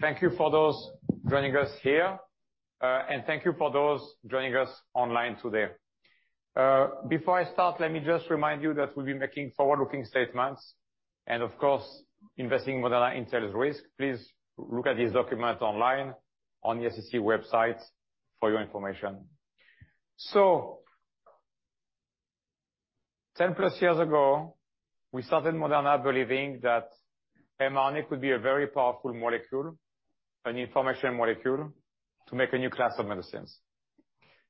Thank you for those joining us here, and thank you for those joining us online today. Before I start, let me just remind you that we'll be making forward-looking statements, and of course, investing in Moderna entails risk. Please look at this document online on the SEC website for your information. So, 10+ years ago, we started Moderna believing that mRNA could be a very powerful molecule, an information molecule, to make a new class of medicines.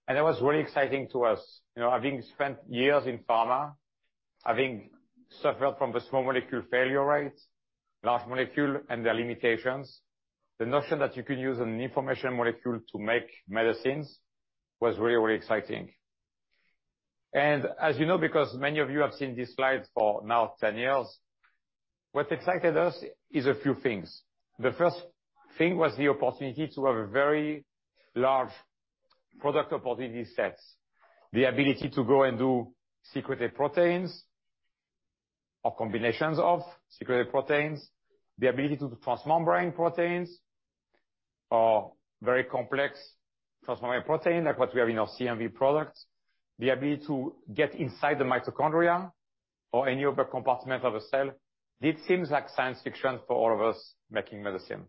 And that was really exciting to us. You know, having spent years in pharma, having suffered from the small molecule failure rates, large molecules and their limitations, the notion that you could use an information molecule to make medicines was really, really exciting. And as you know, because many of you have seen these slides for now 10 years, what excited us is a few things. The first thing was the opportunity to have a very large product opportunity sets. The ability to go and do secreted proteins or combinations of secreted proteins, the ability to do transmembrane proteins or very complex transmembrane protein, like what we have in our CMV products. The ability to get inside the mitochondria or any other compartment of a cell; this seems like science fiction for all of us making medicine,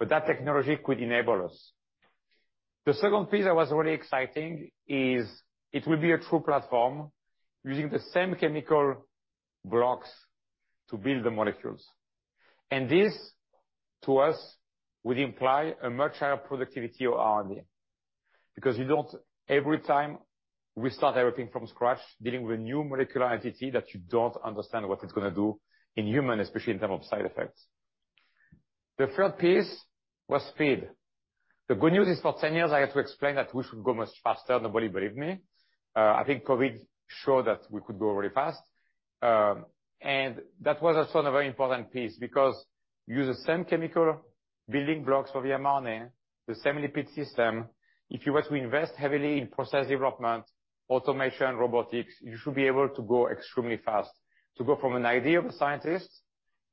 but that technology could enable us. The second piece that was really exciting is it will be a true platform using the same chemical blocks to build the molecules. This, to us, would imply a much higher productivity of R&D, because you don't every time restart everything from scratch, dealing with a new molecular entity that you don't understand what it's gonna do in humans, especially in terms of side effects. The third piece was speed. The good news is for 10 years, I had to explain that we should go much faster. Nobody believed me. I think COVID showed that we could go very fast, and that was also an very important piece because you use the same chemical building blocks for the mRNA, the same lipid system. If you were to invest heavily in process development, automation, robotics, you should be able to go extremely fast, to go from an idea of a scientist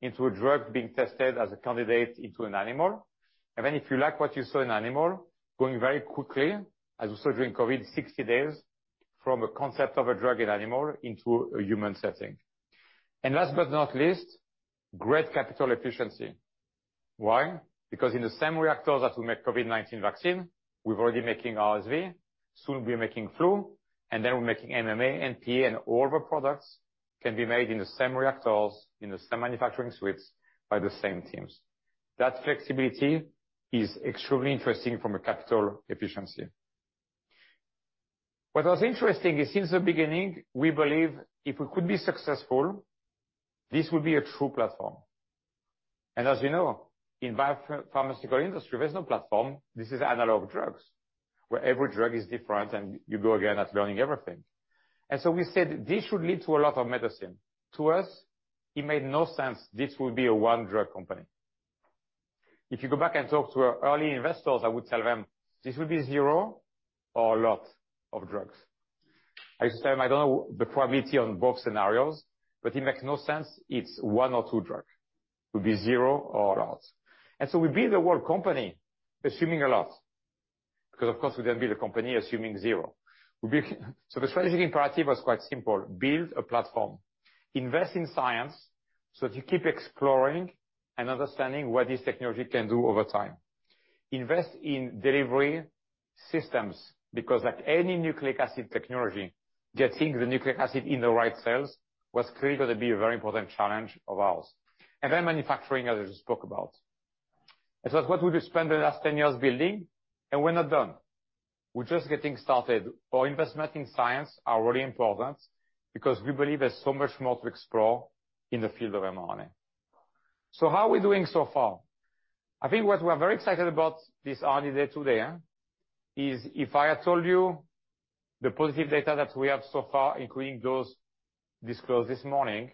into a drug being tested as a candidate into an animal. And then, if you like what you saw in animal, going very quickly, as we saw during COVID, 60 days from a concept of a drug in animal into a human setting. And last but not least, great capital efficiency. Why? Because in the same reactors that we make COVID-19 vaccine, we're already making RSV, soon we're making flu, and then we're making MMA, PA, and all the products can be made in the same reactors, in the same manufacturing suites, by the same teams. That flexibility is extremely interesting from a capital efficiency. What was interesting is, since the beginning, we believe if we could be successful, this would be a true platform. And as you know, in biopharmaceutical industry, there's no platform. This is analog drugs, where every drug is different and you go again at learning everything. And so we said, "This should lead to a lot of medicine." To us, it made no sense this would be a one-drug company. If you go back and talk to our early investors, I would tell them, "This will be zero or a lot of drugs." I just tell them, "I don't know the probability on both scenarios, but it makes no sense it's one or two drug. It will be zero or a lot." And so we build the whole company assuming a lot, because, of course, we didn't build a company assuming zero. So the strategic imperative was quite simple: Build a platform, invest in science, so that you keep exploring and understanding what this technology can do over time. Invest in delivery systems, because like any nucleic acid technology, getting the nucleic acid in the right cells was clearly going to be a very important challenge of ours. And then manufacturing, as I just spoke about. And so that's what we've spent the last 10 years building, and we're not done. We're just getting started. Our investment in science are really important because we believe there's so much more to explore in the field of mRNA. So how are we doing so far? I think what we are very excited about this R&D day today, is if I had told you the positive data that we have so far, including those disclosed this morning,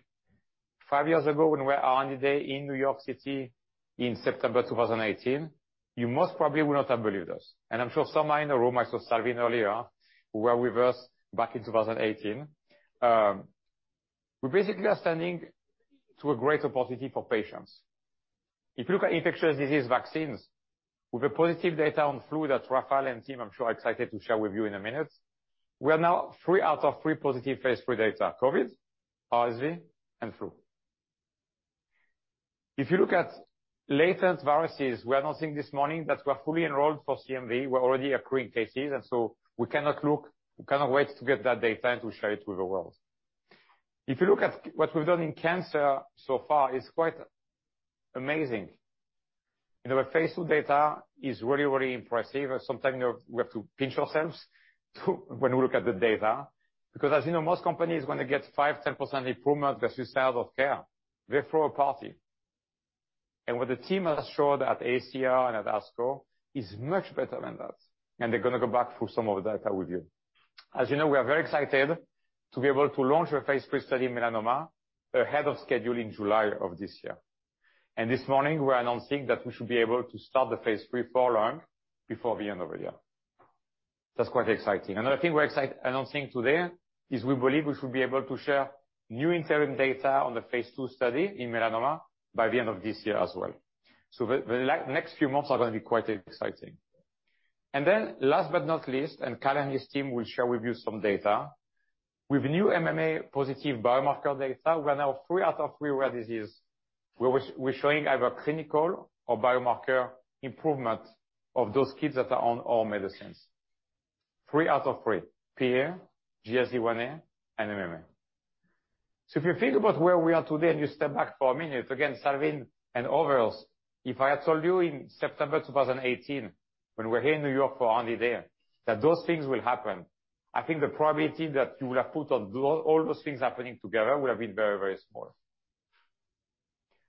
five years ago, when we were R&D day in New York City in September 2018, you most probably would not have believed us. And I'm sure some are in the room, I saw Salveen earlier, who were with us back in 2018. We basically are standing to a greater positive for patients. If you look at infectious disease vaccines, with the positive data on flu, that Raffael and team, I'm sure, are excited to share with you in a minute. We are now three out of three positive Phase III data: COVID, RSV, and flu. If you look at latent viruses, we are announcing this morning that we're fully enrolled for CMV. We're already accruing cases, and so we cannot wait to get that data and to share it with the world. If you look at what we've done in cancer so far, it's quite amazing. You know, our Phase II data is really, really impressive. Sometimes we have, we have to pinch ourselves to when we look at the data, because as you know, most companies, when they get 5%-10% improvement versus standard of care, they throw a party. What the team has showed at AACR and at ASCO is much better than that, and they're gonna go back through some of the data with you. As you know, we are very excited to be able to launch our phase III study in melanoma ahead of schedule in July of this year. And this morning, we are announcing that we should be able to start the phase III follow on before the end of the year. That's quite exciting. Another thing we're excited announcing today is we believe we should be able to share new interim data on the phase II study in melanoma by the end of this year as well. So the next few months are gonna be quite exciting. And then last but not least, and Kyle and his team will share with you some data. With new MMA positive biomarker data, we are now three out of three rare disease, where we're showing either clinical or biomarker improvement of those kids that are on our medicines. Three out of three, PA, GSD1a, and MMA. So if you think about where we are today, and you step back for a minute, again, Savin and others, if I had told you in September 2018, when we're here in New York for only a day, that those things will happen, I think the probability that you would have put on all those things happening together would have been very, very small.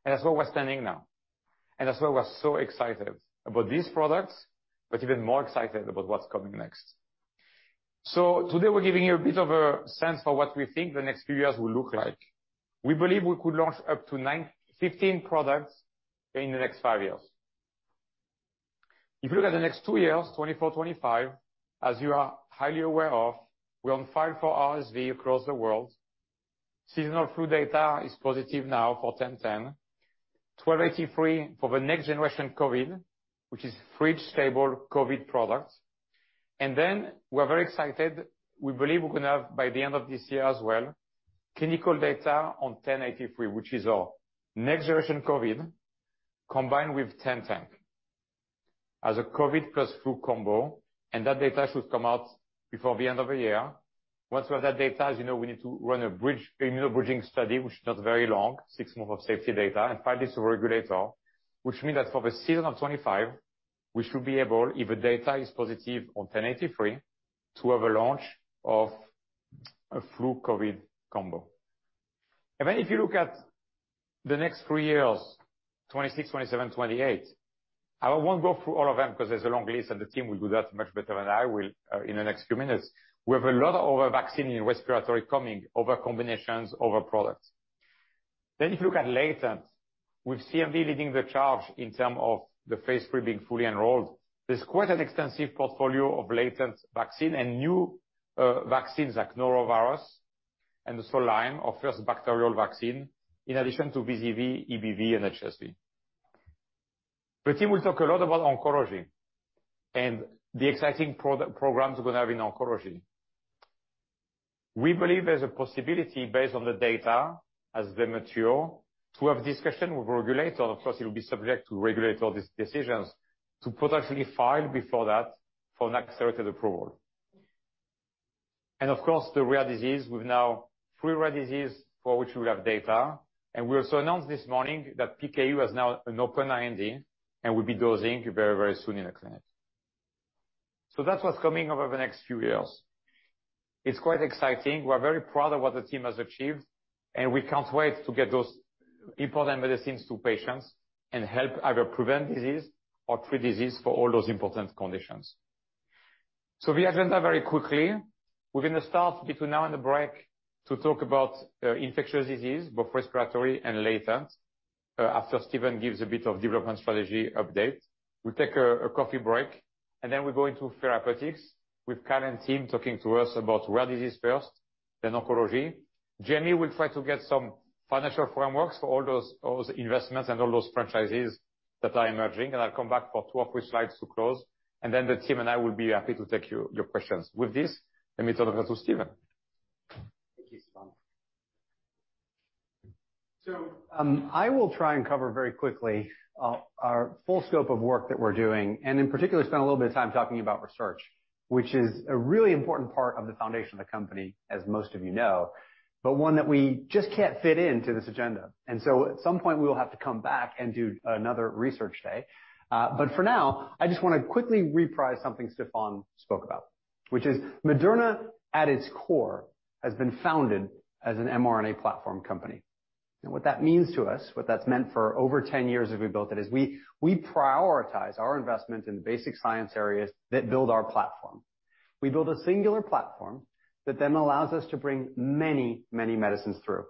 And that's where we're standing now, and that's why we're so excited about these products, but even more excited about what's coming next. So today, we're giving you a bit of a sense for what we think the next few years will look like. We believe we could launch up to 9-15 products in the next five years. If you look at the next two years, 2024, 2025, as you are highly aware of, we're on file for RSV across the world. Seasonal flu data is positive now for mRNA-1010. mRNA-1283 for the next generation COVID, which is fridge stable COVID products. And then we are very excited, we believe we're gonna have, by the end of this year as well, clinical data on mRNA-1083, which is our next generation COVID, combined with mRNA-1010. As a COVID plus flu combo, and that data should come out before the end of the year. Once we have that data, as you know, we need to run a bridge, immunobridging study, which is not very long, six months of safety data and five days to regulatory. Which means that for the season of 2025, we should be able, if the data is positive on 1083, to have a launch of a flu COVID combo. And then if you look at the next three years, 2026, 2027, 2028, I won't go through all of them because there's a long list, and the team will do that much better than I will, in the next few minutes. We have a lot of other vaccine in respiratory coming, other combinations, other products. Then if you look at latent, with CMV leading the charge in terms of the phase three being fully enrolled, there's quite an extensive portfolio of latent vaccines and new vaccines like norovirus and the flu, Lyme, our first bacterial vaccine, in addition to VZV, EBV, and HSV. The team will talk a lot about oncology, and the exciting programs we're gonna have in oncology. We believe there's a possibility based on the data, as they mature, to have discussion with regulator. Of course, it will be subject to regulatory decisions, to potentially file before that for an accelerated approval. And of course, the rare disease, we've now three rare disease for which we have data. And we also announced this morning that PKU has now an open IND, and we'll be dosing very, very soon in the clinic. So that's what's coming over the next few years. It's quite exciting. We're very proud of what the team has achieved, and we can't wait to get those important medicines to patients and help either prevent disease or treat disease for all those important conditions. So we have done that very quickly. We're gonna start between now and the break to talk about infectious disease, both respiratory and latent, after Stephen gives a bit of development strategy update. We'll take a coffee break, and then we go into therapeutics with Kyle's team talking to us about rare disease first, then oncology. Jamey will try to get some financial frameworks for all those investments and all those franchises that are emerging, and I'll come back for two or three slides to close, and then the team and I will be happy to take your questions. With this, let me turn over to Stephen. Thank you, Stéphane. So, I will try and cover very quickly our full scope of work that we're doing, and in particular, spend a little bit of time talking about research, which is a really important part of the foundation of the company, as most of you know, but one that we just can't fit into this agenda. And so at some point, we will have to come back and do another research day. But for now, I just wanna quickly reprise something Stéphane spoke about, which is Moderna, at its core, has been founded as an mRNA platform company. And what that means to us, what that's meant for over 10 years as we built it, is we prioritize our investment in basic science areas that build our platform. We build a singular platform that then allows us to bring many, many medicines through.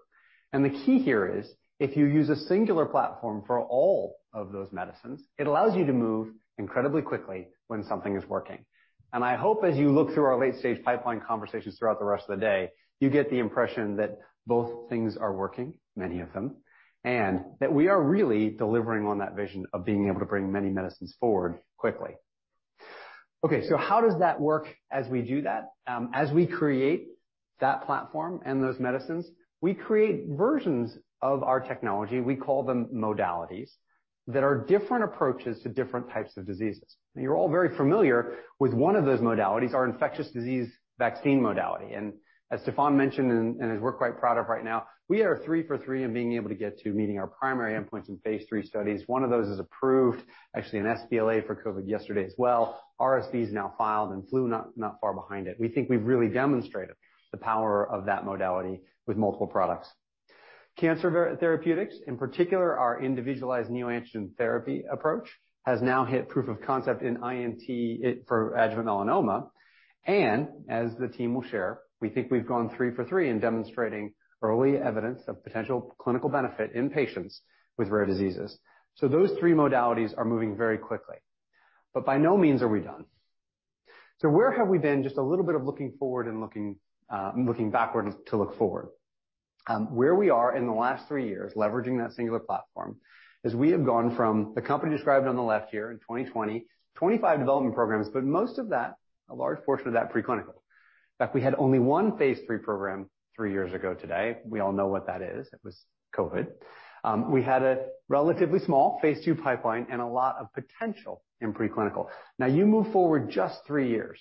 The key here is, if you use a singular platform for all of those medicines, it allows you to move incredibly quickly when something is working. I hope as you look through our late-stage pipeline conversations throughout the rest of the day, you get the impression that both things are working, many of them, and that we are really delivering on that vision of being able to bring many medicines forward quickly. Okay, so how does that work as we do that? As we create that platform and those medicines, we create versions of our technology, we call them modalities, that are different approaches to different types of diseases. You're all very familiar with one of those modalities, our infectious disease vaccine modality. As Stéphane mentioned, as we're quite proud of right now, we are three for three in being able to get to meeting our primary endpoints in phase III studies. One of those is approved, actually an sBLA for COVID yesterday as well. RSV is now filed and flu not far behind it. We think we've really demonstrated the power of that modality with multiple products. Cancer therapeutics, in particular, our individualized neoantigen therapy approach, has now hit proof of concept in INT for adjuvant melanoma. As the team will share, we think we've gone three for three in demonstrating early evidence of potential clinical benefit in patients with rare diseases. Those three modalities are moving very quickly, but by no means are we done. So where have we been? Just a little bit of looking forward and looking backward to look forward. Where we are in the last three years, leveraging that singular platform, is we have gone from the company described on the left here in 2020, 25 development programs, but most of that, a large portion of that, preclinical. In fact, we had only one phase III program three years ago today. We all know what that is. It was COVID. We had a relatively small phase II pipeline and a lot of potential in preclinical. Now, you move forward just three years,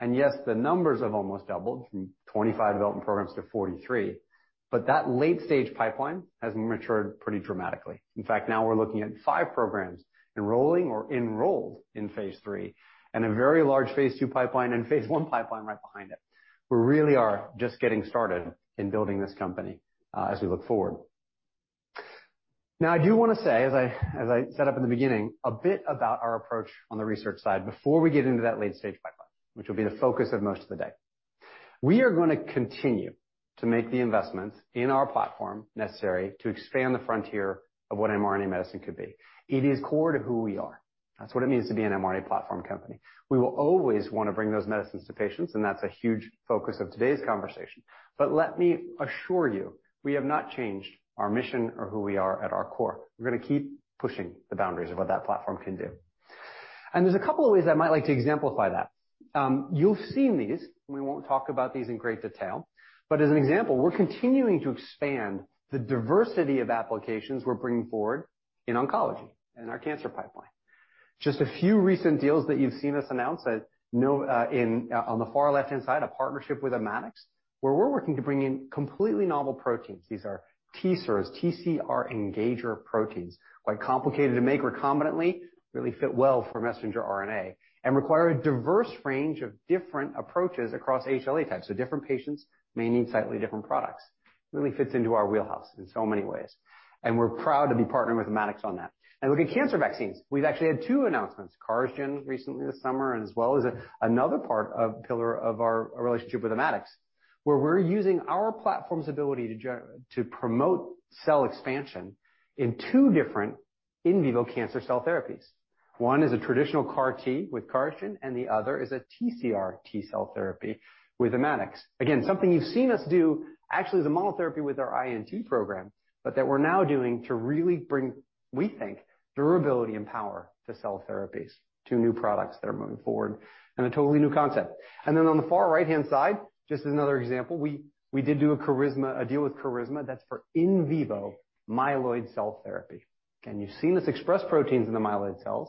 and yes, the numbers have almost doubled from 25 development programs to 43, but that late-stage pipeline has matured pretty dramatically. In fact, now we're looking at five programs enrolling or enrolled in phase III, and a very large phase II pipeline and phase I pipeline right behind it. We really are just getting started in building this company as we look forward. Now, I do want to say, as I set up in the beginning, a bit about our approach on the research side before we get into that late-stage pipeline, which will be the focus of most of the day. We are going to continue to make the investments in our platform necessary to expand the frontier of what mRNA medicine could be. It is core to who we are. That's what it means to be an mRNA platform company. We will always want to bring those medicines to patients, and that's a huge focus of today's conversation. But let me assure you, we have not changed our mission or who we are at our core. We're going to keep pushing the boundaries of what that platform can do. There's a couple of ways I might like to exemplify that. You've seen these, and we won't talk about these in great detail, but as an example, we're continuing to expand the diversity of applications we're bringing forward in oncology and our cancer pipeline. Just a few recent deals that you've seen us announce. On the far left-hand side, a partnership with Immatics, where we're working to bring in completely novel proteins. These are TCRs, TCR engager proteins, quite complicated to make recombinantly, really fit well for messenger RNA, and require a diverse range of different approaches across HLA types. So different patients may need slightly different products. Really fits into our wheelhouse in so many ways, and we're proud to be partnering with Immatics on that. And look at cancer vaccines. We've actually had two announcements, Carisma recently this summer, and as well as another part of pillar of our our relationship with Immatics, where we're using our platform's ability to to promote cell expansion in two different in vivo cancer cell therapies. One is a traditional CAR T with Carisma, and the other is a TCR T-cell therapy with Immatics. Again, something you've seen us do, actually, the monotherapy with our INT program, but that we're now doing to really bring, we think, durability and power to cell therapies, to new products that are moving forward, and a totally new concept. And then on the far right-hand side, just another example, we did do a Carisma, a deal with Carisma that's for in vivo myeloid cell therapy. Again, you've seen us express proteins in the myeloid cells,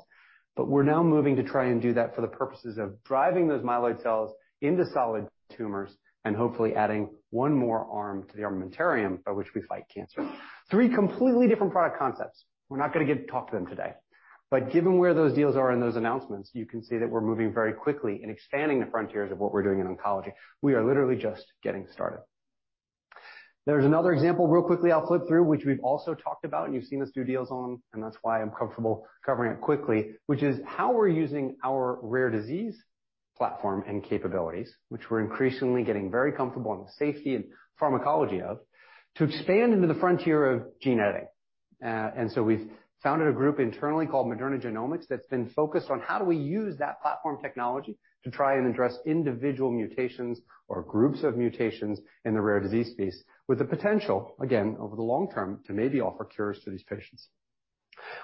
but we're now moving to try and do that for the purposes of driving those myeloid cells into solid tumors and hopefully adding one more arm to the armamentarium by which we fight cancer. Three completely different product concepts. We're not going to get to talk to them today, but given where those deals are in those announcements, you can see that we're moving very quickly in expanding the frontiers of what we're doing in oncology. We are literally just getting started. There's another example, real quickly, I'll flip through, which we've also talked about, and you've seen us do deals on, and that's why I'm comfortable covering it quickly, which is how we're using our rare disease platform and capabilities, which we're increasingly getting very comfortable on the safety and pharmacology of, to expand into the frontier of gene editing. And so we've founded a group internally called Moderna Genomics, that's been focused on how do we use that platform technology to try and address individual mutations or groups of mutations in the rare disease space with the potential, again, over the long term, to maybe offer cures to these patients.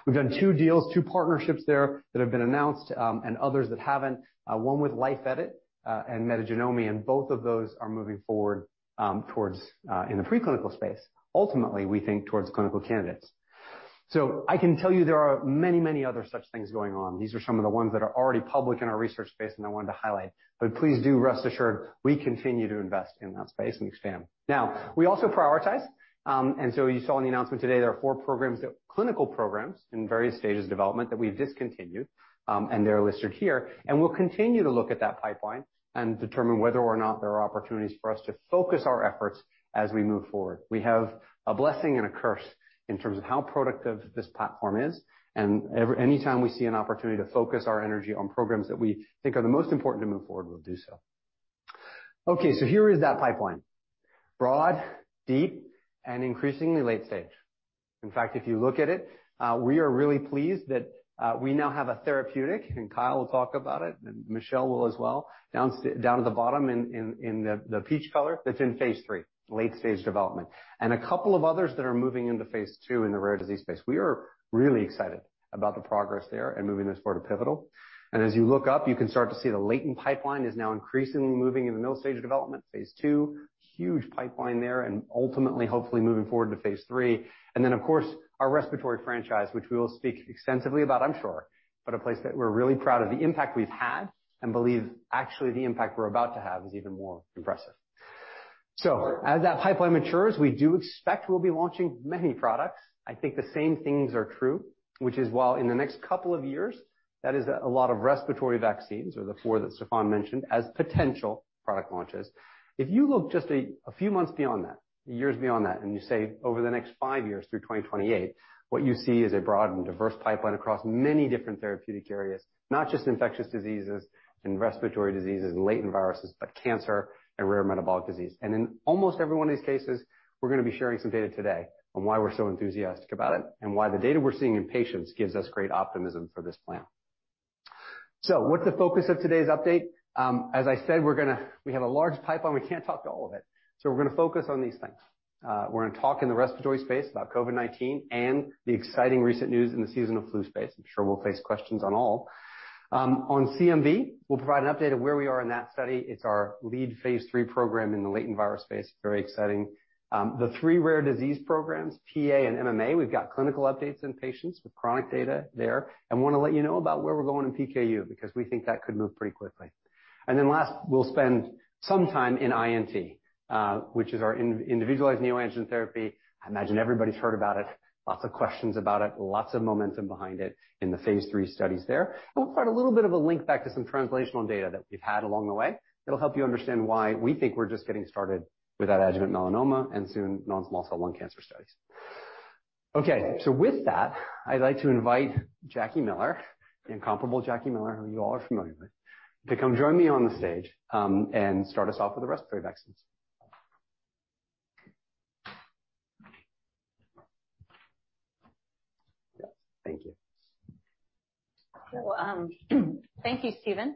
We've done two deals, two partnerships there that have been announced, and others that haven't. One with Life Edit, and Metagenomi, and both of those are moving forward, towards, in the preclinical space, ultimately, we think towards clinical candidates. So I can tell you there are many, many other such things going on. These are some of the ones that are already public in our research space, and I wanted to highlight. But please do rest assured, we continue to invest in that space and expand. Now, we also prioritize, and so you saw in the announcement today, there are four programs that clinical programs in various stages of development that we've discontinued, and they're listed here. We'll continue to look at that pipeline and determine whether or not there are opportunities for us to focus our efforts as we move forward. We have a blessing and a curse in terms of how productive this platform is, and anytime we see an opportunity to focus our energy on programs that we think are the most important to move forward, we'll do so. Okay, so here is that pipeline, broad, deep, and increasingly late stage. In fact, if you look at it, we are really pleased that we now have a therapeutic, and Kyle will talk about it, and Michelle will as well, down at the bottom in the peach color, that's in phase III, late-stage development. And a couple of others that are moving into phase II in the rare disease space. We are really excited about the progress there and moving this forward to pivotal. As you look up, you can start to see the latent pipeline is now increasingly moving in the middle stage of development, phase II, huge pipeline there and ultimately, hopefully moving forward to phase III. And then, of course, our respiratory franchise, which we will speak extensively about, I'm sure, but a place that we're really proud of the impact we've had and believe actually the impact we're about to have is even more impressive. So as that pipeline matures, we do expect we'll be launching many products. I think the same things are true, which is while in the next couple of years, that is a lot of respiratory vaccines or the four that Stéphane mentioned as potential product launches. If you look just a few months beyond that, years beyond that, and you say over the next five years through 2028, what you see is a broad and diverse pipeline across many different therapeutic areas, not just infectious diseases and respiratory diseases and latent viruses, but cancer and rare metabolic disease. And in almost every one of these cases, we're going to be sharing some data today on why we're so enthusiastic about it and why the data we're seeing in patients gives us great optimism for this plan. So what's the focus of today's update? As I said, we're gonna we have a large pipeline. We can't talk to all of it, so we're gonna focus on these things. We're gonna talk in the respiratory space about COVID-19 and the exciting recent news in the seasonal flu space. I'm sure we'll face questions on all. On CMV, we'll provide an update of where we are in that study. It's our lead phase III program in the latent virus space. Very exciting. The three rare disease programs, PA and MMA, we've got clinical updates in patients with chronic data there, and want to let you know about where we're going in PKU, because we think that could move pretty quickly. And then last, we'll spend some time in INT, which is our individualized neoantigen therapy. I imagine everybody's heard about it, lots of questions about it, lots of momentum behind it in the phase III studies there. And we'll provide a little bit of a link back to some translational data that we've had along the way. It'll help you understand why we think we're just getting started with adjuvant melanoma and soon Non-Small Cell Lung Cancer studies. Okay, so with that, I'd like to invite Jacque Miller, the incomparable Jacque Miller, who you all are familiar with, to come join me on the stage, and start us off with the respiratory vaccines. Yes, thank you. Well, thank you, Stephen.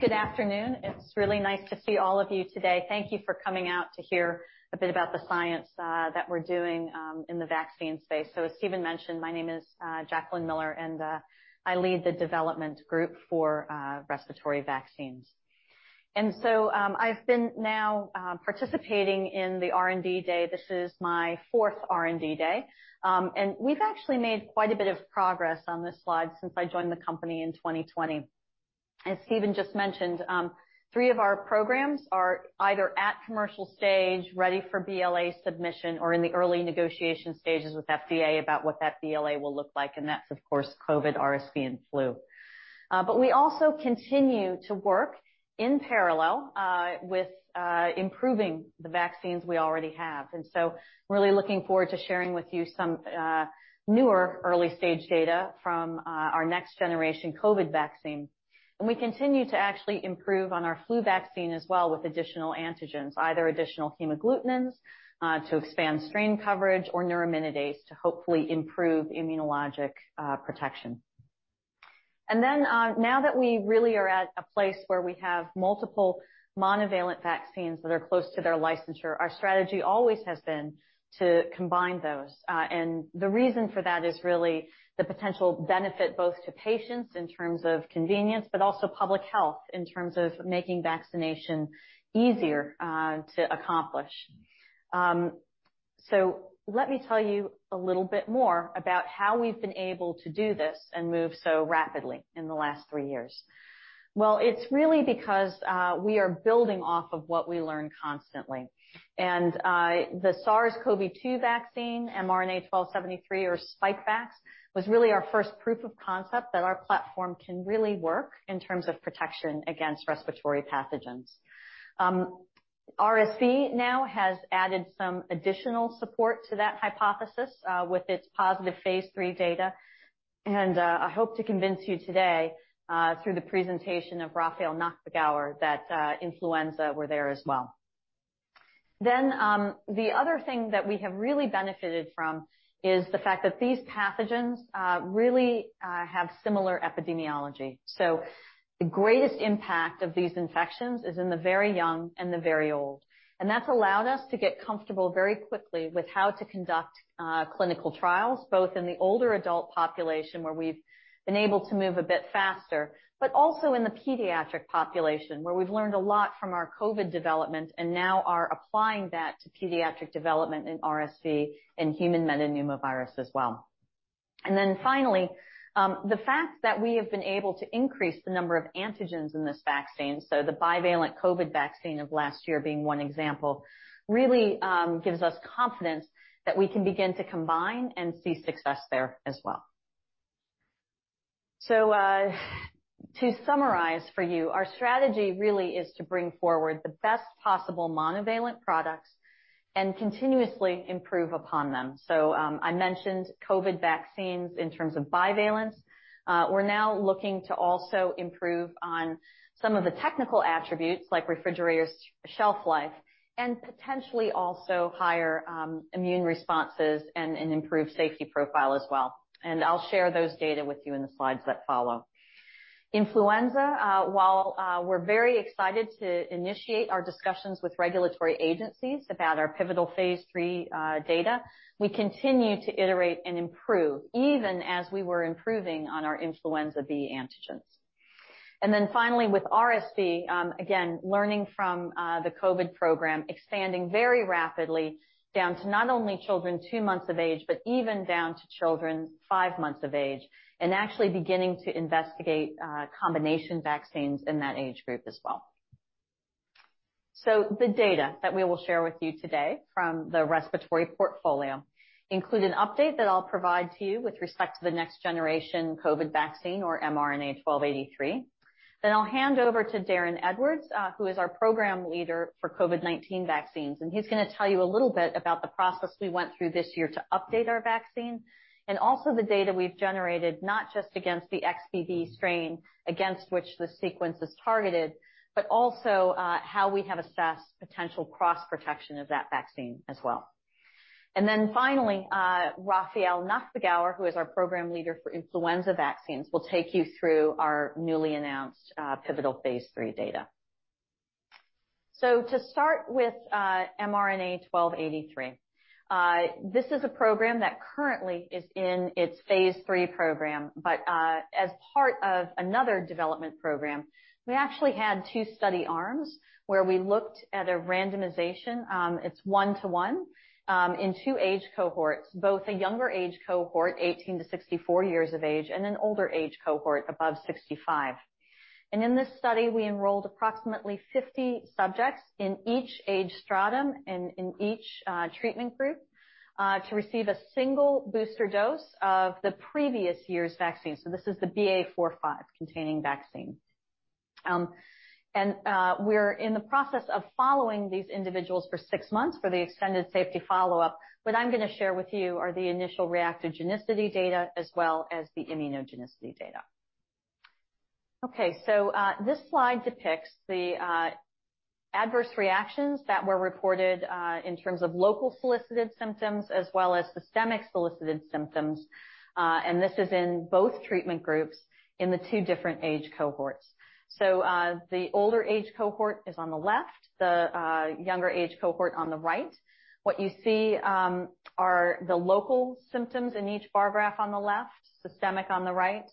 Good afternoon. It's really nice to see all of you today. Thank you for coming out to hear a bit about the science that we're doing in the vaccine space. So as Stephen mentioned, my name is Jacqueline Miller, and I lead the development group for respiratory vaccines. And so, I've been now participating in the R&D Day. This is my fourth R&D Day. And we've actually made quite a bit of progress on this slide since I joined the company in 2020. As Stephen just mentioned, three of our programs are either at commercial stage, ready for BLA submission or in the early negotiation stages with FDA about what that BLA will look like, and that's, of course, COVID, RSV, and flu. But we also continue to work in parallel with improving the vaccines we already have, and so we're really looking forward to sharing with you some newer early-stage data from our next-generation COVID vaccine. And we continue to actually improve on our flu vaccine as well, with additional antigens, either additional hemagglutinins to expand strain coverage or neuraminidase to hopefully improve immunologic protection. And then, now that we really are at a place where we have multiple monovalent vaccines that are close to their licensure, our strategy always has been to combine those. And the reason for that is really the potential benefit both to patients in terms of convenience, but also public health, in terms of making vaccination easier to accomplish. So let me tell you a little bit more about how we've been able to do this and move so rapidly in the last three years. Well, it's really because we are building off of what we learn constantly. And the SARS-CoV-2 vaccine, mRNA-1273 or Spikevax, was really our first proof of concept that our platform can really work in terms of protection against respiratory pathogens. RSV now has added some additional support to that hypothesis with its positive phase III data. And I hope to convince you today through the presentation of Raffael Nachbagauer that influenza were there as well. Then the other thing that we have really benefited from is the fact that these pathogens really have similar epidemiology. So the greatest impact of these infections is in the very young and the very old, and that's allowed us to get comfortable very quickly with how to conduct clinical trials, both in the older adult population, where we've been able to move a bit faster, but also in the pediatric population, where we've learned a lot from our COVID development and now are applying that to pediatric development in RSV and human metapneumovirus as well. And then finally, the fact that we have been able to increase the number of antigens in this vaccine, so the bivalent COVID vaccine of last year being one example, really gives us confidence that we can begin to combine and see success there as well. So, to summarize for you, our strategy really is to bring forward the best possible monovalent products and continuously improve upon them. So, I mentioned COVID vaccines in terms of bivalence. We're now looking to also improve on some of the technical attributes, like refrigerator shelf life and potentially also higher, immune responses and an improved safety profile as well. And I'll share those data with you in the slides that follow. Influenza, while, we're very excited to initiate our discussions with regulatory agencies about our pivotal phase III, data, we continue to iterate and improve even as we were improving on our influenza B antigens. And then finally, with RSV, again, learning from, the COVID program, expanding very rapidly down to not only children two months of age, but even down to children five months of age, and actually beginning to investigate, combination vaccines in that age group as well. So the data that we will share with you today from the respiratory portfolio include an update that I'll provide to you with respect to the next-generation COVID vaccine, or mRNA-1283. Then I'll hand over to Darin Edwards, who is our program leader for COVID-19 vaccines, and he's gonna tell you a little bit about the process we went through this year to update our vaccine and also the data we've generated, not just against the XBB strain against which the sequence is targeted, but also how we have assessed potential cross-protection of that vaccine as well. And then finally, Raffael Nachbagauer, who is our program leader for influenza vaccines, will take you through our newly announced pivotal Phase III data. So to start with, mRNA-1283. This is a program that currently is in its phase III program, but, as part of another development program, we actually had two study arms where we looked at a randomization, it's 1 to 1, in two age cohorts, both a younger age cohort, 18 to 64 years of age, and an older age cohort above 65. In this study, we enrolled approximately 50 subjects in each age stratum and in each, treatment group, to receive a single booster dose of the previous year's vaccine. So this is the BA.4/5 containing vaccine. We're in the process of following these individuals for 6 months for the extended safety follow-up. What I'm going to share with you are the initial reactogenicity data as well as the immunogenicity data. Okay, so, this slide depicts the adverse reactions that were reported in terms of local solicited symptoms as well as systemic solicited symptoms. And this is in both treatment groups in the two different age cohorts. So, the older age cohort is on the left, the younger age cohort on the right. What you see are the local symptoms in each bar graph on the left, systemic on the right,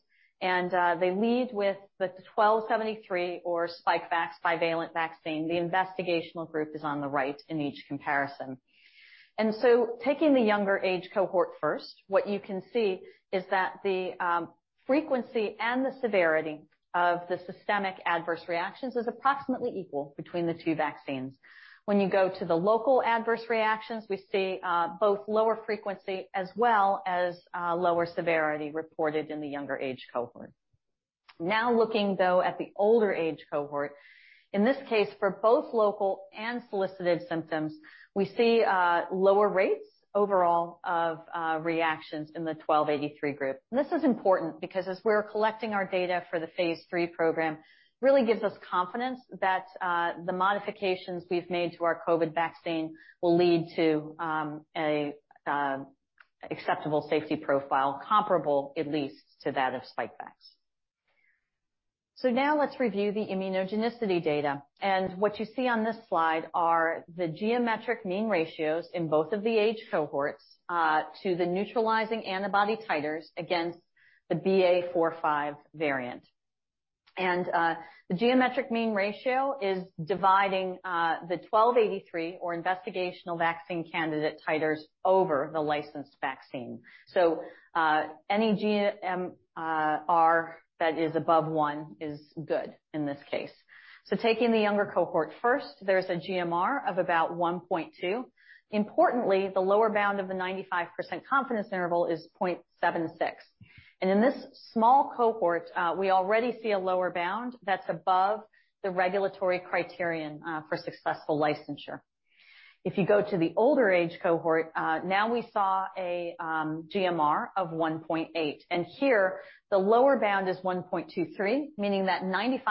and they lead with the 1273 or Spikevax bivalent vaccine. The investigational group is on the right in each comparison. And so taking the younger age cohort first, what you can see is that the frequency and the severity of the systemic adverse reactions is approximately equal between the two vaccines. When you go to the local adverse reactions, we see both lower frequency as well as lower severity reported in the younger age cohort. Now, looking, though, at the older age cohort, in this case, for both local and solicited symptoms, we see lower rates overall of reactions in the 1283 group. This is important because as we're collecting our data for the phase III program, really gives us confidence that the modifications we've made to our COVID vaccine will lead to an acceptable safety profile, comparable at least to that of Spikevax. So now let's review the immunogenicity data. What you see on this slide are the geometric mean ratios in both of the age cohorts to the neutralizing antibody titers against the BA.4/5 variant. The geometric mean ratio is dividing the 1283 or investigational vaccine candidate titers over the licensed vaccine. Any GMR that is above one is good in this case. Taking the younger cohort first, there's a GMR of about 1.2. Importantly, the lower bound of the 95% confidence interval is 0.76, and in this small cohort, we already see a lower bound that's above the regulatory criterion for successful licensure. If you go to the older age cohort, now we saw a GMR of 1.8, and here the lower bound is 1.23, meaning that 95%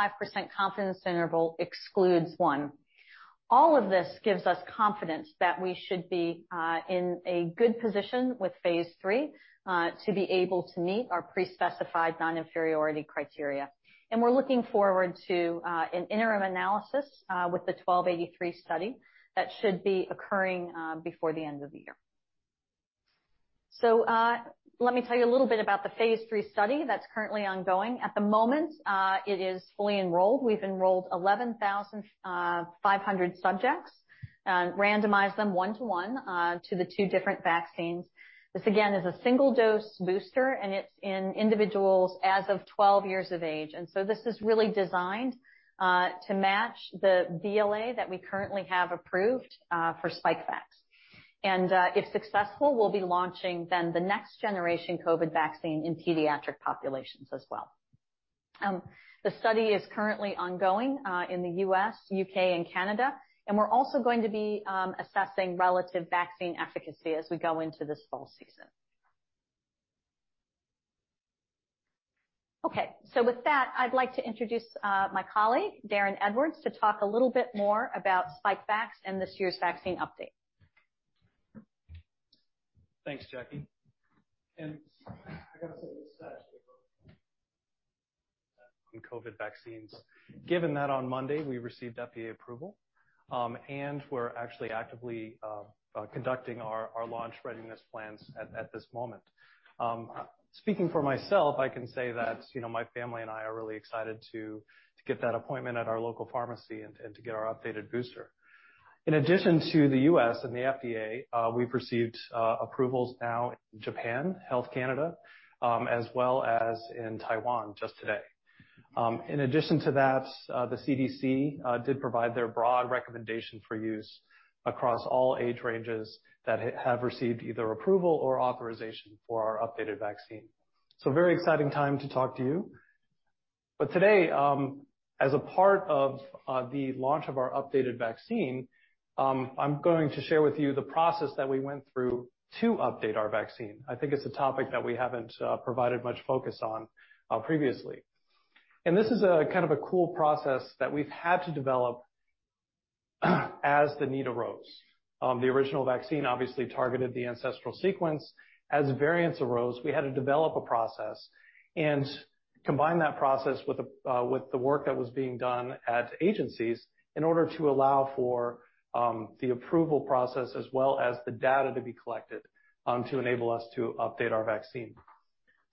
confidence interval excludes one. All of this gives us confidence that we should be in a good position with phase III to be able to meet our pre-specified non-inferiority criteria. We're looking forward to an interim analysis with the 1283 study that should be occurring before the end of the year. Let me tell you a little bit about the phase III study that's currently ongoing. At the moment, it is fully enrolled. We've enrolled 11,500 subjects and randomized them 1:1 to the two different vaccines. This, again, is a single dose booster, and it's in individuals as of 12 years of age. This is really designed to match the BLA that we currently have approved for Spikevax. If successful, we'll be launching then the next generation COVID vaccine in pediatric populations as well. The study is currently ongoing in the U.S., U.K., and Canada, and we're also going to be assessing relative vaccine efficacy as we go into this fall season. Okay, so with that, I'd like to introduce my colleague, Darin Edwards, to talk a little bit more about Spikevax and this year's vaccine update. Thanks, Jacque. I gotta say... on COVID vaccines, given that on Monday we received FDA approval, and we're actually conducting our launch readiness plans at this moment. Speaking for myself, I can say that, you know, my family and I are really excited to get that appointment at our local pharmacy and to get our updated booster. In addition to the U.S. and the FDA, we've received approvals now in Japan, Health Canada, as well as in Taiwan just today. In addition to that, the CDC did provide their broad recommendation for use across all age ranges that have received either approval or authorization for our updated vaccine. Very exciting time to talk to you. But today, as a part of the launch of our updated vaccine, I'm going to share with you the process that we went through to update our vaccine. I think it's a topic that we haven't provided much focus on previously. And this is a kind of a cool process that we've had to develop, as the need arose. The original vaccine obviously targeted the ancestral sequence. As variants arose, we had to develop a process and combine that process with the work that was being done at agencies in order to allow for the approval process as well as the data to be collected to enable us to update our vaccine.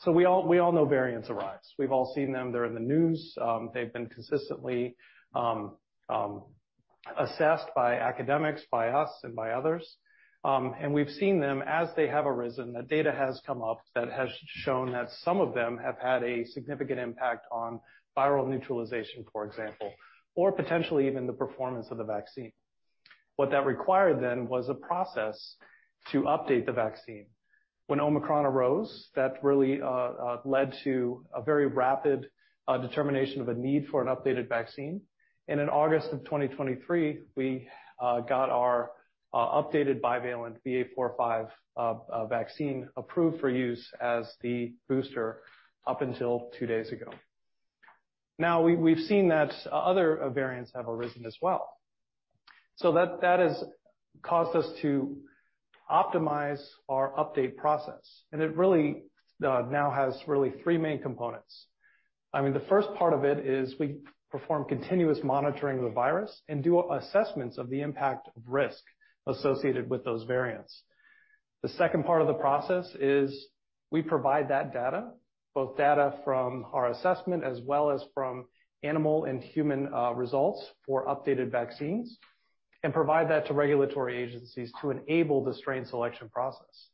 So we all know variants arise. We've all seen them, they're in the news. They've been consistently assessed by academics, by us and by others. And we've seen them as they have arisen, the data has come up that has shown that some of them have had a significant impact on viral neutralization, for example, or potentially even the performance of the vaccine. What that required then was a process to update the vaccine. When Omicron arose, that really led to a very rapid determination of a need for an updated vaccine, and in August of 2023, we got our updated bivalent BA.4/5 vaccine approved for use as the booster up until two days ago. Now, we've seen that other variants have arisen as well, so that has caused us to optimize our update process, and it really now has really three main components. I mean, the first part of it is we perform continuous monitoring of the virus and do assessments of the impact of risk associated with those variants. The second part of the process is we provide that data, both data from our assessment as well as from animal and human results for updated vaccines, and provide that to regulatory agencies to enable the strain selection process.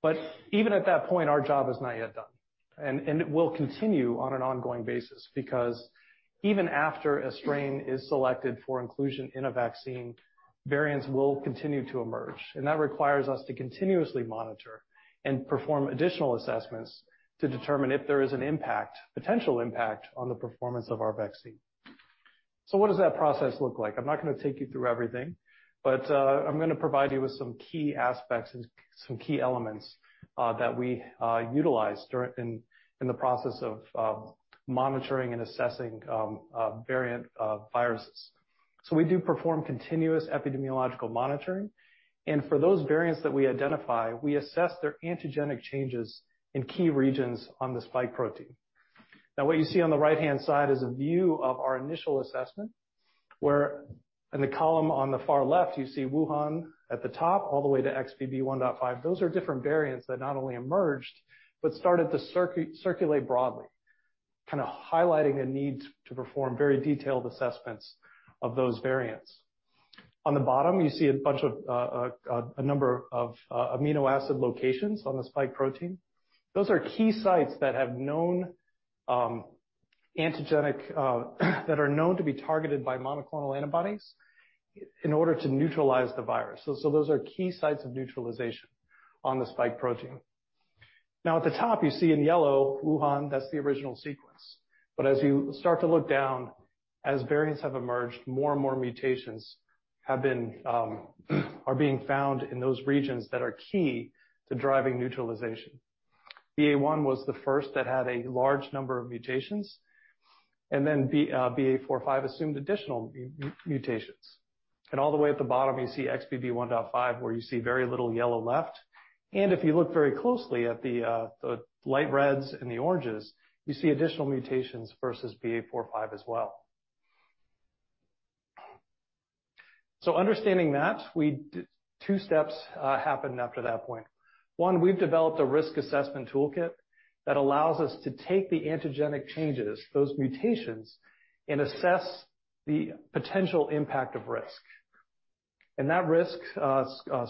But even at that point, our job is not yet done, and it will continue on an ongoing basis, because even after a strain is selected for inclusion in a vaccine, variants will continue to emerge. And that requires us to continuously monitor and perform additional assessments to determine if there is a potential impact on the performance of our vaccine. So what does that process look like? I'm not gonna take you through everything, but, I'm gonna provide you with some key aspects and some key elements, that we utilize in the process of monitoring and assessing variant viruses. So we do perform continuous epidemiological monitoring, and for those variants that we identify, we assess their antigenic changes in key regions on the spike protein. Now, what you see on the right-hand side is a view of our initial assessment, where in the column on the far left, you see Wuhan at the top, all the way to XBB 1.5. Those are different variants that not only emerged, but started to circulate broadly, kinda highlighting the need to perform very detailed assessments of those variants. On the bottom, you see a bunch of a number of amino acid locations on the spike protein. Those are key sites that have known antigenic that are known to be targeted by monoclonal antibodies in order to neutralize the virus. So those are key sites of neutralization on the spike protein. Now, at the top, you see in yellow, Wuhan, that's the original sequence. But as you start to look down, as variants have emerged, more and more mutations have been are being found in those regions that are key to driving neutralization. BA one was the first that had a large number of mutations, and then B, BA four, five assumed additional mutations. And all the way at the bottom, you see XBB 1.5, where you see very little yellow left, and if you look very closely at the light reds and the oranges, you see additional mutations versus BA.4/5 as well. So understanding that, we did two steps that happened after that point. One, we've developed a risk assessment toolkit that allows us to take the antigenic changes, those mutations, and assess the potential impact of risk. And that risk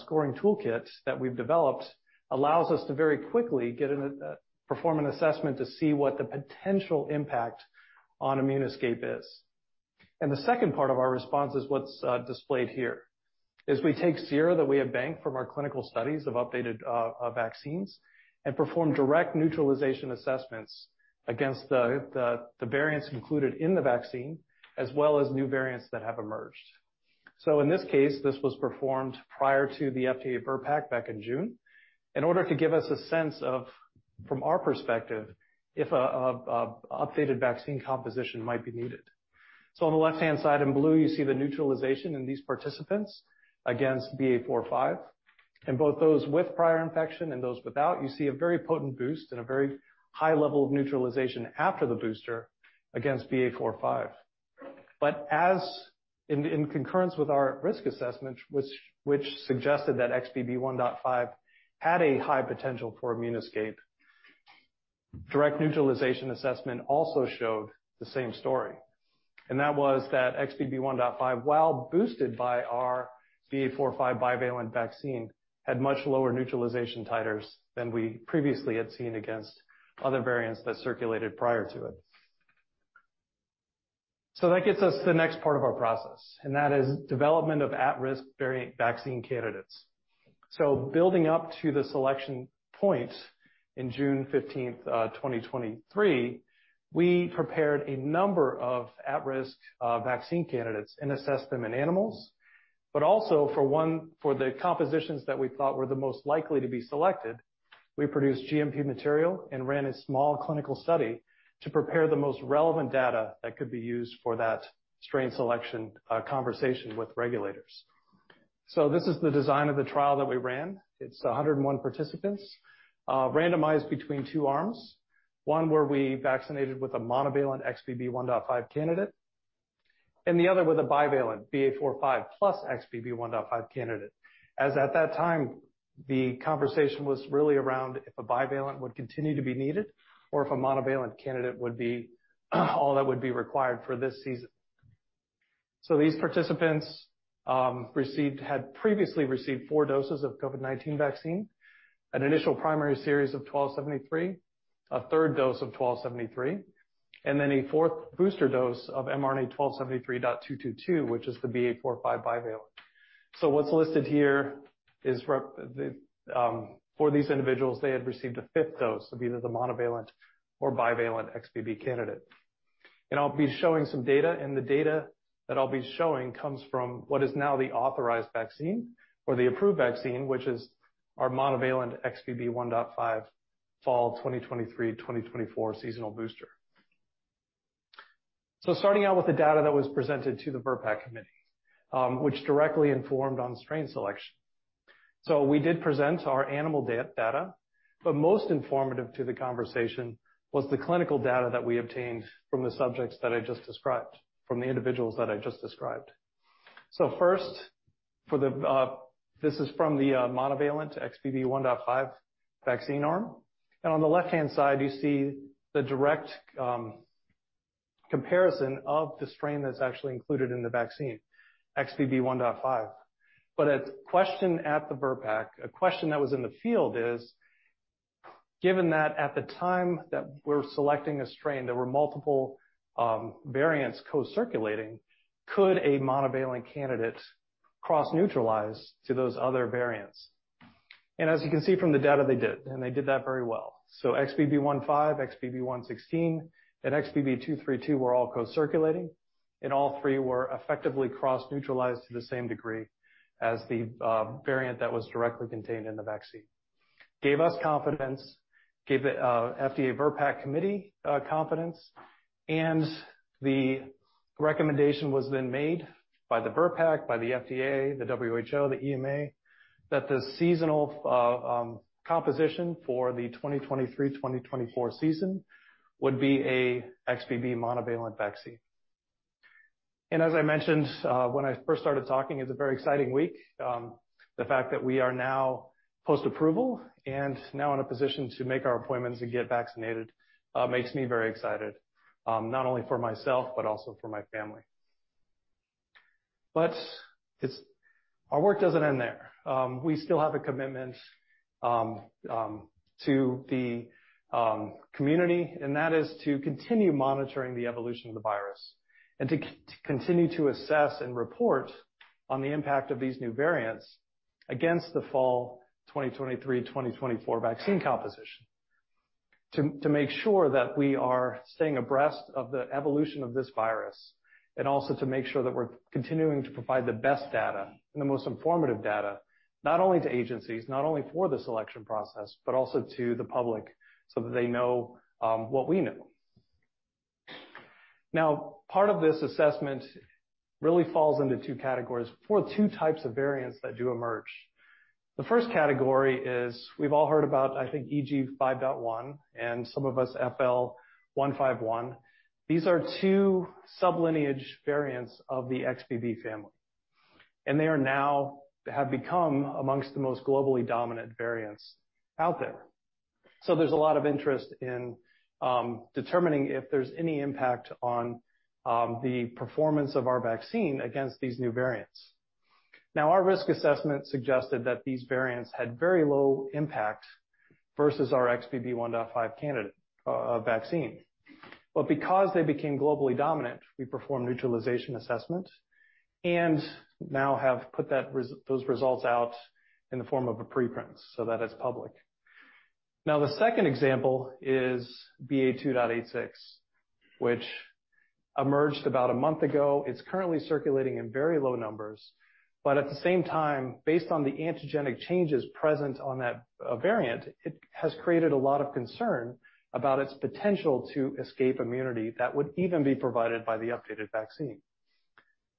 scoring toolkit that we've developed allows us to very quickly perform an assessment to see what the potential impact on immune escape is. The second part of our response is what's displayed here, is we take sera that we have banked from our clinical studies of updated vaccines, and perform direct neutralization assessments against the variants included in the vaccine, as well as new variants that have emerged. So in this case, this was performed prior to the FDA VRBPAC back in June, in order to give us a sense of, from our perspective, if a updated vaccine composition might be needed. So on the left-hand side, in blue, you see the neutralization in these participants against BA.4/5, and both those with prior infection and those without, you see a very potent boost and a very high level of neutralization after the booster against BA.4/5. But as... In concurrence with our risk assessment, which suggested that XBB.1.5 had a high potential for immune escape, direct neutralization assessment also showed the same story, and that was that XBB.1.5, while boosted by our BA.4/5 bivalent vaccine, had much lower neutralization titers than we previously had seen against other variants that circulated prior to it. So that gets us to the next part of our process, and that is development of at-risk variant vaccine candidates. Building up to the selection point in June 15th, 2023, we prepared a number of at-risk vaccine candidates and assessed them in animals, but also for the compositions that we thought were the most likely to be selected, we produced GMP material and ran a small clinical study to prepare the most relevant data that could be used for that strain selection conversation with regulators. So this is the design of the trial that we ran. It's 101 participants, randomized between two arms. One where we vaccinated with a monovalent XBB.1.5 candidate, and the other with a bivalent BA.4/5 plus XBB.1.5 candidate. As at that time, the conversation was really around if a bivalent would continue to be needed or if a monovalent candidate would be all that would be required for this season. These participants had previously received four doses of COVID-19 vaccine, an initial primary series of 1273, a third dose of 1273, and then a fourth booster dose of mRNA-1273.222, which is the BA.4/5 bivalent. What's listed here is, for these individuals, they had received a fifth dose of either the monovalent or bivalent XBB candidate. And I'll be showing some data, and the data that I'll be showing comes from what is now the authorized vaccine or the approved vaccine, which is our monovalent XBB 1.5 Fall 2023/2024 seasonal booster. Starting out with the data that was presented to the VRBPAC Committee, which directly informed on strain selection. So we did present our animal data, but most informative to the conversation was the clinical data that we obtained from the subjects that I just described, from the individuals that I just described. So first, for the... This is from the monovalent XBB 1.5 vaccine arm, and on the left-hand side, you see the direct comparison of the strain that's actually included in the vaccine, XBB 1.5. But a question at the VRBPAC, a question that was in the field is: given that at the time that we're selecting a strain, there were multiple variants co-circulating, could a monovalent candidate cross-neutralize to those other variants? And as you can see from the data, they did, and they did that very well. So XBB.1.5, XBB.1.16, and XBB.2.3.2 were all co-circulating, and all three were effectively cross-neutralized to the same degree as the variant that was directly contained in the vaccine. Gave us confidence, gave the FDA VRBPAC committee confidence, and the recommendation was then made by the VRBPAC, by the FDA, the WHO, the EMA, that the seasonal composition for the 2023/2024 season would be a XBB monovalent vaccine. And as I mentioned, when I first started talking, it's a very exciting week. The fact that we are now post-approval and now in a position to make our appointments and get vaccinated makes me very excited, not only for myself, but also for my family. But it's... Our work doesn't end there. We still have a commitment to the community, and that is to continue monitoring the evolution of the virus and to continue to assess and report on the impact of these new variants against the fall 2023/2024 vaccine composition, to make sure that we are staying abreast of the evolution of this virus, and also to make sure that we're continuing to provide the best data and the most informative data, not only to agencies, not only for the selection process, but also to the public, so that they know what we know. Now, part of this assessment really falls into two categories for two types of variants that do emerge. The first category is we've all heard about, I think, EG.5.1 and some of us, FL.1.5.1. These are two sub-lineage variants of the XBB family, and they are now have become amongst the most globally dominant variants out there. So there's a lot of interest in determining if there's any impact on the performance of our vaccine against these new variants. Now, our risk assessment suggested that these variants had very low impact versus our XBB 1.5 candidate vaccine. But because they became globally dominant, we performed neutralization assessment and now have put those results out in the form of a preprint, so that it's public. Now, the second example is BA.2.86, which emerged about a month ago. It's currently circulating in very low numbers, but at the same time, based on the antigenic changes present on that variant, it has created a lot of concern about its potential to escape immunity that would even be provided by the updated vaccine.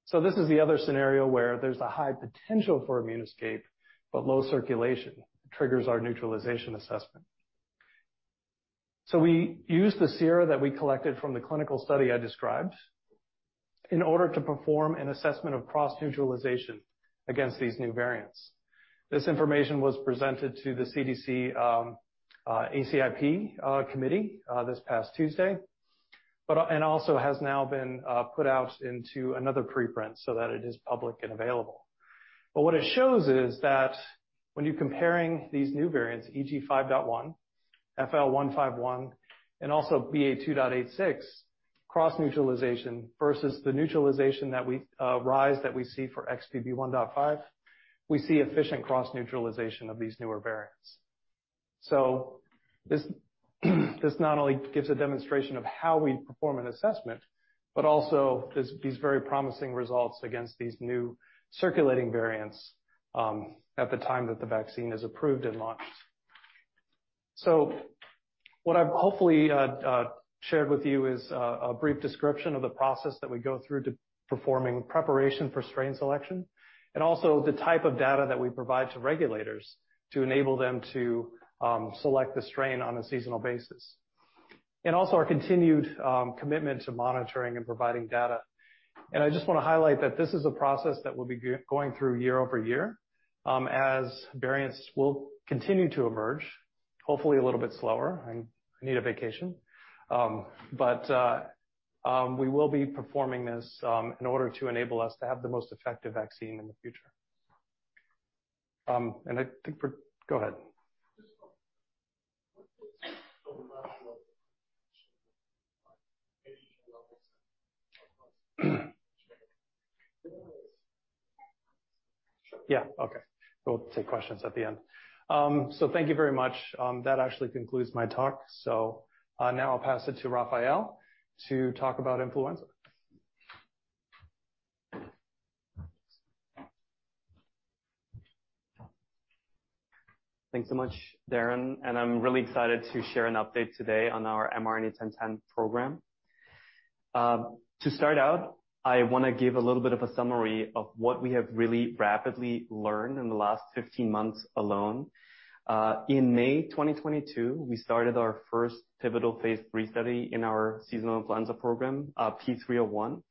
So this is the other scenario where there's a high potential for immune escape, but low circulation triggers our neutralization assessment. So we used the sera that we collected from the clinical study I described in order to perform an assessment of cross-neutralization against these new variants. This information was presented to the CDC, ACIP committee, this past Tuesday, and also has now been put out into another preprint so that it is public and available. But what it shows is that when you're comparing these new variants, EG.5.1, FL.1.5.1, and also BA.2.86, cross-neutralization versus the neutralization that we rise, that we see for XBB 1.5, we see efficient cross-neutralization of these newer variants. So this not only gives a demonstration of how we perform an assessment, but also these very promising results against these new circulating variants at the time that the vaccine is approved and launched. So what I've hopefully shared with you is a brief description of the process that we go through to performing preparation for strain selection, and also the type of data that we provide to regulators to enable them to select the strain on a seasonal basis, and also our continued commitment to monitoring and providing data. I just want to highlight that this is a process that we'll be going through year-over-year, as variants will continue to emerge, hopefully a little bit slower. I need a vacation. But we will be performing this in order to enable us to have the most effective vaccine in the future. Go ahead. Yeah, okay. We'll take questions at the end. So thank you very much. That actually concludes my talk. So now I'll pass it to Rafael to talk about influenza. Thanks so much, Darin, and I'm really excited to share an update today on our mRNA-1010 program. To start out, I want to give a little bit of a summary of what we have really rapidly learned in the last 15 months alone. In May 2022, we started our first pivotal phase III study in our seasonal influenza program, P301.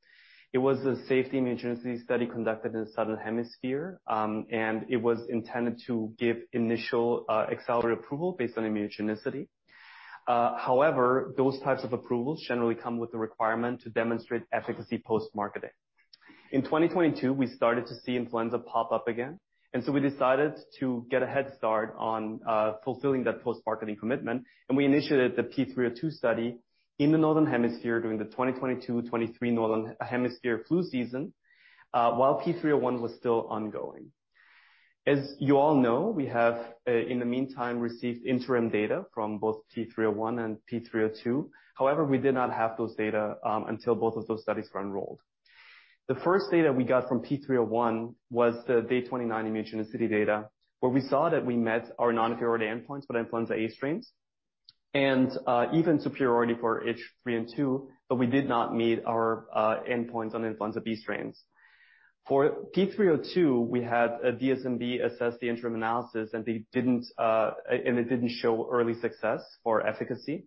It was a safety immunogenicity study conducted in the Southern Hemisphere, and it was intended to give initial, accelerated approval based on immunogenicity. However, those types of approvals generally come with the requirement to demonstrate efficacy post-marketing. In 2022, we started to see influenza pop up again, and so we decided to get a head start on fulfilling that post-marketing commitment, and we initiated the P302 study in the Northern Hemisphere during the 2022-2023 Northern Hemisphere flu season, while P301 was still ongoing. As you all know, we have, in the meantime, received interim data from both P301 and P302. However, we did not have those data, until both of those studies were enrolled. The first data we got from P301 was the day 29 immunogenicity data, where we saw that we met our non-inferiority endpoints for influenza A strains, and, even superiority for H3N2, but we did not meet our, endpoints on influenza B strains. For P302, we had a DSMB assess the interim analysis, and they didn't, and it didn't show early success for efficacy.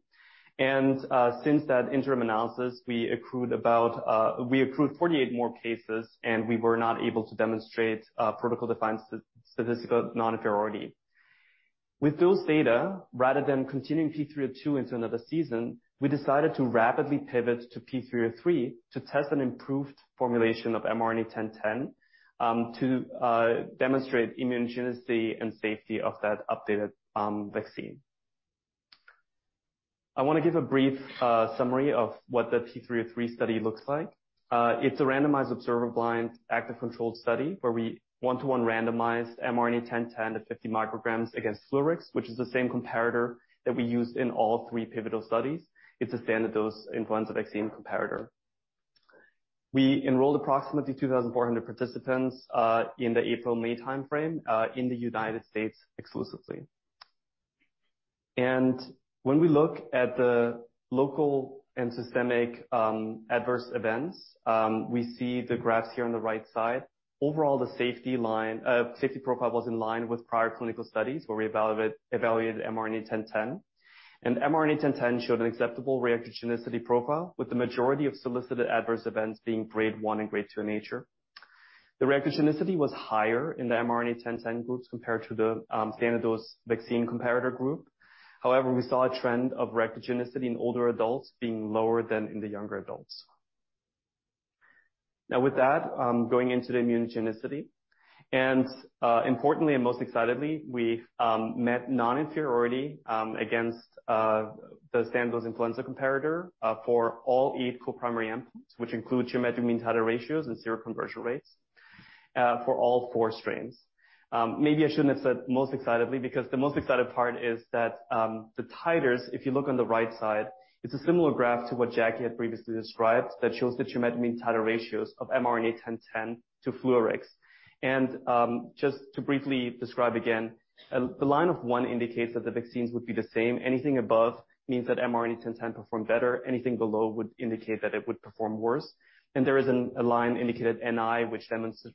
Since that interim analysis, we accrued about, we accrued 48 more cases, and we were not able to demonstrate protocol-defined statistical non-inferiority. With those data, rather than continuing P302 into another season, we decided to rapidly pivot to P303 to test an improved formulation of mRNA-1010 to demonstrate immunogenicity and safety of that updated vaccine. I want to give a brief summary of what the P303 study looks like. It's a randomized, observer blind, active controlled study, where we one-to-one randomized mRNA-1010 to 50 micrograms against Fluarix, which is the same comparator that we used in all three pivotal studies. It's a standard dose influenza vaccine comparator. We enrolled approximately 2,400 participants in the April-May time frame in the United States exclusively. When we look at the local and systemic adverse events, we see the graphs here on the right side. Overall, the safety line safety profile was in line with prior clinical studies, where we evaluated mRNA-1010, and mRNA-1010 showed an acceptable reactogenicity profile, with the majority of solicited adverse events being Grade 1 and Grade 2 in nature. The reactogenicity was higher in the mRNA-1010 groups compared to the standard dose vaccine comparator group. However, we saw a trend of reactogenicity in older adults being lower than in the younger adults. Now, with that, going into the immunogenicity, and importantly, and most excitedly, we met non-inferiority against the standard dose influenza comparator for all 8 co-primary endpoints, which include geometric mean titer ratios and seroconversion rates for all 4 strains. Maybe I shouldn't have said most excitedly, because the most exciting part is that, the titers, if you look on the right side, it's a similar graph to what Jacque had previously described, that shows the geometric mean titer ratios of mRNA-1010 to Fluarix. And, just to briefly describe, again, the line of 1 indicates that the vaccines would be the same. Anything above means that mRNA-1010 performed better. Anything below would indicate that it would perform worse. And there is a line indicated NI, which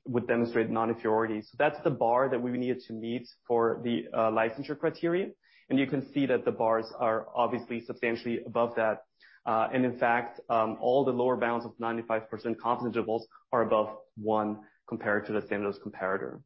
would demonstrate non-inferiority. So that's the bar that we needed to meet for the licensure criteria, and you can see that the bars are obviously substantially above that. And in fact, all the lower bounds of 95% confidence intervals are above 1 compared to the standard dose comparator.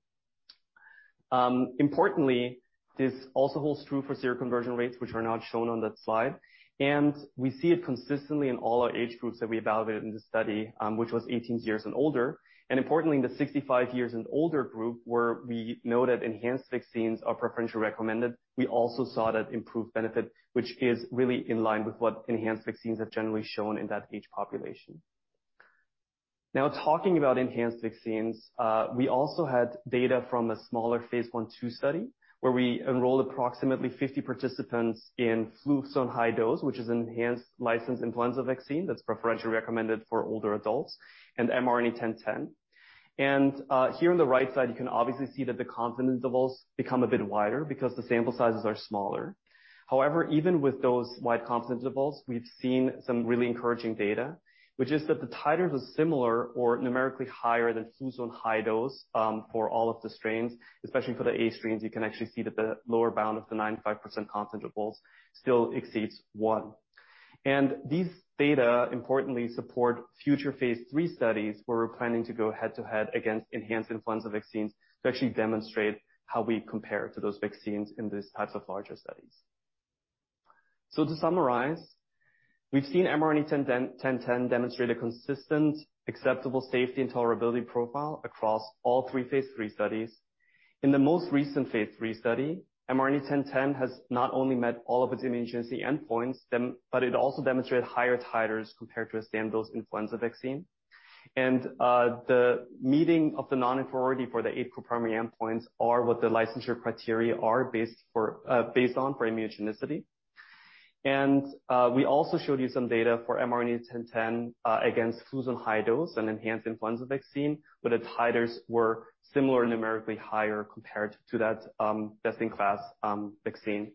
Importantly, this also holds true for zero conversion rates, which are not shown on that slide, and we see it consistently in all our age groups that we evaluated in this study, which was 18 years and older. Importantly, in the 65 years and older group, where we know that enhanced vaccines are preferentially recommended, we also saw that improved benefit, which is really in line with what enhanced vaccines have generally shown in that age population. Now talking about enhanced vaccines, we also had data from a smaller phase I/II study, where we enrolled approximately 50 participants in Fluzone High-Dose, which is an enhanced licensed influenza vaccine that's preferentially recommended for older adults and mRNA-1010. Here on the right side, you can obviously see that the confidence intervals become a bit wider because the sample sizes are smaller. However, even with those wide confidence intervals, we've seen some really encouraging data, which is that the titers were similar or numerically higher than Fluzone High-Dose, for all of the strains, especially for the A strains, you can actually see that the lower bound of the 95% confidence intervals still exceeds one. And these data importantly support future phase III studies, where we're planning to go head-to-head against enhanced influenza vaccines to actually demonstrate how we compare to those vaccines in these types of larger studies. So to summarize, we've seen mRNA-1010 demonstrate a consistent, acceptable safety and tolerability profile across all three phase III studies. In the most recent phase III study, mRNA-1010 has not only met all of its immunogenicity endpoints, but it also demonstrated higher titers compared to a standard influenza vaccine. The meeting of the non-inferiority for the 8 co-primary endpoints are what the licensure criteria are based for, based on for immunogenicity. We also showed you some data for mRNA-1010, against Fluzone High-Dose, an enhanced influenza vaccine, but its titers were similar or numerically higher compared to that, best-in-class, vaccine.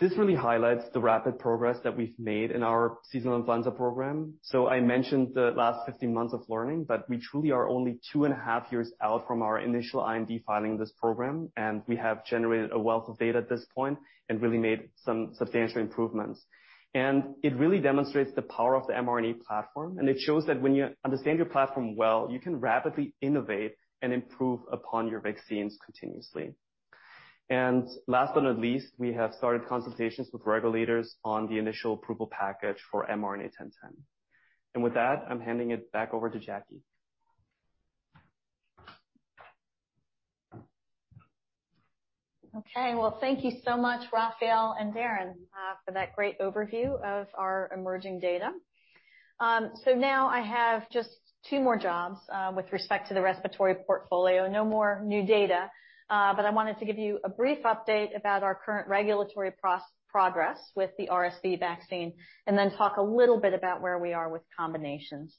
This really highlights the rapid progress that we've made in our seasonal influenza program. I mentioned the last 15 months of learning, but we truly are only 2.5 years out from our initial IND filing this program, and we have generated a wealth of data at this point and really made some substantial improvements. It really demonstrates the power of the mRNA platform, and it shows that when you understand your platform well, you can rapidly innovate and improve upon your vaccines continuously. Last but not least, we have started consultations with regulators on the initial approval package for mRNA-1010. With that, I'm handing it back over to Jacque. Okay. Well, thank you so much, Raffael and Darin, for that great overview of our emerging data. So now I have just two more jobs with respect to the respiratory portfolio. No more new data, but I wanted to give you a brief update about our current regulatory progress with the RSV vaccine, and then talk a little bit about where we are with combinations.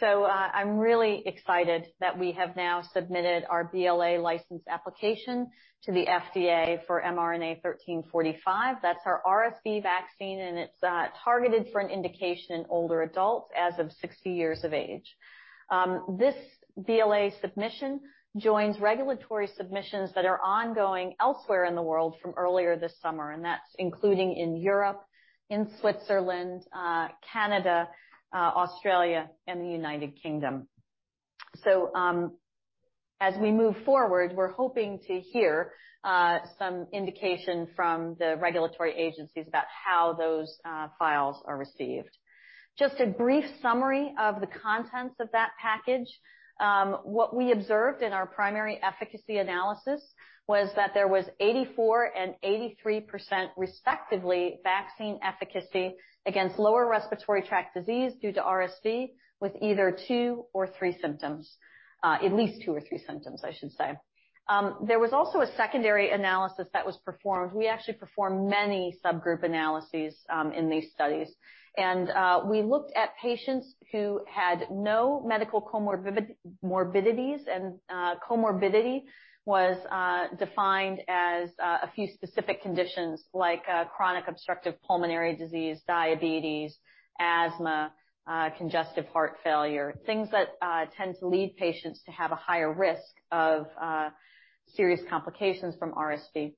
So, I'm really excited that we have now submitted our BLA license application to the FDA for mRNA-1345. That's our RSV vaccine, and it's targeted for an indication in older adults as of 60 years of age. This BLA submission joins regulatory submissions that are ongoing elsewhere in the world from earlier this summer, and that's including in Europe, in Switzerland, Canada, Australia, and the United Kingdom. So, as we move forward, we're hoping to hear some indication from the regulatory agencies about how those files are received. Just a brief summary of the contents of that package. What we observed in our primary efficacy analysis was that there was 84% and 83%, respectively, vaccine efficacy against lower respiratory tract disease due to RSV, with either two or three symptoms, at least two or three symptoms, I should say. There was also a secondary analysis that was performed. We actually performed many subgroup analyses in these studies, and we looked at patients who had no medical comorbidities, and comorbidity was defined as a few specific conditions like chronic obstructive pulmonary disease, diabetes, asthma, congestive heart failure, things that tend to lead patients to have a higher risk of serious complications from RSV.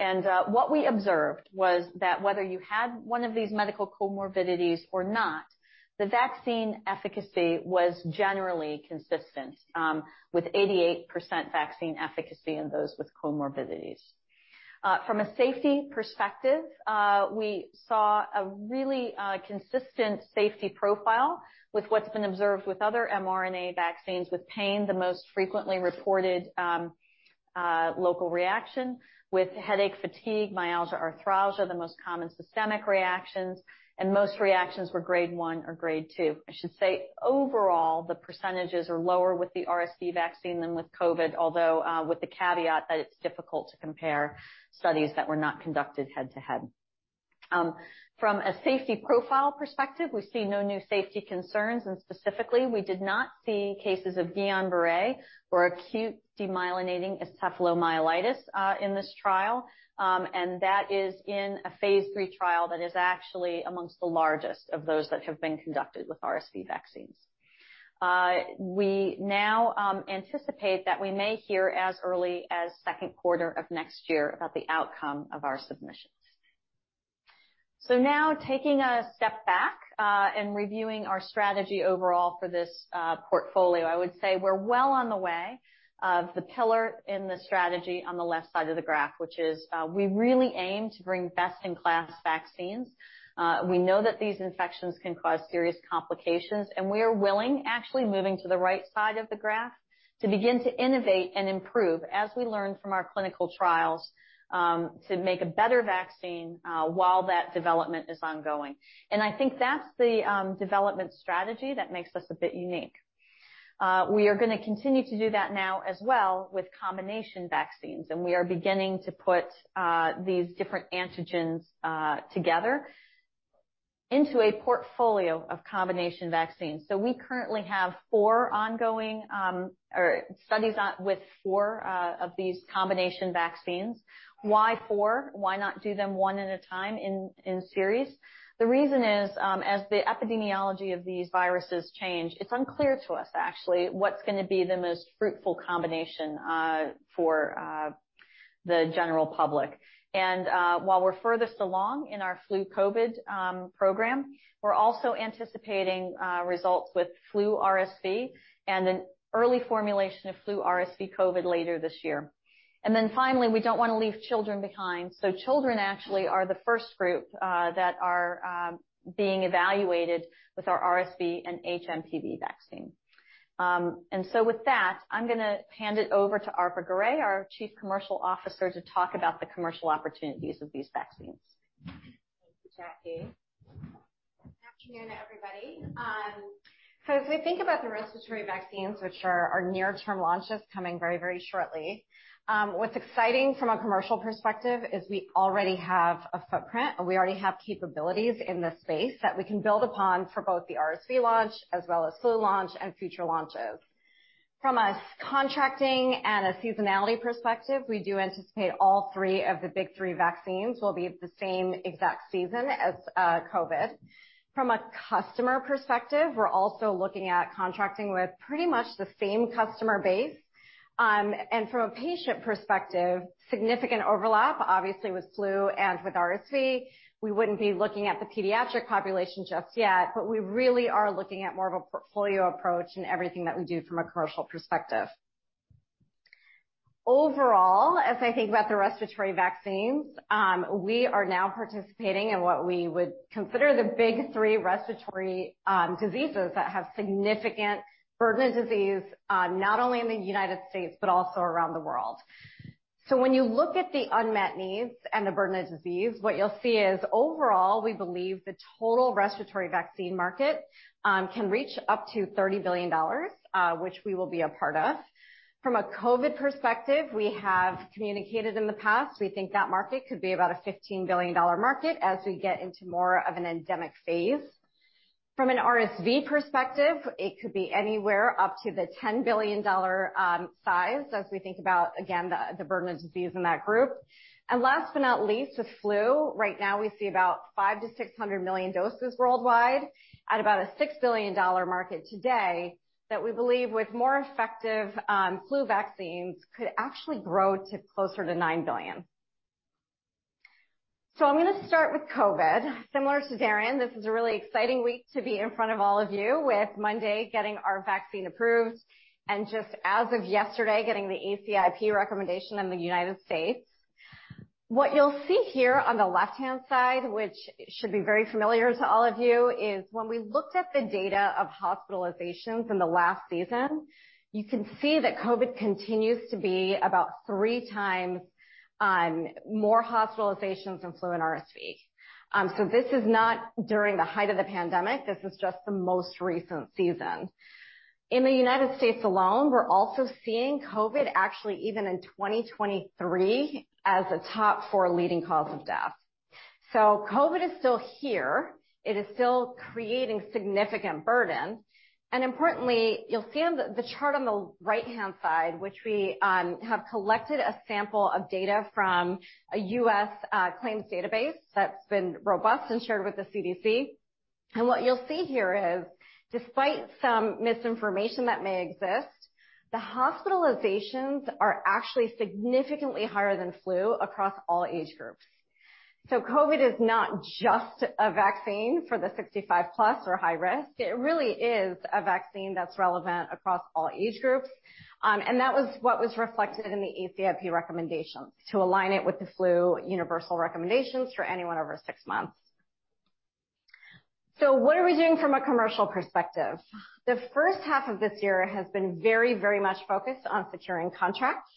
And what we observed was that whether you had one of these medical comorbidities or not, the vaccine efficacy was generally consistent with 88% vaccine efficacy in those with comorbidities. From a safety perspective, we saw a really consistent safety profile with what's been observed with other mRNA vaccines, with pain the most frequently reported local reaction, with headache, fatigue, myalgia, arthralgia the most common systemic reactions, and most reactions were grade one or grade two. I should say, overall, the percentages are lower with the RSV vaccine than with COVID, although, with the caveat that it's difficult to compare studies that were not conducted head-to-head. From a safety profile perspective, we see no new safety concerns, and specifically, we did not see cases of Guillain-Barré or acute demyelinating encephalomyelitis, in this trial. And that is in a phase III trial that is actually amongst the largest of those that have been conducted with RSV vaccines. We now anticipate that we may hear as early as second quarter of next year about the outcome of our submissions. So now, taking a step back, and reviewing our strategy overall for this portfolio, I would say we're well on the way of the pillar in the strategy on the left side of the graph, which is, we really aim to bring best-in-class vaccines. We know that these infections can cause serious complications, and we are willing, actually, to begin to innovate and improve as we learn from our clinical trials, to make a better vaccine, while that development is ongoing. And I think that's the development strategy that makes us a bit unique. We are going to continue to do that now as well with combination vaccines, and we are beginning to put these different antigens together into a portfolio of combination vaccines. So we currently have four ongoing or studies on with four of these combination vaccines. Why four? Why not do them one at a time in series? The reason is, as the epidemiology of these viruses change, it's unclear to us actually, what's going to be the most fruitful combination for the general public. And while we're furthest along in our flu COVID program, we're also anticipating results with flu RSV and an early formulation of flu RSV COVID later this year. And then finally, we don't want to leave children behind. So children actually are the first group that are being evaluated with our RSV and HMPV vaccine. And so with that, I'm going to hand it over to Arpa Garay, our Chief Commercial Officer, to talk about the commercial opportunities of these vaccines. Thank you, Jacque. Good afternoon, everybody. So as we think about the respiratory vaccines, which are our near-term launches coming very, very shortly, what's exciting from a commercial perspective is we already have a footprint. We already have capabilities in this space that we can build upon for both the RSV launch as well as flu launch and future launches. From a contracting and a seasonality perspective, we do anticipate all three of the big three vaccines will be the same exact season as COVID. From a customer perspective, we're also looking at contracting with pretty much the same customer base. And from a patient perspective, significant overlap, obviously, with flu and with RSV. We wouldn't be looking at the pediatric population just yet, but we really are looking at more of a portfolio approach in everything that we do from a commercial perspective. Overall, as I think about the respiratory vaccines, we are now participating in what we would consider the big three respiratory diseases that have significant burden of disease, not only in the United States, but also around the world. So when you look at the unmet needs and the burden of disease, what you'll see is overall, we believe the total respiratory vaccine market can reach up to $30 billion, which we will be a part of. From a COVID perspective, we have communicated in the past, we think that market could be about a $15 billion market as we get into more of an endemic phase. From an RSV perspective, it could be anywhere up to the $10 billion size as we think about, again, the burden of disease in that group. And last but not least, with flu, right now, we see about 500-600 million doses worldwide at about a $6 billion market today, that we believe with more effective flu vaccines, could actually grow to closer to $9 billion. So I'm going to start with COVID. Similar to Darin, this is a really exciting week to be in front of all of you with Monday, getting our vaccine approved, and just as of yesterday, getting the ACIP recommendation in the United States. What you'll see here on the left-hand side, which should be very familiar to all of you, is when we looked at the data of hospitalizations in the last season, you can see that COVID continues to be about three times more hospitalizations than flu and RSV. So this is not during the height of the pandemic. This is just the most recent season. In the United States alone, we're also seeing COVID, actually, even in 2023, as a top four leading cause of death. So COVID is still here. It is still creating significant burden. And importantly, you'll see on the chart on the right-hand side, which we have collected a sample of data from a U.S. claims database that's been robust and shared with the CDC. And what you'll see here is, despite some misinformation that may exist, the hospitalizations are actually significantly higher than flu across all age groups. So COVID is not just a vaccine for the 65 plus or high risk. It really is a vaccine that's relevant across all age groups. And that was what was reflected in the ACIP recommendation, to align it with the flu universal recommendations for anyone over six months. So what are we doing from a commercial perspective? The first half of this year has been very, very much focused on securing contracts.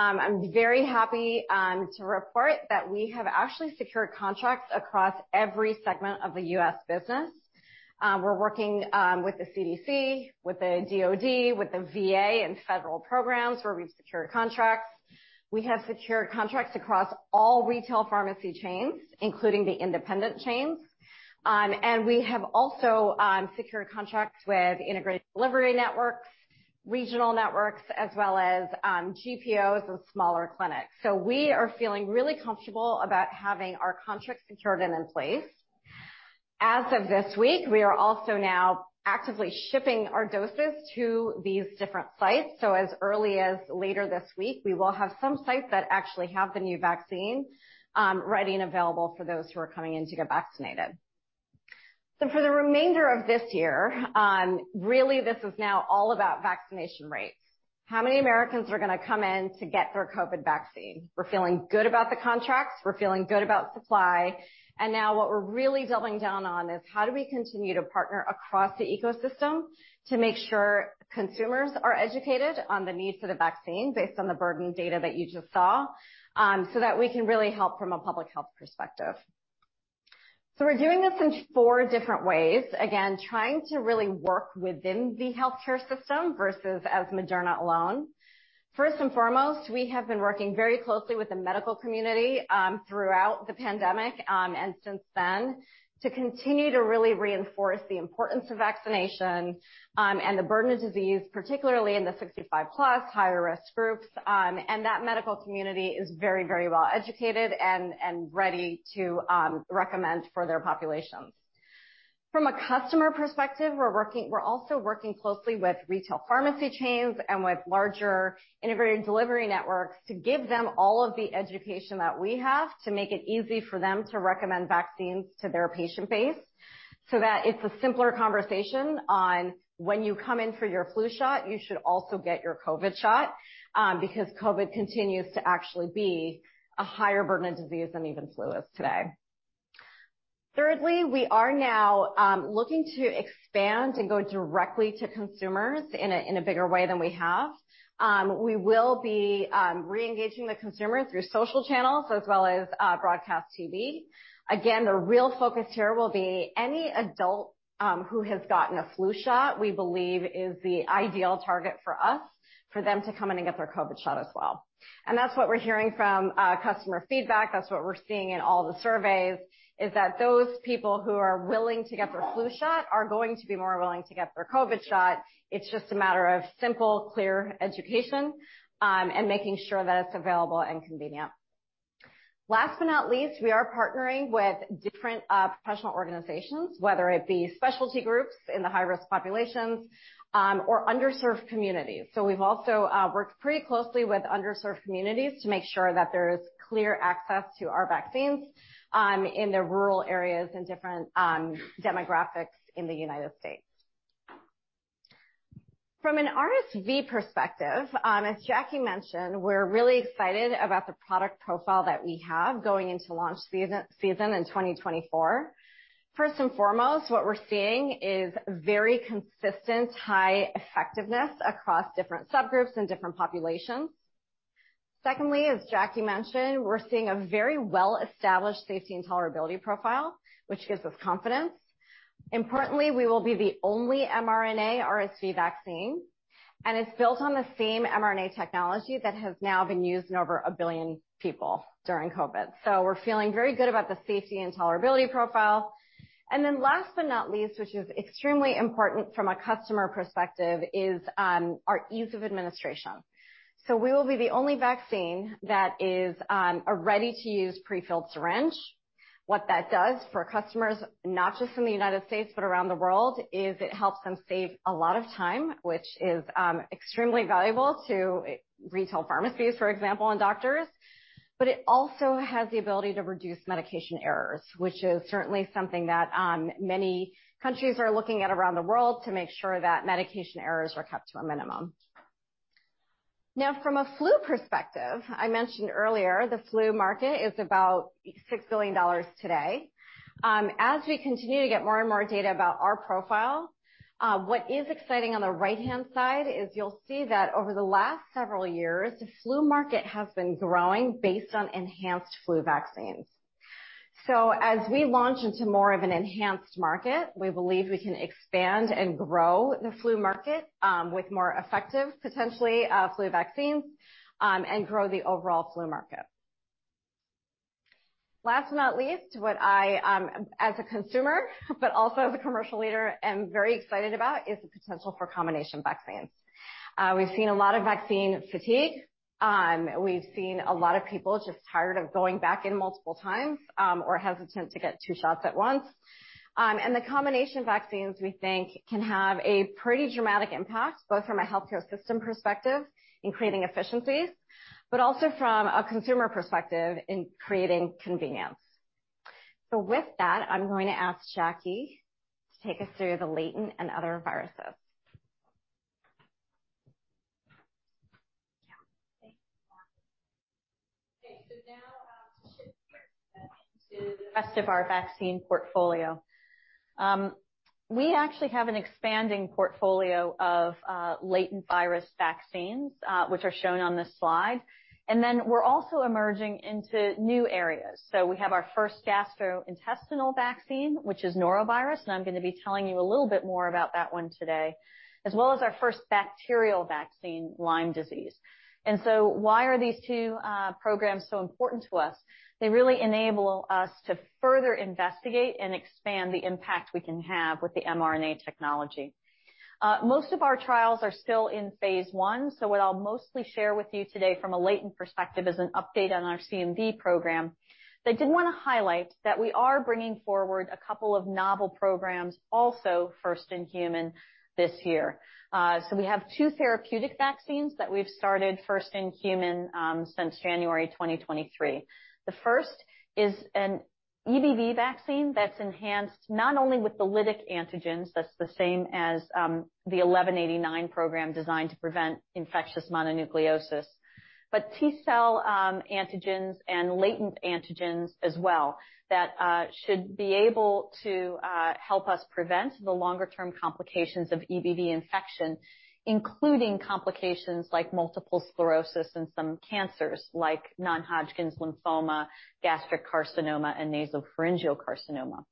I'm very happy to report that we have actually secured contracts across every segment of the US business. We're working with the CDC, with the DoD, with the VA and federal programs, where we've secured contracts. We have secured contracts across all retail pharmacy chains, including the independent chains. We have also secured contracts with integrated delivery networks, regional networks, as well as GPOs and smaller clinics. So we are feeling really comfortable about having our contracts secured and in place. As of this week, we are also now actively shipping our doses to these different sites. So as early as later this week, we will have some sites that actually have the new vaccine, ready and available for those who are coming in to get vaccinated. So for the remainder of this year, really, this is now all about vaccination rates. How many Americans are going to come in to get their COVID vaccine? We're feeling good about the contracts, we're feeling good about supply, and now what we're really doubling down on is how do we continue to partner across the ecosystem to make sure consumers are educated on the needs of the vaccine based on the burden data that you just saw, so that we can really help from a public health perspective. So we're doing this in four different ways, again, trying to really work within the healthcare system versus as Moderna alone. First and foremost, we have been working very closely with the medical community throughout the pandemic and since then to continue to really reinforce the importance of vaccination and the burden of disease, particularly in the 65+ higher risk groups. That medical community is very, very well educated and ready to recommend for their populations. From a customer perspective, we're also working closely with retail pharmacy chains and with larger integrated delivery networks to give them all of the education that we have to make it easy for them to recommend vaccines to their patient base, so that it's a simpler conversation on when you come in for your flu shot, you should also get your COVID shot because COVID continues to actually be a higher burden of disease than even flu is today. Thirdly, we are now looking to expand and go directly to consumers in a bigger way than we have. We will be reengaging the consumer through social channels as well as broadcast TV. Again, the real focus here will be any adult who has gotten a flu shot; we believe is the ideal target for us, for them to come in and get their COVID shot as well. And that's what we're hearing from customer feedback. That's what we're seeing in all the surveys, is that those people who are willing to get their flu shot are going to be more willing to get their COVID shot. It's just a matter of simple, clear education and making sure that it's available and convenient. Last but not least, we are partnering with different professional organizations, whether it be specialty groups in the high-risk populations or underserved communities. So we've also worked pretty closely with underserved communities to make sure that there is clear access to our vaccines in the rural areas and different demographics in the United States. From an RSV perspective, as Jacque mentioned, we're really excited about the product profile that we have going into launch season, season in 2024. First and foremost, what we're seeing is very consistent, high effectiveness across different subgroups and different populations. Secondly, as Jacque mentioned, we're seeing a very well-established safety and tolerability profile, which gives us confidence. Importantly, we will be the only mRNA RSV vaccine, and it's built on the same mRNA technology that has now been used in over a billion people during COVID. So we're feeling very good about the safety and tolerability profile. And then last but not least, which is extremely important from a customer perspective, is our ease of administration. So we will be the only vaccine that is a ready-to-use prefilled syringe. What that does for customers, not just in the United States, but around the world, is it helps them save a lot of time, which is extremely valuable to retail pharmacies, for example, and doctors. But it also has the ability to reduce medication errors, which is certainly something that many countries are looking at around the world to make sure that medication errors are kept to a minimum. Now, from a flu perspective, I mentioned earlier, the flu market is about $6 billion today. As we continue to get more and more data about our profile, what is exciting on the right-hand side is you'll see that over the last several years, the flu market has been growing based on enhanced flu vaccines. So as we launch into more of an enhanced market, we believe we can expand and grow the flu market, with more effective, potentially, flu vaccines, and grow the overall flu market. Last but not least, what I, as a consumer, but also as a commercial leader, am very excited about, is the potential for combination vaccines. We've seen a lot of vaccine fatigue. We've seen a lot of people just tired of going back in multiple times, or hesitant to get two shots at once. The combination vaccines, we think, can have a pretty dramatic impact, both from a healthcare system perspective in creating efficiencies, but also from a consumer perspective in creating convenience. So with that, I'm going to ask Jacque to take us through the latent and other viruses. Yeah. Okay, so now to shift gears into the rest of our vaccine portfolio. We actually have an expanding portfolio of latent virus vaccines, which are shown on this slide. And then we're also emerging into new areas. So we have our first gastrointestinal vaccine, which is Norovirus, and I'm going to be telling you a little bit more about that one today, as well as our first bacterial vaccine, Lyme disease. And so why are these two programs so important to us? They really enable us to further investigate and expand the impact we can have with the mRNA technology. Most of our trials are still in phase one, so what I'll mostly share with you today from a latent perspective is an update on our CMV program. But I did want to highlight that we are bringing forward a couple of novel programs, also first in human this year. So we have two therapeutic vaccines that we've started first in human since January 2023. The first is an EBV vaccine that's enhanced not only with the lytic antigens, that's the same as the 1189 program designed to prevent infectious mononucleosis, but T-cell antigens and latent antigens as well, that should be able to help us prevent the longer-term complications of EBV infection, including complications like multiple sclerosis and some cancers, like non-Hodgkin's lymphoma, gastric carcinoma, and nasopharyngeal carcinoma.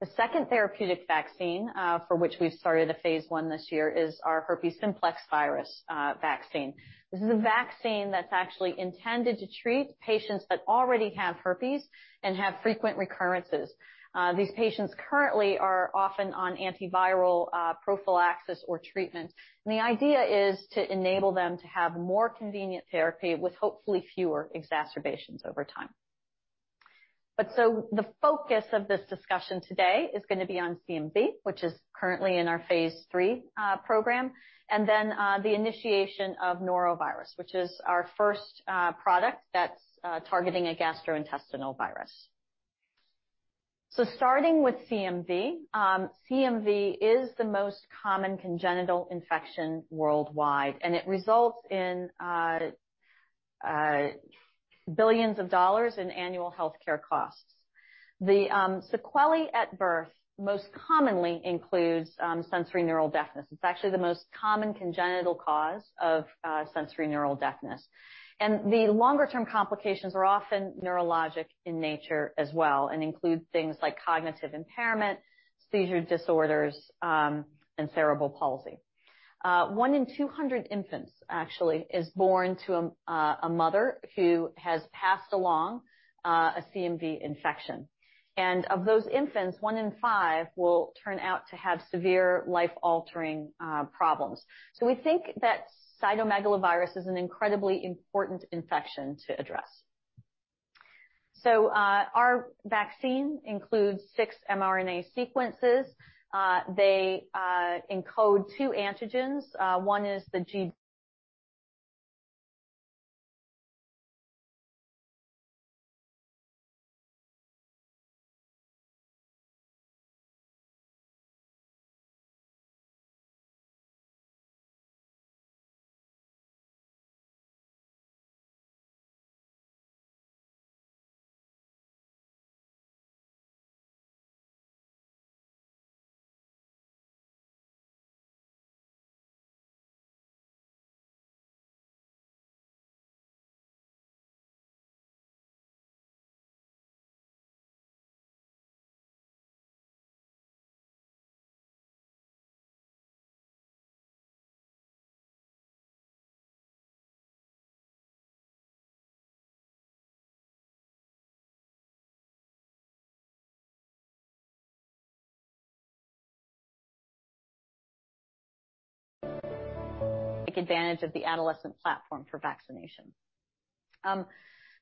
The second therapeutic vaccine, for which we've started a phase I this year, is our herpes simplex virus vaccine. This is a vaccine that's actually intended to treat patients that already have herpes and have frequent recurrences. These patients currently are often on antiviral prophylaxis or treatment. The idea is to enable them to have more convenient therapy with hopefully fewer exacerbations over time. But so the focus of this discussion today is gonna be on CMV, which is currently in our phase III program, and then the initiation of norovirus, which is our first product that's targeting a gastrointestinal virus. Starting with CMV, CMV is the most common congenital infection worldwide, and it results in $ billions in annual healthcare costs. The sequelae at birth most commonly includes sensorineural deafness. It's actually the most common congenital cause of sensorineural deafness, and the longer-term complications are often neurologic in nature as well and include things like cognitive impairment, seizure disorders, and cerebral palsy. One in 200 infants actually is born to a mother who has passed along a CMV infection, and of those infants, one in five will turn out to have severe life-altering problems. So we think that cytomegalovirus is an incredibly important infection to address. So, our vaccine includes six mRNA sequences. They encode two antigens. One is the G- Take advantage of the adolescent platform for vaccination.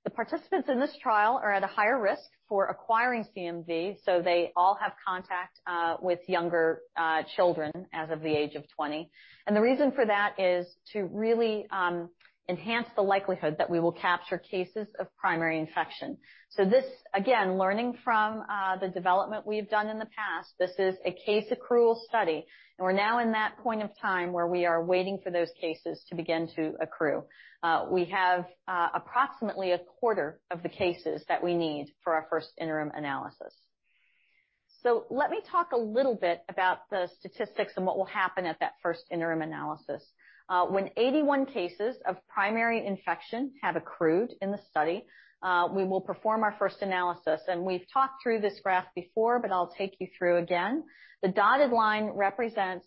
The participants in this trial are at a higher risk for acquiring CMV, so they all have contact with younger children as of the age of 20. And the reason for that is to really enhance the likelihood that we will capture cases of primary infection. So this, again, learning from the development we've done in the past, this is a case accrual study, and we're now in that point of time where we are waiting for those cases to begin to accrue. We have approximately a quarter of the cases that we need for our first interim analysis. So let me talk a little bit about the statistics and what will happen at that first interim analysis. When 81 cases of primary infection have accrued in the study, we will perform our first analysis. And we've talked through this graph before, but I'll take you through again. The dotted line represents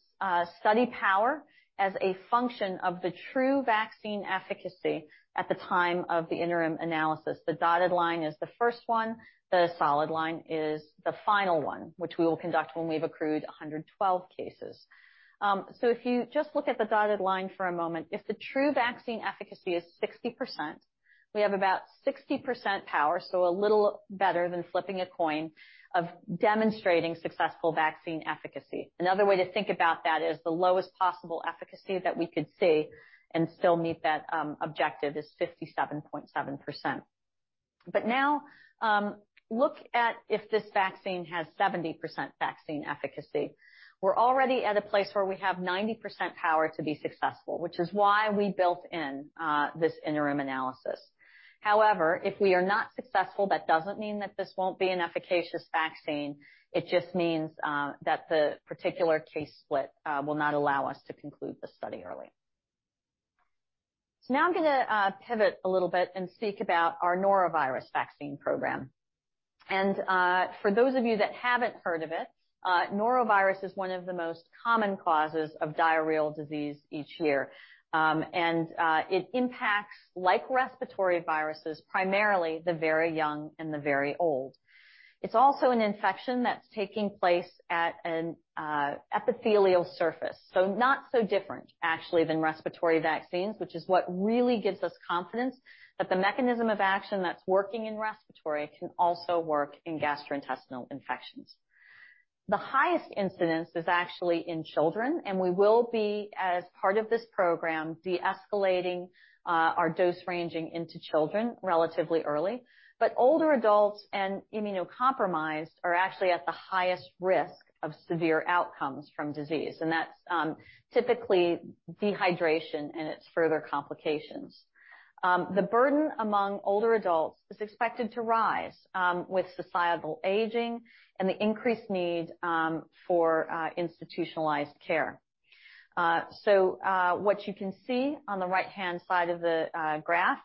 study power as a function of the true vaccine efficacy at the time of the interim analysis. The dotted line is the first one, the solid line is the final one, which we will conduct when we've accrued 112 cases. So if you just look at the dotted line for a moment, if the true vaccine efficacy is 60%, we have about 60% power, so a little better than flipping a coin, of demonstrating successful vaccine efficacy. Another way to think about that is the lowest possible efficacy that we could see and still meet that objective is 57.7%. But now, look at if this vaccine has 70% vaccine efficacy. We're already at a place where we have 90% power to be successful, which is why we built in this interim analysis. However, if we are not successful, that doesn't mean that this won't be an efficacious vaccine. It just means that the particular case split will not allow us to conclude the study early. So now I'm gonna pivot a little bit and speak about our Norovirus vaccine program. And for those of you that haven't heard of it, Norovirus is one of the most common causes of diarrheal disease each year. And it impacts, like respiratory viruses, primarily the very young and the very old. It's also an infection that's taking place at an epithelial surface, so not so different actually, than respiratory vaccines, which is what really gives us confidence that the mechanism of action that's working in respiratory can also work in gastrointestinal infections. The highest incidence is actually in children, and we will be, as part of this program, de-escalating our dose ranging into children relatively early. But older adults and immunocompromised are actually at the highest risk of severe outcomes from disease, and that's typically dehydration and its further complications. The burden among older adults is expected to rise with societal aging and the increased need for institutionalized care. What you can see on the right-hand side of the graph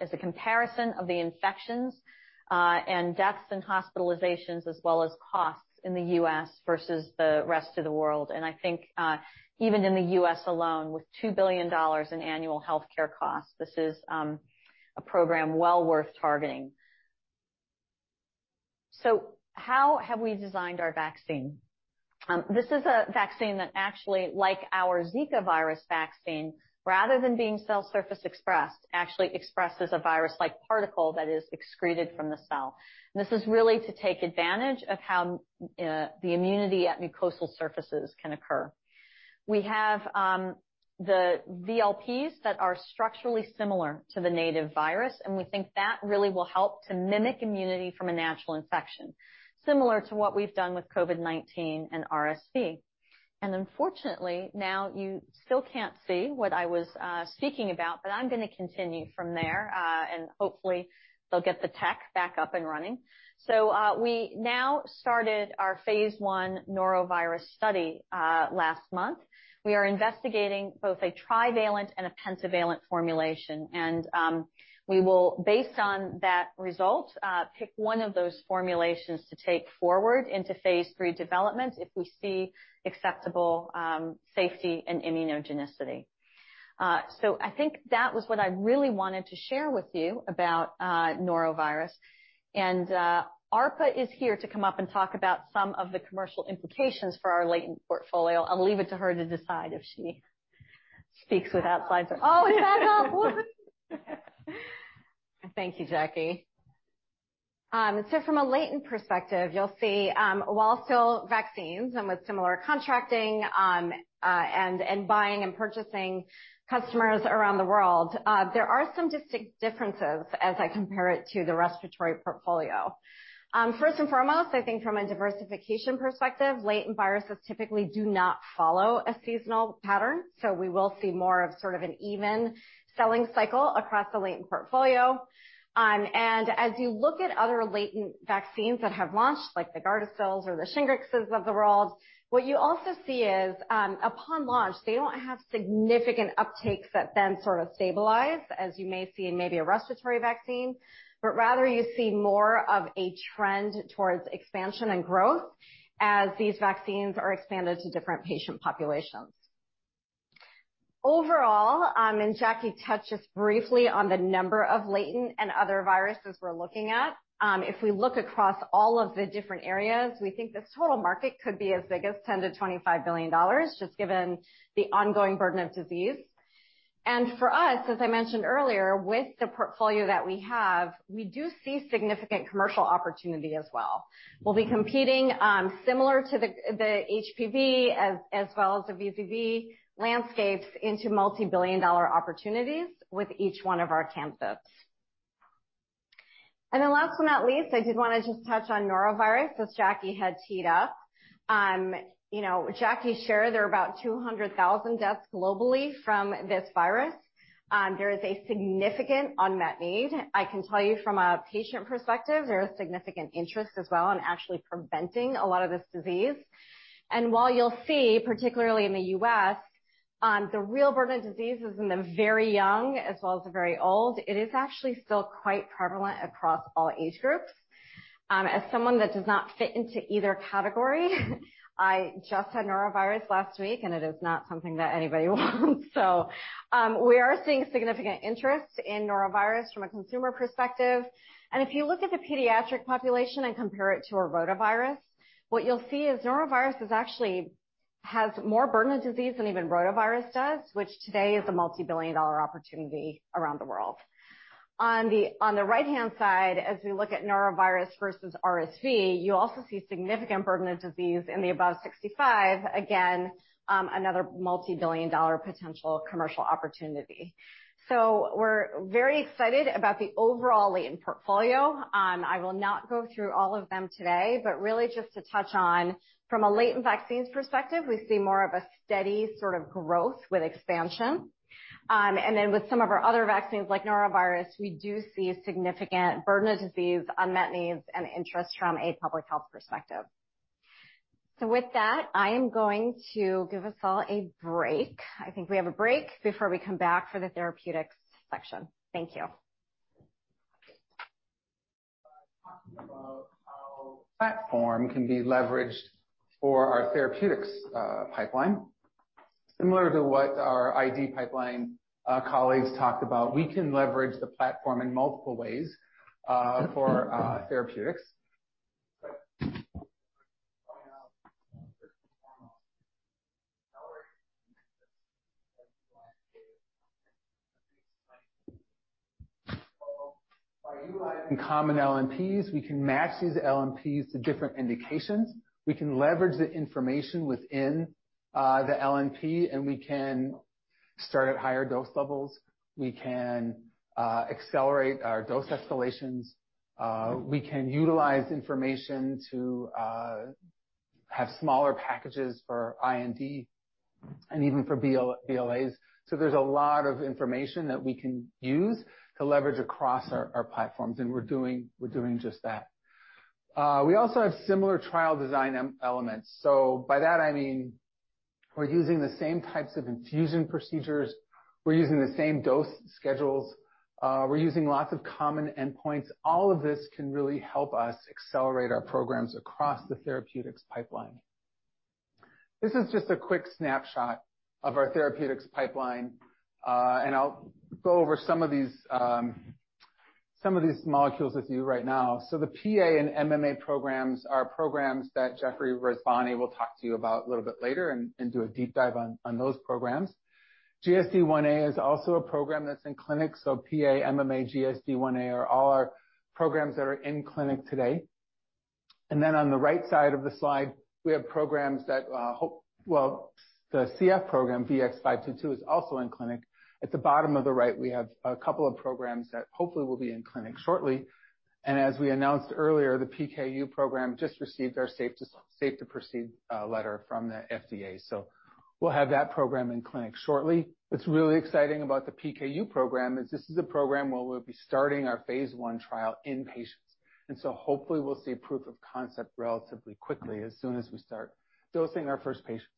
is a comparison of the infections and deaths and hospitalizations, as well as costs in the U.S. versus the rest of the world. And I think even in the U.S. alone, with $2 billion in annual health care costs, this is a program well worth targeting. So how have we designed our vaccine? This is a vaccine that actually, like our Zika virus vaccine, rather than being cell surface expressed, actually expresses a virus-like particle that is excreted from the cell. This is really to take advantage of how the immunity at mucosal surfaces can occur. We have the VLPs that are structurally similar to the native virus, and we think that really will help to mimic immunity from a natural infection, similar to what we've done with COVID-19 and RSV. And unfortunately, now you still can't see what I was speaking about, but I'm gonna continue from there, and hopefully they'll get the tech back up and running. So we now started our phase I norovirus study last month. We are investigating both a trivalent and a pentavalent formulation, and we will, based on that result, pick one of those formulations to take forward into phase III development if we see acceptable safety and immunogenicity. So I think that was what I really wanted to share with you about norovirus. And Arpa is here to come up and talk about some of the commercial implications for our latent portfolio. I'll leave it to her to decide if she speaks without slides or oh, is that up? Thank you, Jacque. So from a latent perspective, you'll see, while still vaccines and with similar contracting, and buying and purchasing customers around the world, there are some distinct differences as I compare it to the respiratory portfolio. First and foremost, I think from a diversification perspective, latent viruses typically do not follow a seasonal pattern, so we will see more of sort of an even selling cycle across the latent portfolio. And as you look at other latent vaccines that have launched, like the Gardasil or the Shingrix of the world, what you also see is, upon launch, they don't have significant uptakes that then sort of stabilize, as you may see in maybe a respiratory vaccine, but rather you see more of a trend towards expansion and growth as these vaccines are expanded to different patient populations. Overall, and Jacque touches briefly on the number of latent and other viruses we're looking at, if we look across all of the different areas, we think this total market could be as big as $10-$25 billion, just given the ongoing burden of disease. For us, as I mentioned earlier, with the portfolio that we have, we do see significant commercial opportunity as well. We'll be competing, similar to the, the HPV as, as well as the VZV landscapes into multibillion-dollar opportunities with each one of our candidates. Then last but not least, I did wanna just touch on norovirus, as Jacque had teed up. You know, Jacque shared there are about 200,000 deaths globally from this virus. There is a significant unmet need. I can tell you from a patient perspective, there is significant interest as well in actually preventing a lot of this disease. While you'll see, particularly in the U.S., the real burden of disease is in the very young as well as the very old, it is actually still quite prevalent across all age groups. As someone that does not fit into either category, I just had norovirus last week, and it is not something that anybody wants. So, we are seeing significant interest in norovirus from a consumer perspective. If you look at the pediatric population and compare it to a rotavirus, what you'll see is norovirus actually has more burden of disease than even rotavirus does, which today is a multibillion-dollar opportunity around the world. On the right-hand side, as we look at norovirus versus RSV, you also see significant burden of disease in the above 65. Again, another multibillion-dollar potential commercial opportunity. So we're very excited about the overall latent portfolio. I will not go through all of them today, but really just to touch on, from a latent vaccines perspective, we see more of a steady sort of growth with expansion. And then with some of our other vaccines, like norovirus, we do see significant burden of disease, unmet needs, and interest from a public health perspective. So with that, I am going to give us all a break. I think we have a break before we come back for the therapeutics section. Thank you. Talking about how platform can be leveraged for our therapeutics, pipeline. Similar to what our ID pipeline, colleagues talked about, we can leverage the platform in multiple ways, for, therapeutics. We are utilizing common LNPs, we can match these LNPs to different indications. We can leverage the information within the LNP, and we can start at higher dose levels. We can accelerate our dose escalations, we can utilize information to have smaller packages for IND and even for BLAs. So there's a lot of information that we can use to leverage across our platforms, and we're doing just that. We also have similar trial design elements. So by that I mean, we're using the same types of infusion procedures, we're using the same dose schedules, we're using lots of common endpoints. All of this can really help us accelerate our programs across the therapeutics pipeline. This is just a quick snapshot of our therapeutics pipeline, and I'll go over some of these molecules with you right now. So the PA and MMA programs are programs that Geoffrey Rezvani will talk to you about a little bit later and do a deep dive on those programs. GSD1a is also a program that's in clinic, so PA, MMA, GSD1a are all our programs that are in clinic today. And then on the right side of the slide, we have programs. Well, the CF program, VX-522, is also in clinic. At the bottom of the right, we have a couple of programs that hopefully will be in clinic shortly. As we announced earlier, the PKU program just received our safe to proceed letter from the FDA, so we'll have that program in clinic shortly. What's really exciting about the PKU program is this is a program where we'll be starting our phase I trial in patients, and so hopefully we'll see proof of concept relatively quickly as soon as we start dosing our first patients.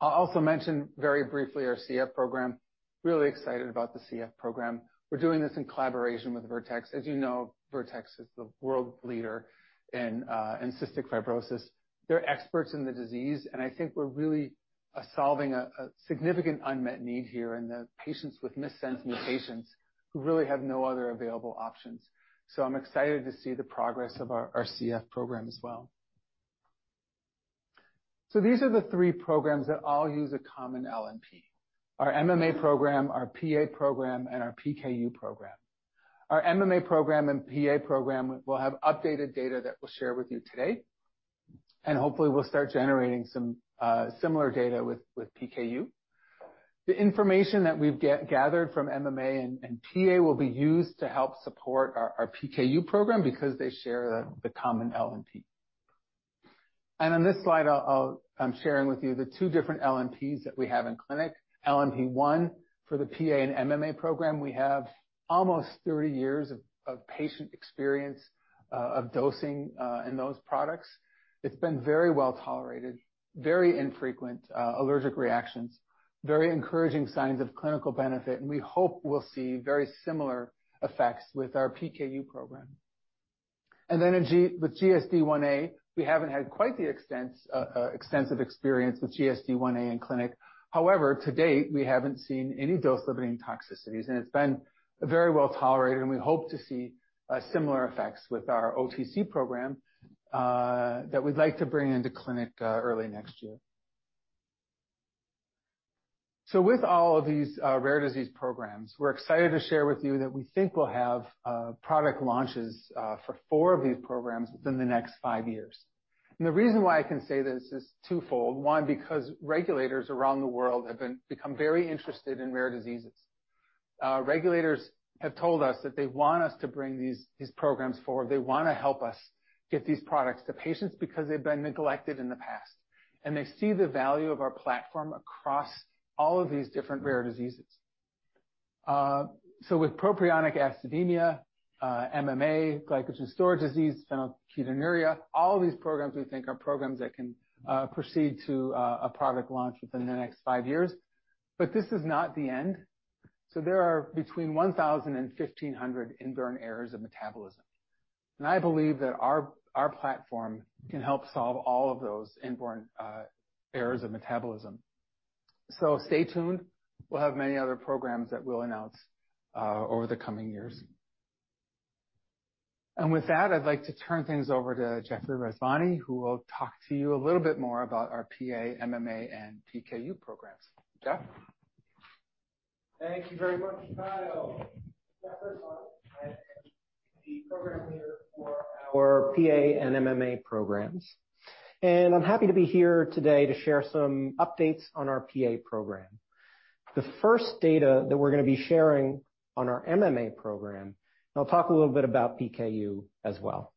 I'll also mention very briefly our CF program. Really excited about the CF program. We're doing this in collaboration with Vertex. As you know, Vertex is the world leader in cystic fibrosis. They're experts in the disease, and I think we're really solving a significant unmet need here, and the patients with missense mutations who really have no other available options. So I'm excited to see the progress of our CF program as well. So these are the three programs that all use a common LNP: our MMA program, our PA program, and our PKU program. Our MMA program and PA program will have updated data that we'll share with you today, and hopefully we'll start generating some similar data with PKU. The information that we've gathered from MMA and PA will be used to help support our PKU program because they share the common LNP. And on this slide, I'm sharing with you the two different LNPs that we have in clinic. LNP one for the PA and MMA program, we have almost 30 years of patient experience of dosing in those products. It's been very well tolerated, very infrequent allergic reactions, very encouraging signs of clinical benefit, and we hope we'll see very similar effects with our PKU program. In GSD 1A, we haven't had quite the extensive experience with GSD 1A in clinic. However, to date, we haven't seen any dose-limiting toxicities, and it's been very well tolerated, and we hope to see similar effects with our OTC program that we'd like to bring into clinic early next year. So with all of these rare disease programs, we're excited to share with you that we think we'll have product launches for four of these programs within the next five years. And the reason why I can say this is twofold. One, because regulators around the world have been, become very interested in rare diseases. Regulators have told us that they want us to bring these, these programs forward. They wanna help us get these products to patients because they've been neglected in the past, and they see the value of our platform across all of these different rare diseases. So with propionic acidemia, MMA, glycogen storage disease, phenylketonuria, all of these programs we think are programs that can proceed to a product launch within the next five years. But this is not the end. So there are between 1,000 and 1,500 inborn errors of metabolism, and I believe that our platform can help solve all of those inborn errors of metabolism. So stay tuned. We'll have many other programs that we'll announce over the coming years. And with that, I'd like to turn things over to Geoffrey Rezvani, who will talk to you a little bit more about our PA, MMA, and PKU programs. Geoff? Thank you very much, Kyle. Geoff Rezvani, I am the program leader for our PA and MMA programs, and I'm happy to be here today to share some updates on our PA program. The first data that we're gonna be sharing on our MMA program, and I'll talk a little bit about PKU as well.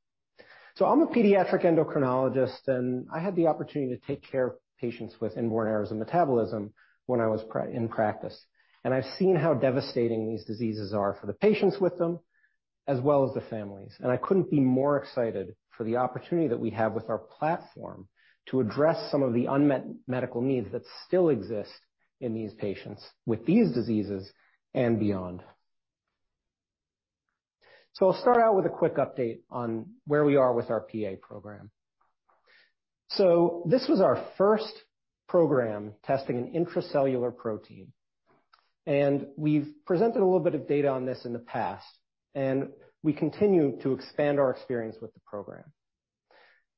I'm a pediatric endocrinologist, and I had the opportunity to take care of patients with inborn errors of metabolism when I was in practice, and I've seen how devastating these diseases are for the patients with them, as well as the families. I couldn't be more excited for the opportunity that we have with our platform to address some of the unmet medical needs that still exist in these patients with these diseases and beyond. I'll start out with a quick update on where we are with our PA program. So this was our first program testing an intracellular protein, and we've presented a little bit of data on this in the past, and we continue to expand our experience with the program.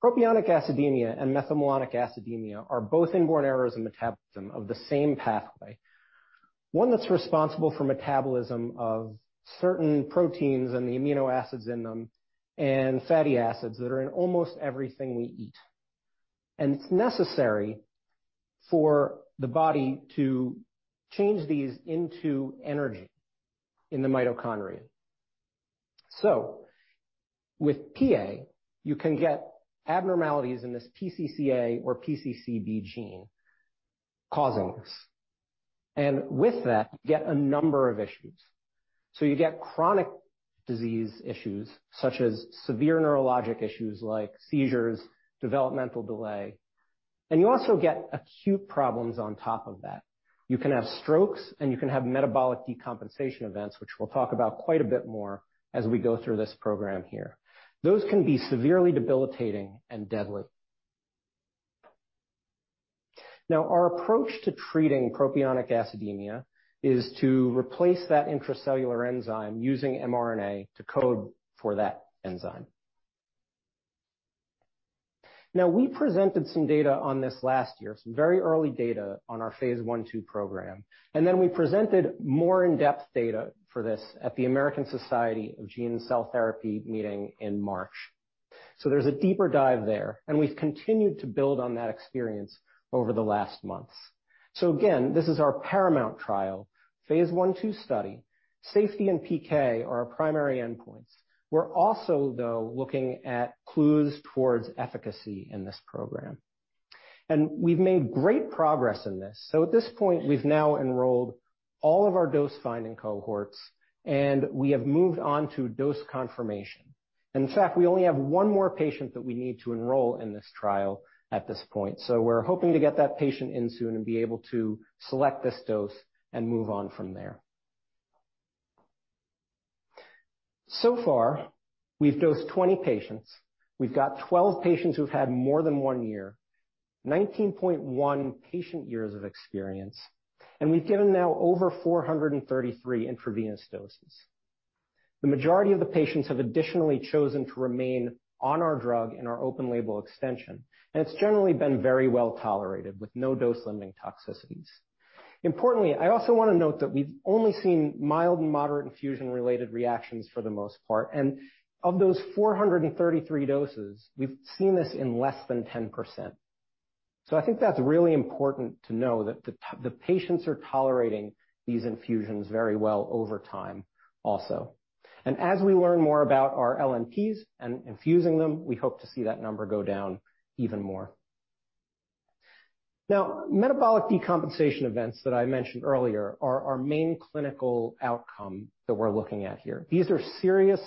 Propionic Acidemia and Methylmalonic Acidemia are both inborn errors in metabolism of the same pathway, one that's responsible for metabolism of certain proteins and the amino acids in them, and fatty acids that are in almost everything we eat. And it's necessary for the body to change these into energy in the mitochondria. So with PA, you can get abnormalities in this PCCA or PCCB gene causing this, and with that, you get a number of issues. So you get chronic disease issues such as severe neurologic issues like seizures, developmental delay, and you also get acute problems on top of that. You can have strokes, and you can have metabolic decompensation events, which we'll talk about quite a bit more as we go through this program here. Those can be severely debilitating and deadly. Now, our approach to treating propionic acidemia is to replace that intracellular enzyme using mRNA to code for that enzyme. Now, we presented some data on this last year, some very early data on our phase I and II program, and then we presented more in-depth data for this at the American Society of Gene and Cell Therapy meeting in March. So there's a deeper dive there, and we've continued to build on that experience over the last months. So again, this is our Paramount trial, phase I, II study. Safety and PK are our primary endpoints. We're also, though, looking at clues towards efficacy in this program, and we've made great progress in this. So at this point, we've now enrolled all of our dose-finding cohorts, and we have moved on to dose confirmation. In fact, we only have 1 more patient that we need to enroll in this trial at this point, so we're hoping to get that patient in soon and be able to select this dose and move on from there. So far, we've dosed 20 patients. We've got 12 patients who've had more than 1 year, 19.1 patient years of experience, and we've given now over 433 intravenous doses. The majority of the patients have additionally chosen to remain on our drug in our open label extension, and it's generally been very well tolerated, with no dose-limiting toxicities. Importantly, I also want to note that we've only seen mild and moderate infusion-related reactions for the most part, and of those 433 doses, we've seen this in less than 10%. So I think that's really important to know that the patients are tolerating these infusions very well over time also. And as we learn more about our LNPs and infusing them, we hope to see that number go down even more. Now, metabolic decompensation events that I mentioned earlier are our main clinical outcome that we're looking at here. These are serious,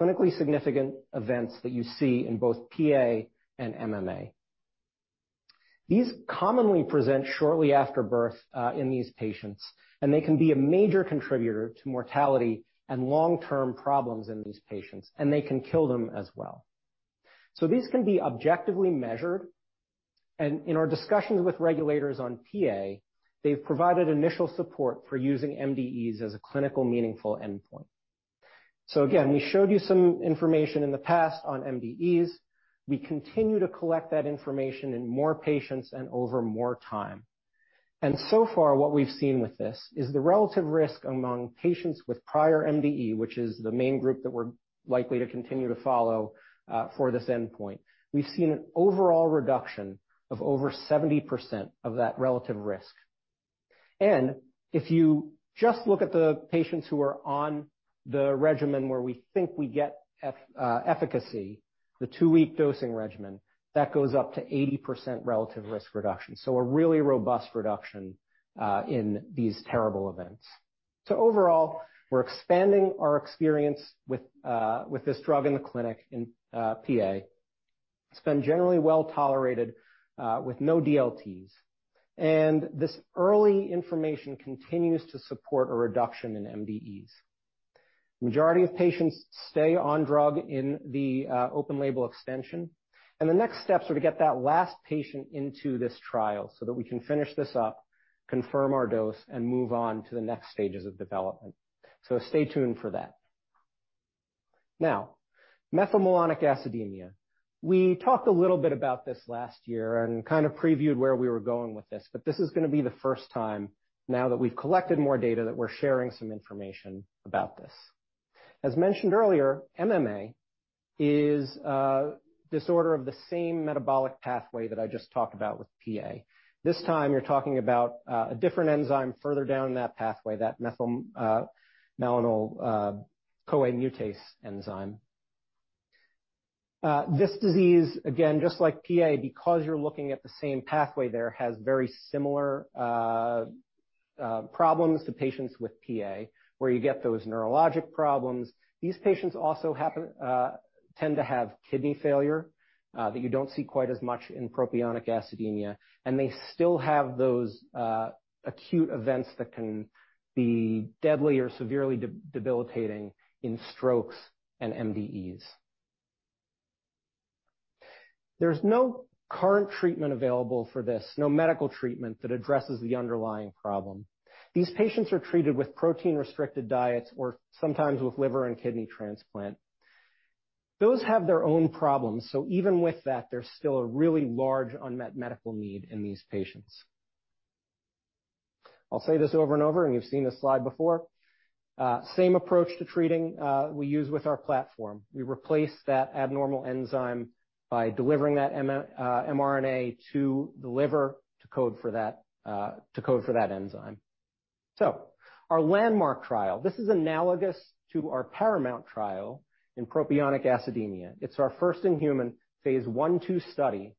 clinically significant events that you see in both PA and MMA. These commonly present shortly after birth in these patients, and they can be a major contributor to mortality and long-term problems in these patients, and they can kill them as well. So these can be objectively measured, and in our discussions with regulators on PA, they've provided initial support for using MDEs as a clinical meaningful endpoint. So again, we showed you some information in the past on MDEs. We continue to collect that information in more patients and over more time. And so far, what we've seen with this is the relative risk among patients with prior MDE, which is the main group that we're likely to continue to follow for this endpoint. We've seen an overall reduction of over 70% of that relative risk. And if you just look at the patients who are on the regimen where we think we get efficacy, the two-week dosing regimen, that goes up to 80% relative risk reduction. So a really robust reduction in these terrible events. So overall, we're expanding our experience with this drug in the clinic in PA. It's been generally well tolerated with no DLTs, and this early information continues to support a reduction in MDEs. Majority of patients stay on drug in the open label extension, and the next steps are to get that last patient into this trial so that we can finish this up, confirm our dose, and move on to the next stages of development. So stay tuned for that. Now, methylmalonic acidemia. We talked a little bit about this last year and kind of previewed where we were going with this, but this is gonna be the first time, now that we've collected more data, that we're sharing some information about this. As mentioned earlier, MMA is a disorder of the same metabolic pathway that I just talked about with PA. This time, you're talking about a different enzyme further down that pathway, that methylmalonyl-CoA mutase enzyme. This disease, again, just like PA, because you're looking at the same pathway there, has very similar problems to patients with PA, where you get those neurologic problems. These patients also happen to tend to have kidney failure that you don't see quite as much in propionic acidemia, and they still have those acute events that can be deadly or severely debilitating in strokes and MDEs. There's no current treatment available for this, no medical treatment that addresses the underlying problem. These patients are treated with protein-restricted diets or sometimes with liver and kidney transplant. Those have their own problems, so even with that, there's still a really large unmet medical need in these patients. I'll say this over and over, and you've seen this slide before. Same approach to treating, we use with our platform. We replace that abnormal enzyme by delivering that mRNA to the liver, to code for that, to code for that enzyme. So our Landmark trial, this is analogous to our Paramount trial in propionic acidemia. It's our first-in-human phase I/II study,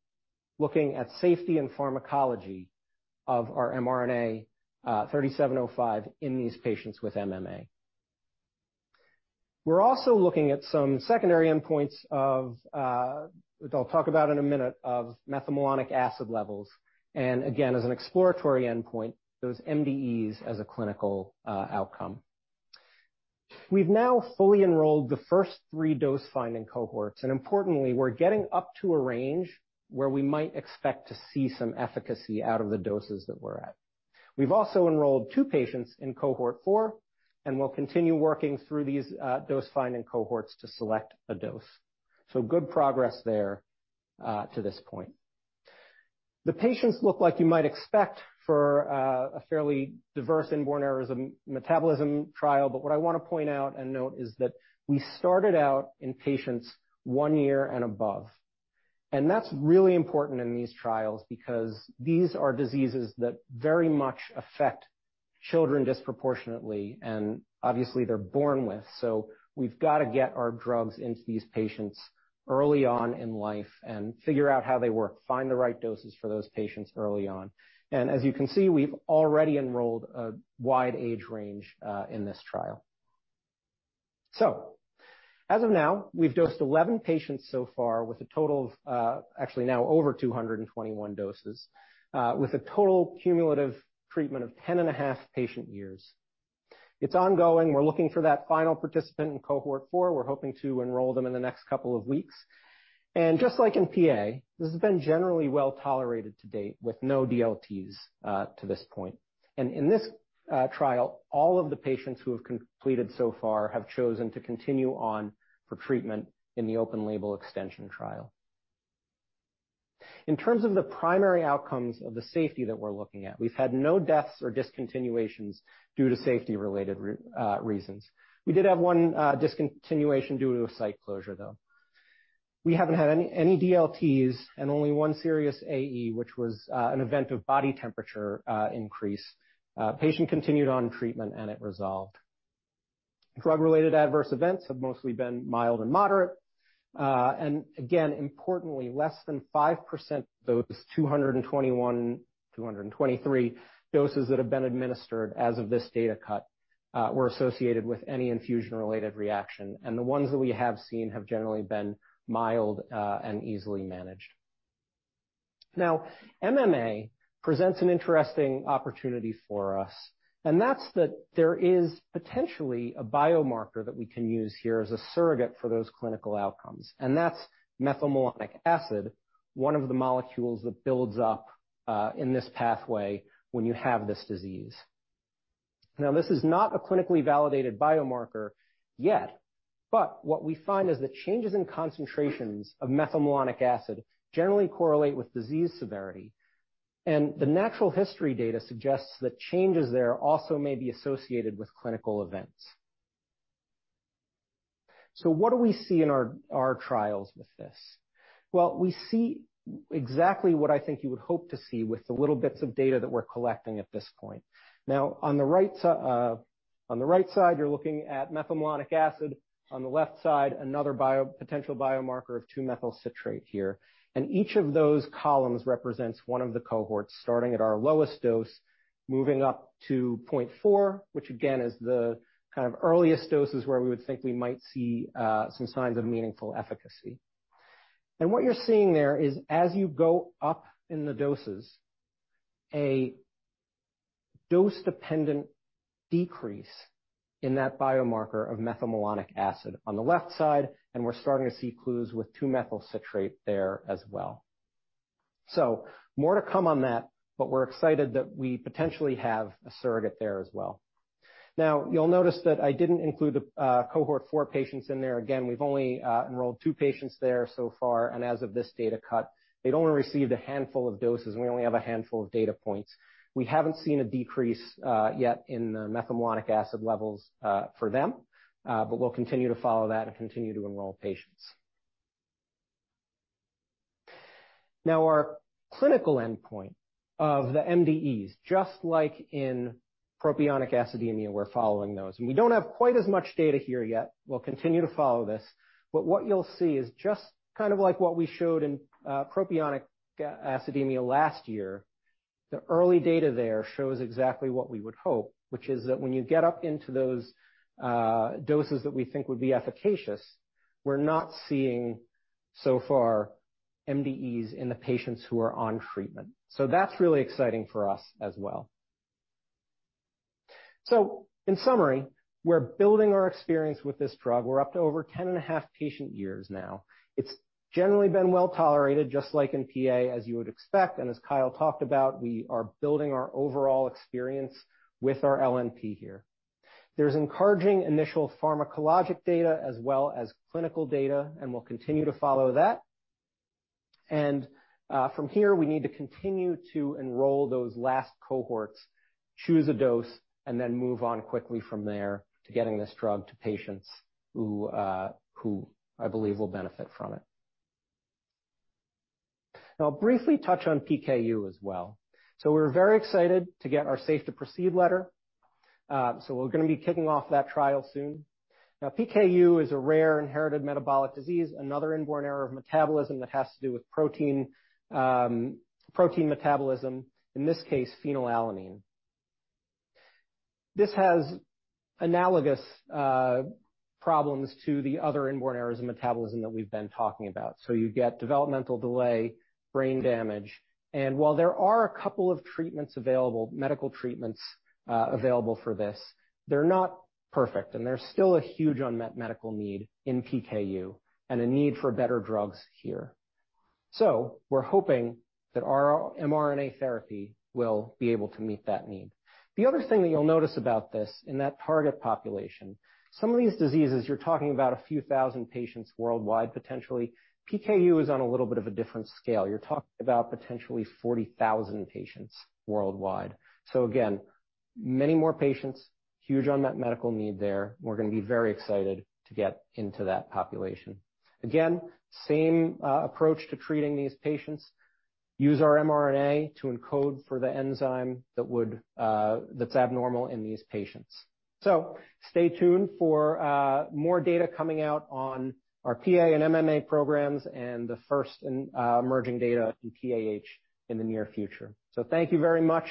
looking at safety and pharmacology of our mRNA-3705 in these patients with MMA. We're also looking at some secondary endpoints of, which I'll talk about in a minute, of methylmalonic acid levels, and again, as an exploratory endpoint, those MDEs as a clinical, outcome. We've now fully enrolled the first three dose-finding cohorts, and importantly, we're getting up to a range where we might expect to see some efficacy out of the doses that we're at. We've also enrolled 2 patients in cohort 4, and we'll continue working through these dose-finding cohorts to select a dose. So good progress there to this point. The patients look like you might expect for a fairly diverse inborn errors of metabolism trial, but what I want to point out and note is that we started out in patients 1 year and above. And that's really important in these trials because these are diseases that very much affect children disproportionately, and obviously, they're born with. So we've got to get our drugs into these patients early on in life and figure out how they work, find the right doses for those patients early on. And as you can see, we've already enrolled a wide age range in this trial. As of now, we've dosed 11 patients so far with a total of, actually now over 221 doses, with a total cumulative treatment of 10.5 patient years. It's ongoing. We're looking for that final participant in cohort 4. We're hoping to enroll them in the next couple of weeks. And just like in PA, this has been generally well tolerated to date, with no DLTs to this point. And in this trial, all of the patients who have completed so far have chosen to continue on for treatment in the open label extension trial. In terms of the primary outcomes of the safety that we're looking at, we've had no deaths or discontinuations due to safety-related reasons. We did have 1 discontinuation due to a site closure, though. We haven't had any DLTs and only one serious AE, which was an event of body temperature increase. Patient continued on treatment, and it resolved. Drug-related adverse events have mostly been mild and moderate. And again, importantly, less than 5% of those 221-223 doses that have been administered as of this data cut were associated with any infusion-related reaction, and the ones that we have seen have generally been mild and easily managed. Now, MMA presents an interesting opportunity for us, and that's that there is potentially a biomarker that we can use here as a surrogate for those clinical outcomes, and that's methylmalonic acid, one of the molecules that builds up in this pathway when you have this disease. Now, this is not a clinically validated biomarker yet, but what we find is that changes in concentrations of methylmalonic acid generally correlate with disease severity, and the natural history data suggests that changes there also may be associated with clinical events. So what do we see in our trials with this? Well, we see exactly what I think you would hope to see with the little bits of data that we're collecting at this point. Now, on the right side, you're looking at methylmalonic acid. On the left side, another potential biomarker of 2-methylcitrate here. And each of those columns represents one of the cohorts, starting at our lowest dose, moving up to 0.4, which again, is the kind of earliest doses where we would think we might see some signs of meaningful efficacy. What you're seeing there is as you go up in the doses, a dose-dependent decrease in that biomarker of methylmalonic acid on the left side, and we're starting to see clues with 2-methylcitrate there as well. More to come on that, but we're excited that we potentially have a surrogate there as well. Now, you'll notice that I didn't include the cohort four patients in there. Again, we've only enrolled two patients there so far, and as of this data cut, they'd only received a handful of doses, and we only have a handful of data points. We haven't seen a decrease yet in the methylmalonic acid levels for them, but we'll continue to follow that and continue to enroll patients. Now, our clinical endpoint of the MDEs, just like in propionic acidemia, we're following those. We don't have quite as much data here yet. We'll continue to follow this, but what you'll see is just kind of like what we showed in propionic acidemia last year. The early data there shows exactly what we would hope, which is that when you get up into those doses that we think would be efficacious, we're not seeing, so far, MDEs in the patients who are on treatment. So that's really exciting for us as well... So in summary, we're building our experience with this drug. We're up to over 10.5 patient years now. It's generally been well tolerated, just like in PA, as you would expect, and as Kyle talked about, we are building our overall experience with our LNP here. There's encouraging initial pharmacologic data as well as clinical data, and we'll continue to follow that. And, from here, we need to continue to enroll those last cohorts, choose a dose, and then move on quickly from there to getting this drug to patients who I believe will benefit from it. Now, I'll briefly touch on PKU as well. So we're very excited to get our Safe to Proceed letter. So we're gonna be kicking off that trial soon. Now, PKU is a rare inherited metabolic disease, another inborn error of metabolism that has to do with protein, protein metabolism, in this case, phenylalanine. This has analogous problems to the other inborn errors of metabolism that we've been talking about. So you get developmental delay, brain damage, and while there are a couple of treatments available, medical treatments, available for this, they're not perfect, and there's still a huge unmet medical need in PKU and a need for better drugs here. So we're hoping that our mRNA therapy will be able to meet that need. The other thing that you'll notice about this in that target population, some of these diseases, you're talking about a few thousand patients worldwide, potentially. PKU is on a little bit of a different scale. You're talking about potentially 40,000 patients worldwide. So again, many more patients, huge unmet medical need there. We're gonna be very excited to get into that population. Again, same, approach to treating these patients, use our mRNA to encode for the enzyme that would, that's abnormal in these patients. So stay tuned for more data coming out on our PA and MMA programs and the first emerging data in PAH in the near future. So thank you very much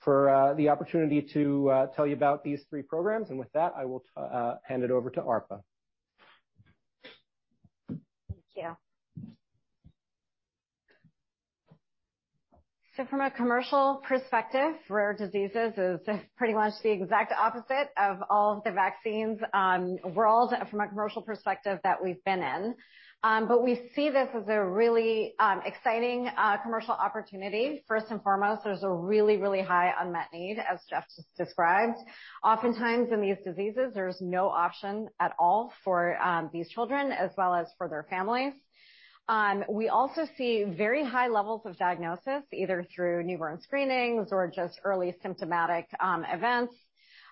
for the opportunity to tell you about these three programs, and with that, I will hand it over to Arpa. Thank you. So from a commercial perspective, rare diseases is just pretty much the exact opposite of all the vaccines, world from a commercial perspective that we've been in. But we see this as a really, exciting, commercial opportunity. First and foremost, there's a really, really high unmet need, as Geoff just described. Oftentimes in these diseases, there's no option at all for, these children as well as for their families. We also see very high levels of diagnosis, either through newborn screenings or just early symptomatic, events.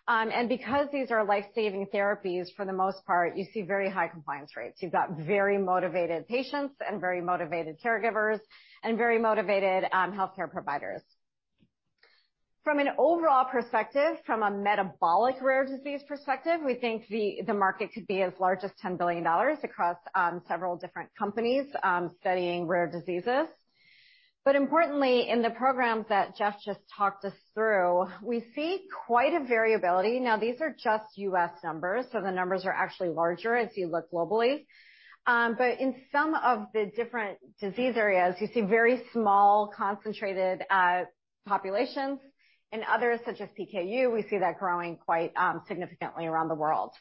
And because these are life-saving therapies, for the most part, you see very high compliance rates. You've got very motivated patients and very motivated caregivers and very motivated, healthcare providers. From an overall perspective, from a metabolic rare disease perspective, we think the market could be as large as $10 billion across several different companies studying rare diseases. But importantly, in the programs that Geoff just talked us through, we see quite a variability. Now, these are just U.S. numbers, so the numbers are actually larger as you look globally. But in some of the different disease areas, you see very small, concentrated populations. In others, such as PKU, we see that growing quite significantly around the world.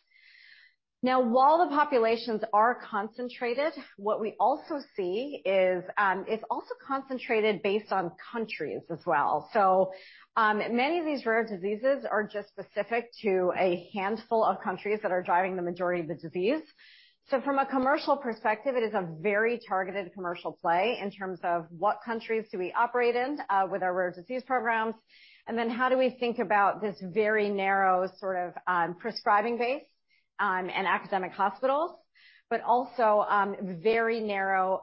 Now, while the populations are concentrated, what we also see is it's also concentrated based on countries as well. So, many of these rare diseases are just specific to a handful of countries that are driving the majority of the disease. So from a commercial perspective, it is a very targeted commercial play in terms of what countries do we operate in, with our rare disease programs, and then how do we think about this very narrow sort of, prescribing base, and academic hospitals, but also, very narrow,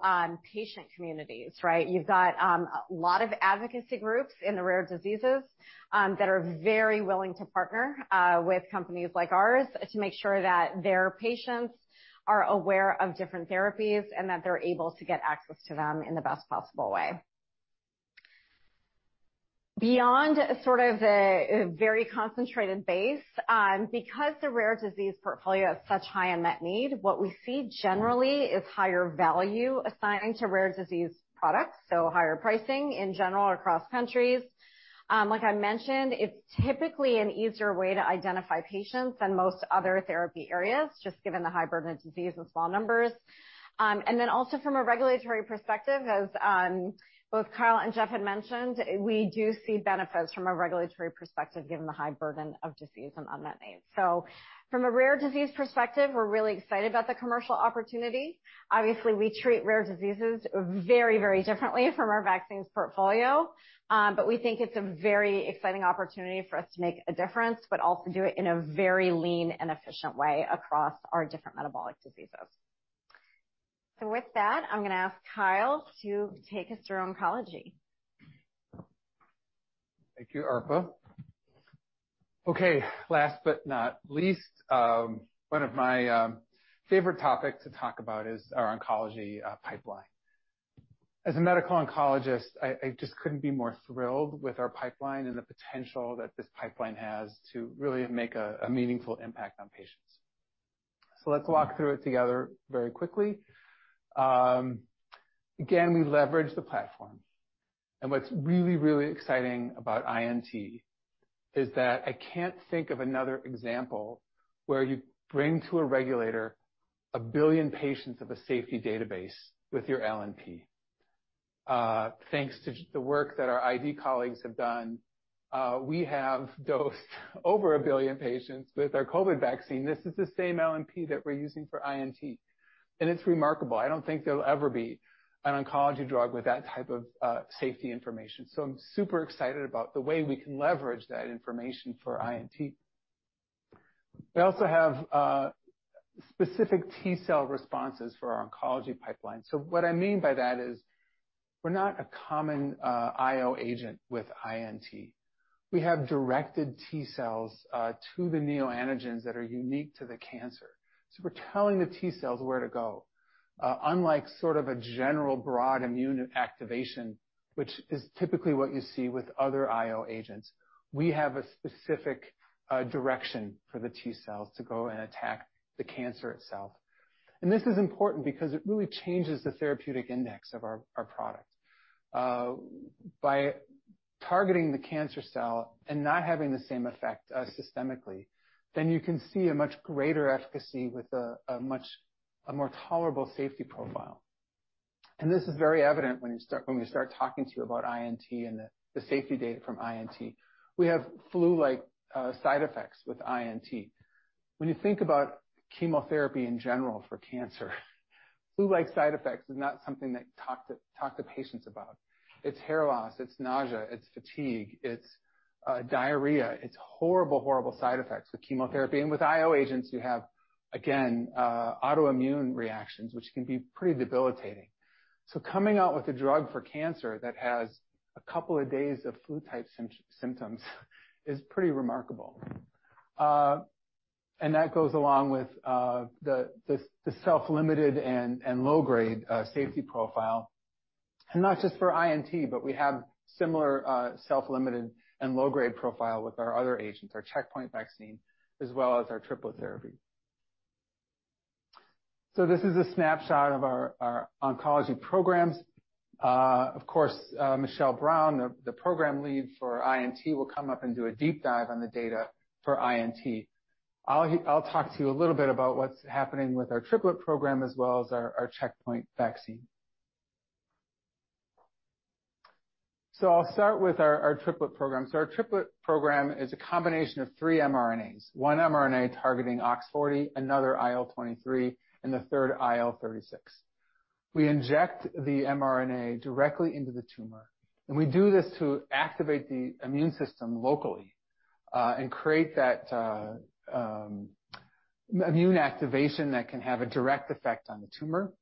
patient communities, right? You've got, a lot of advocacy groups in the rare diseases, that are very willing to partner, with companies like ours to make sure that their patients are aware of different therapies and that they're able to get access to them in the best possible way. Beyond sort of a, a very concentrated base, because the rare disease portfolio has such high unmet need, what we see generally is higher value assigned to rare disease products, so higher pricing in general across countries. Like I mentioned, it's typically an easier way to identify patients than most other therapy areas, just given the high burden of disease and small numbers. And then also from a regulatory perspective, as, both Kyle and Geoff had mentioned, we do see benefits from a regulatory perspective, given the high burden of disease and unmet needs. So from a rare disease perspective, we're really excited about the commercial opportunity. Obviously, we treat rare diseases very, very differently from our vaccines portfolio, but we think it's a very exciting opportunity for us to make a difference, but also do it in a very lean and efficient way across our different metabolic diseases. So with that, I'm gonna ask Kyle to take us through oncology. Thank you, Arpa. Okay, last but not least, one of my favorite topics to talk about is our oncology pipeline. As a medical oncologist, I just couldn't be more thrilled with our pipeline and the potential that this pipeline has to really make a meaningful impact on patients. So let's walk through it together very quickly. Again, we leverage the platform, and what's really, really exciting about INT is that I can't think of another example where you bring to a regulator 1 billion patients of a safety database with your LNP. Thanks to the work that our ID colleagues have done, we have dosed over 1 billion patients with our COVID vaccine. This is the same LNP that we're using for INT, and it's remarkable. I don't think there'll ever be an oncology drug with that type of safety information, so I'm super excited about the way we can leverage that information for INT. We also have specific T-cell responses for our oncology pipeline. So what I mean by that is, we're not a common IO agent with INT. We have directed T-cells to the neoantigens that are unique to the cancer. So we're telling the T-cells where to go, unlike sort of a general broad immune activation, which is typically what you see with other IO agents, we have a specific direction for the T-cells to go and attack the cancer itself. And this is important because it really changes the therapeutic index of our product. By targeting the cancer cell and not having the same effect systemically, then you can see a much greater efficacy with a much more tolerable safety profile. And this is very evident when we start talking to you about INT and the safety data from INT. We have flu-like side effects with INT. When you think about chemotherapy in general for cancer, flu-like side effects is not something that you talk to patients about. It's hair loss, it's nausea, it's fatigue, it's diarrhea. It's horrible, horrible side effects with chemotherapy. And with IO agents, you have, again, autoimmune reactions, which can be pretty debilitating. So coming out with a drug for cancer that has a couple of days of flu-type symptoms is pretty remarkable. And that goes along with the self-limited and low-grade safety profile, and not just for INT, but we have similar self-limited and low-grade profile with our other agents, our checkpoint vaccine, as well as our triple therapy. So this is a snapshot of our oncology programs. Of course, Michelle Brown, the program lead for INT, will come up and do a deep dive on the data for INT. I'll talk to you a little bit about what's happening with our triplet program as well as our checkpoint vaccine. So I'll start with our triplet program. So our triplet program is a combination of three mRNAs, one mRNA targeting OX40, another IL-23, and the third IL-36. We inject the mRNA directly into the tumor, and we do this to activate the immune system locally, and create that immune activation that can have a direct effect on the tumor.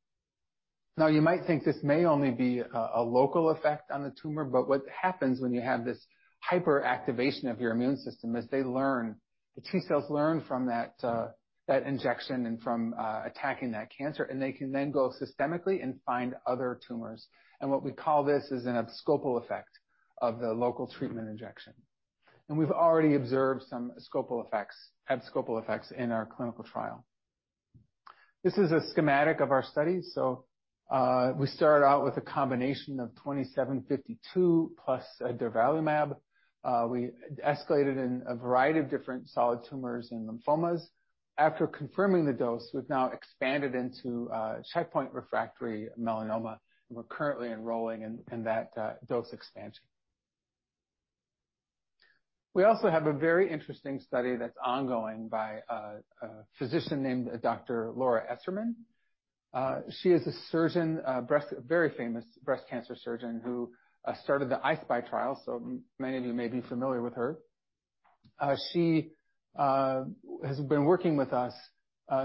Now, you might think this may only be a local effect on the tumor, but what happens when you have this hyperactivation of your immune system is they learn, the T-cells learn from that, that injection and from attacking that cancer, and they can then go systemically and find other tumors. And what we call this is an abscopal effect of the local treatment injection. And we've already observed some abscopal effects, abscopal effects in our clinical trial. This is a schematic of our study. So, we started out with a combination of 2752 plus durvalumab. We escalated in a variety of different solid tumors and lymphomas. After confirming the dose, we've now expanded into checkpoint refractory melanoma, and we're currently enrolling in, in that dose expansion. We also have a very interesting study that's ongoing by a physician named Dr. Laura Esserman. She is a surgeon, a very famous breast cancer surgeon who started the I-SPY trial, so many of you may be familiar with her. She has been working with us,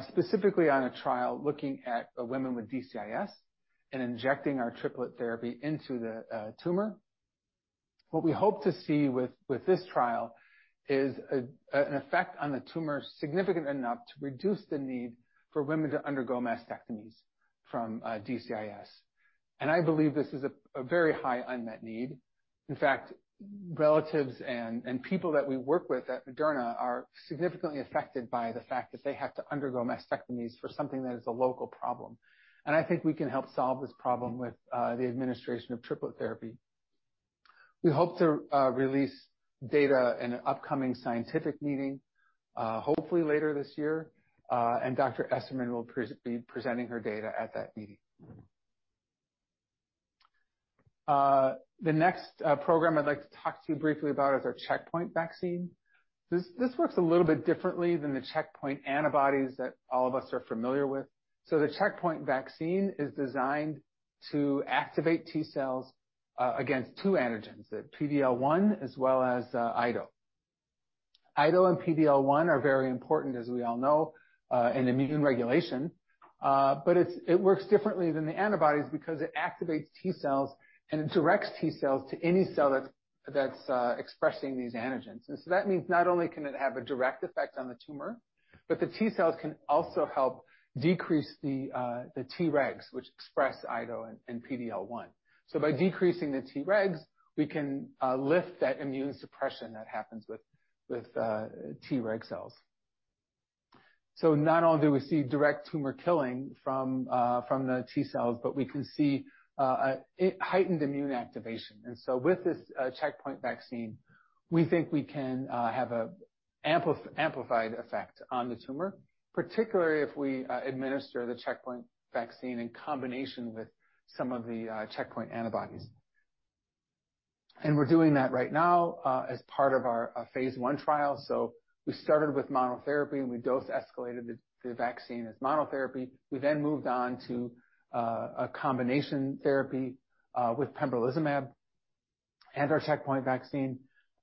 specifically on a trial looking at women with DCIS and injecting our triplet therapy into the tumor. What we hope to see with this trial is an effect on the tumor, significant enough to reduce the need for women to undergo mastectomies from DCIS. I believe this is a very high unmet need. In fact, relatives and people that we work with at Moderna are significantly affected by the fact that they have to undergo mastectomies for something that is a local problem. I think we can help solve this problem with the administration of triplet therapy. We hope to release data in an upcoming scientific meeting, hopefully later this year, and Dr. Esserman will be presenting her data at that meeting. The next program I'd like to talk to you briefly about is our checkpoint vaccine. This works a little bit differently than the checkpoint antibodies that all of us are familiar with. The checkpoint vaccine is designed to activate T-cells against two antigens, the PD-L1 as well as IDO. IDO and PD-L1 are very important, as we all know, in immune regulation. But it works differently than the antibodies because it activates T-cells, and it directs T-cells to any cell that's expressing these antigens. And so that means not only can it have a direct effect on the tumor, but the T-cells can also help decrease the Tregs, which express IDO and PD-L1. So by decreasing the Tregs, we can lift that immune suppression that happens with Treg cells. So not only do we see direct tumor killing from the T-cells, but we can see a heightened immune activation. And so with this checkpoint vaccine, we think we can have an amplified effect on the tumor, particularly if we administer the checkpoint vaccine in combination with some of the checkpoint antibodies. And we're doing that right now as part of our phase one trial. So we started with monotherapy, and we dose escalated the vaccine as monotherapy. We then moved on to a combination therapy with pembrolizumab and our checkpoint vaccine,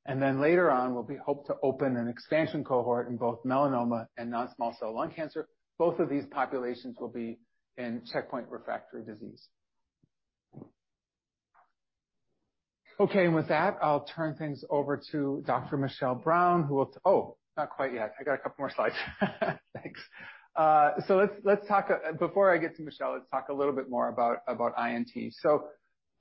and then later on, we'll be hope to open an expansion cohort in both melanoma and non-small cell lung cancer. Both of these populations will be in checkpoint refractory disease. Okay, and with that, I'll turn things over to Dr. Michelle Brown, who will. Oh, not quite yet. I got a couple more slides. Thanks. So let's talk. Before I get to Michelle, let's talk a little bit more about INT. So,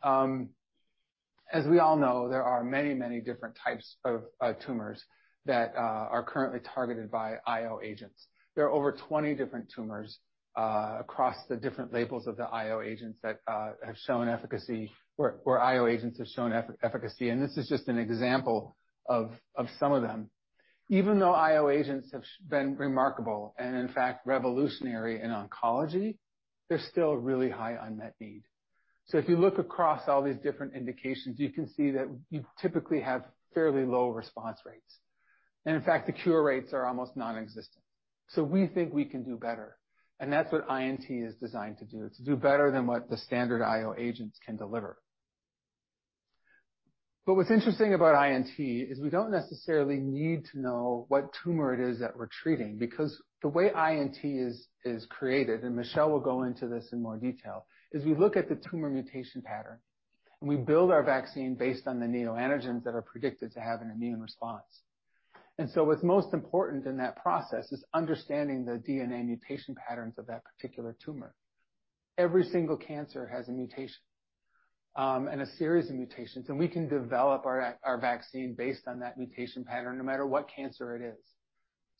as we all know, there are many, many different types of tumors that are currently targeted by IO agents. There are over 20 different tumors across the different labels of the IO agents that have shown efficacy, where IO agents have shown efficacy, and this is just an example of some of them. Even though IO agents have been remarkable and, in fact, revolutionary in oncology, there's still a really high unmet need. So if you look across all these different indications, you can see that you typically have fairly low response rates, and in fact, the cure rates are almost nonexistent. So we think we can do better, and that's what INT is designed to do, to do better than what the standard IO agents can deliver. But what's interesting about INT is we don't necessarily need to know what tumor it is that we're treating, because the way INT is created, and Michelle will go into this in more detail, is we look at the tumor mutation pattern, and we build our vaccine based on the neoantigens that are predicted to have an immune response. And so what's most important in that process is understanding the DNA mutation patterns of that particular tumor. Every single cancer has a mutation and a series of mutations, and we can develop our vaccine based on that mutation pattern, no matter what cancer it is.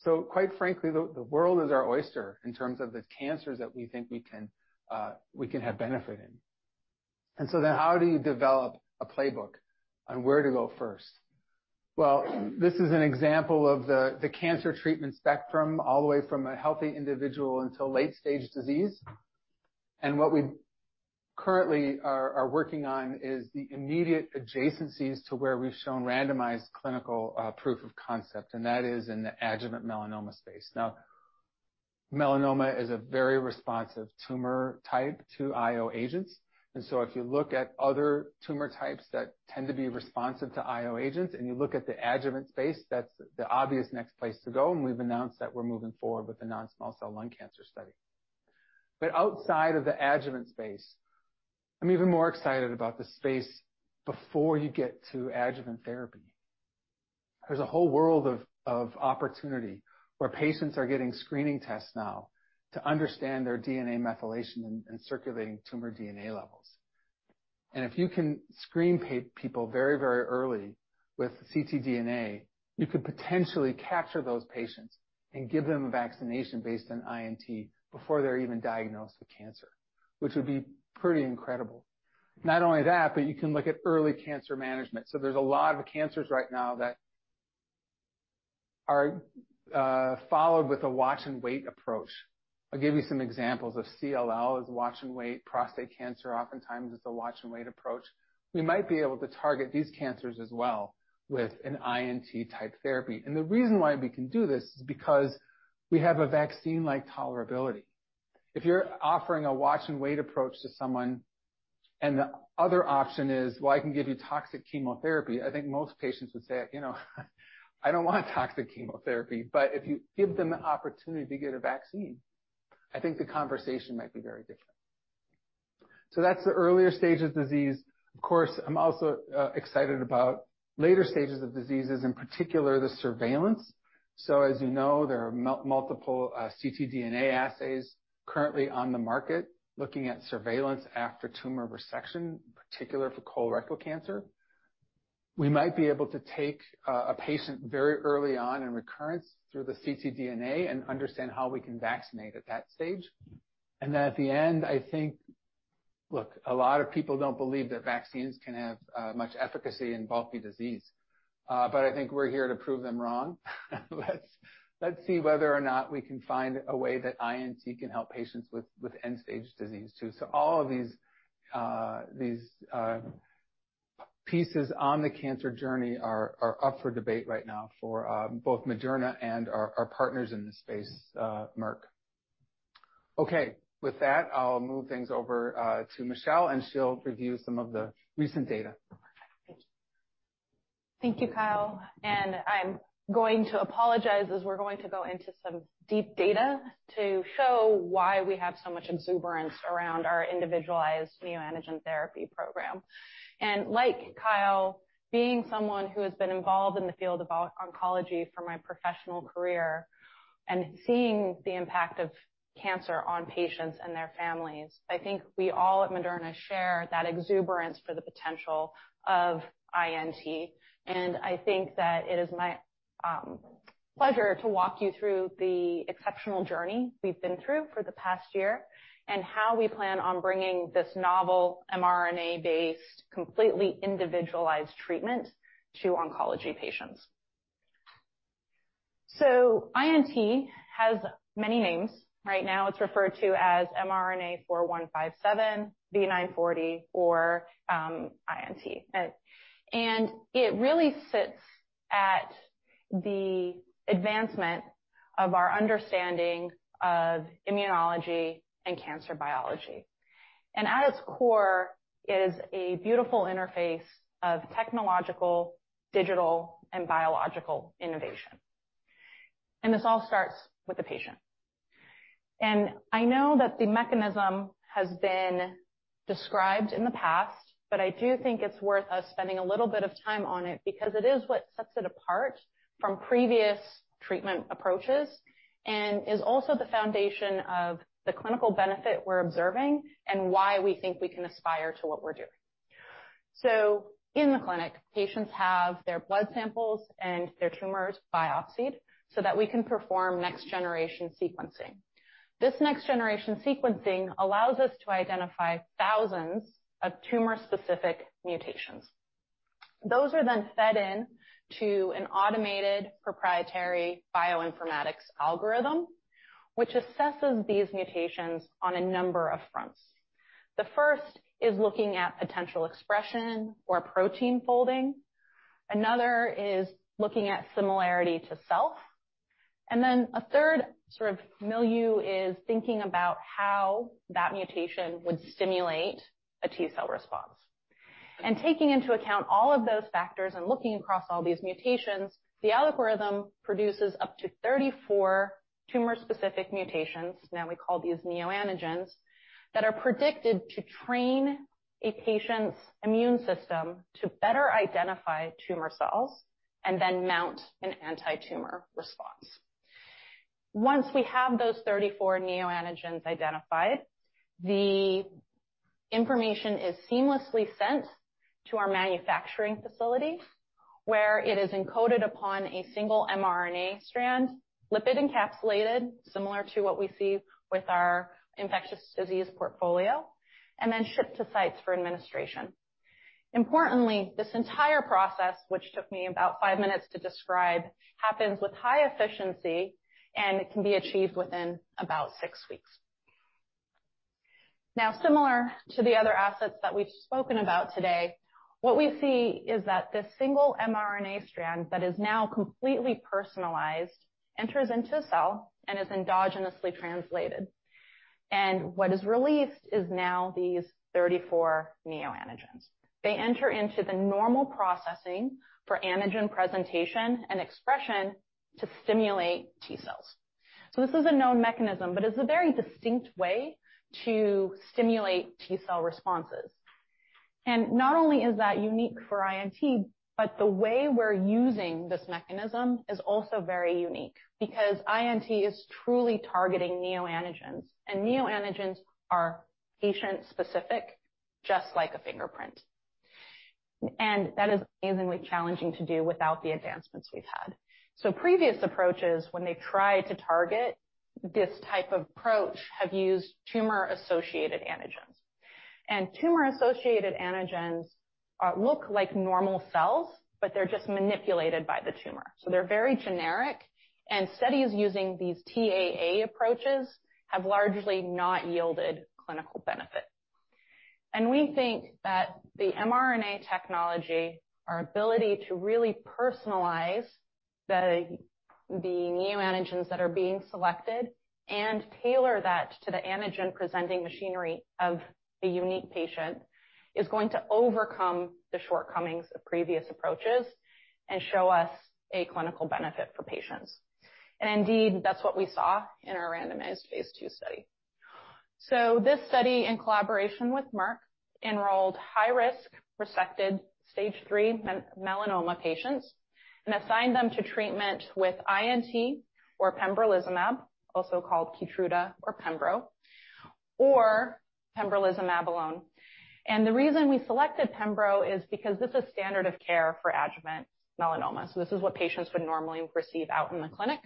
So quite frankly, the world is our oyster in terms of the cancers that we think we can have benefit in. And so then how do you develop a playbook on where to go first? Well, this is an example of the cancer treatment spectrum, all the way from a healthy individual until late-stage disease. And what we currently are working on is the immediate adjacencies to where we've shown randomized clinical proof of concept, and that is in the adjuvant melanoma space. Now, melanoma is a very responsive tumor type to IO agents, and so if you look at other tumor types that tend to be responsive to IO agents, and you look at the adjuvant space, that's the obvious next place to go, and we've announced that we're moving forward with a non-small cell lung cancer study. But outside of the adjuvant space, I'm even more excited about the space before you get to adjuvant therapy. There's a whole world of opportunity where patients are getting screening tests now to understand their DNA methylation and circulating tumor DNA levels. And if you can screen people very, very early with ctDNA, you could potentially capture those patients and give them a vaccination based on INT before they're even diagnosed with cancer, which would be pretty incredible. Not only that, but you can look at early cancer management. So there's a lot of cancers right now that are followed with a watch and wait approach. I'll give you some examples of CLL is watch and wait, prostate cancer oftentimes is a watch and wait approach. We might be able to target these cancers as well with an INT-type therapy. And the reason why we can do this is because we have a vaccine-like tolerability. If you're offering a watch and wait approach to someone, and the other option is, "Well, I can give you toxic chemotherapy," I think most patients would say, "You know, I don't want toxic chemotherapy." But if you give them the opportunity to get a vaccine, I think the conversation might be very different. So that's the earlier stages of disease. Of course, I'm also excited about later stages of diseases, in particular, the surveillance. So as you know, there are multiple ctDNA assays currently on the market looking at surveillance after tumor resection, in particular for colorectal cancer. We might be able to take a patient very early on in recurrence through the ctDNA and understand how we can vaccinate at that stage. And then at the end, I think Look, a lot of people don't believe that vaccines can have much efficacy in bulky disease, but I think we're here to prove them wrong. Let's see whether or not we can find a way that INT can help patients with end-stage disease, too. So all of these pieces on the cancer journey are up for debate right now for both Moderna and our partners in this space, Merck. Okay. With that, I'll move things over to Michelle, and she'll review some of the recent data. Thank you, Kyle. I'm going to apologize as we're going to go into some deep data to show why we have so much exuberance around our individualized neoantigen therapy program. Like Kyle, being someone who has been involved in the field of oncology for my professional career and seeing the impact of cancer on patients and their families, I think we all at Moderna share that exuberance for the potential of INT. I think that it is my pleasure to walk you through the exceptional journey we've been through for the past year and how we plan on bringing this novel mRNA-based, completely individualized treatment to oncology patients. So INT has many names. Right now, it's referred to as mRNA-4157, V940, or INT. It really sits at the advancement of our understanding of immunology and cancer biology. And at its core is a beautiful interface of technological, digital, and biological innovation. And this all starts with the patient. And I know that the mechanism has been described in the past, but I do think it's worth us spending a little bit of time on it because it is what sets it apart from previous treatment approaches, and is also the foundation of the clinical benefit we're observing and why we think we can aspire to what we're doing. So in the clinic, patients have their blood samples and their tumors biopsied so that we can perform next-generation sequencing. This next-generation sequencing allows us to identify thousands of tumor-specific mutations. Those are then fed into an automated proprietary bioinformatics algorithm, which assesses these mutations on a number of fronts. The first is looking at potential expression or protein folding. Another is looking at similarity to self. Then a third sort of milieu is thinking about how that mutation would stimulate a T-cell response. Taking into account all of those factors and looking across all these mutations, the algorithm produces up to 34 tumor-specific mutations, now we call these neoantigens, that are predicted to train a patient's immune system to better identify tumor cells and then mount an anti-tumor response. Once we have those 34 neoantigens identified, the information is seamlessly sent to our manufacturing facilities, where it is encoded upon a single mRNA strand, lipid encapsulated, similar to what we see with our infectious disease portfolio, and then shipped to sites for administration. Importantly, this entire process, which took me about five minutes to describe, happens with high efficiency, and it can be achieved within about six weeks. Now, similar to the other assets that we've spoken about today, what we see is that this single mRNA strand that is now completely personalized, enters into a cell and is endogenously translated, and what is released is now these 34 neoantigens. They enter into the normal processing for antigen presentation and expression to stimulate T-cells. So this is a known mechanism, but it's a very distinct way to stimulate T-cell responses. And not only is that unique for INT, but the way we're using this mechanism is also very unique because INT is truly targeting neoantigens, and neoantigens are patient-specific, just like a fingerprint. And that is amazingly challenging to do without the advancements we've had. So previous approaches, when they've tried to target this type of approach, have used tumor-associated antigens. Tumor-associated antigens look like normal cells, but they're just manipulated by the tumor, so they're very generic. Studies using these TAA approaches have largely not yielded clinical benefit. We think that the mRNA technology, our ability to really personalize the neoantigens that are being selected and tailor that to the antigen-presenting machinery of a unique patient, is going to overcome the shortcomings of previous approaches and show us a clinical benefit for patients. Indeed, that's what we saw in our randomized phase two study. This study, in collaboration with Merck, enrolled high-risk, resected stage three melanoma patients and assigned them to treatment with INT or pembrolizumab, also called Keytruda or pembro, or pembrolizumab alone. The reason we selected pembro is because this is standard of care for adjuvant melanoma, so this is what patients would normally receive out in the clinic.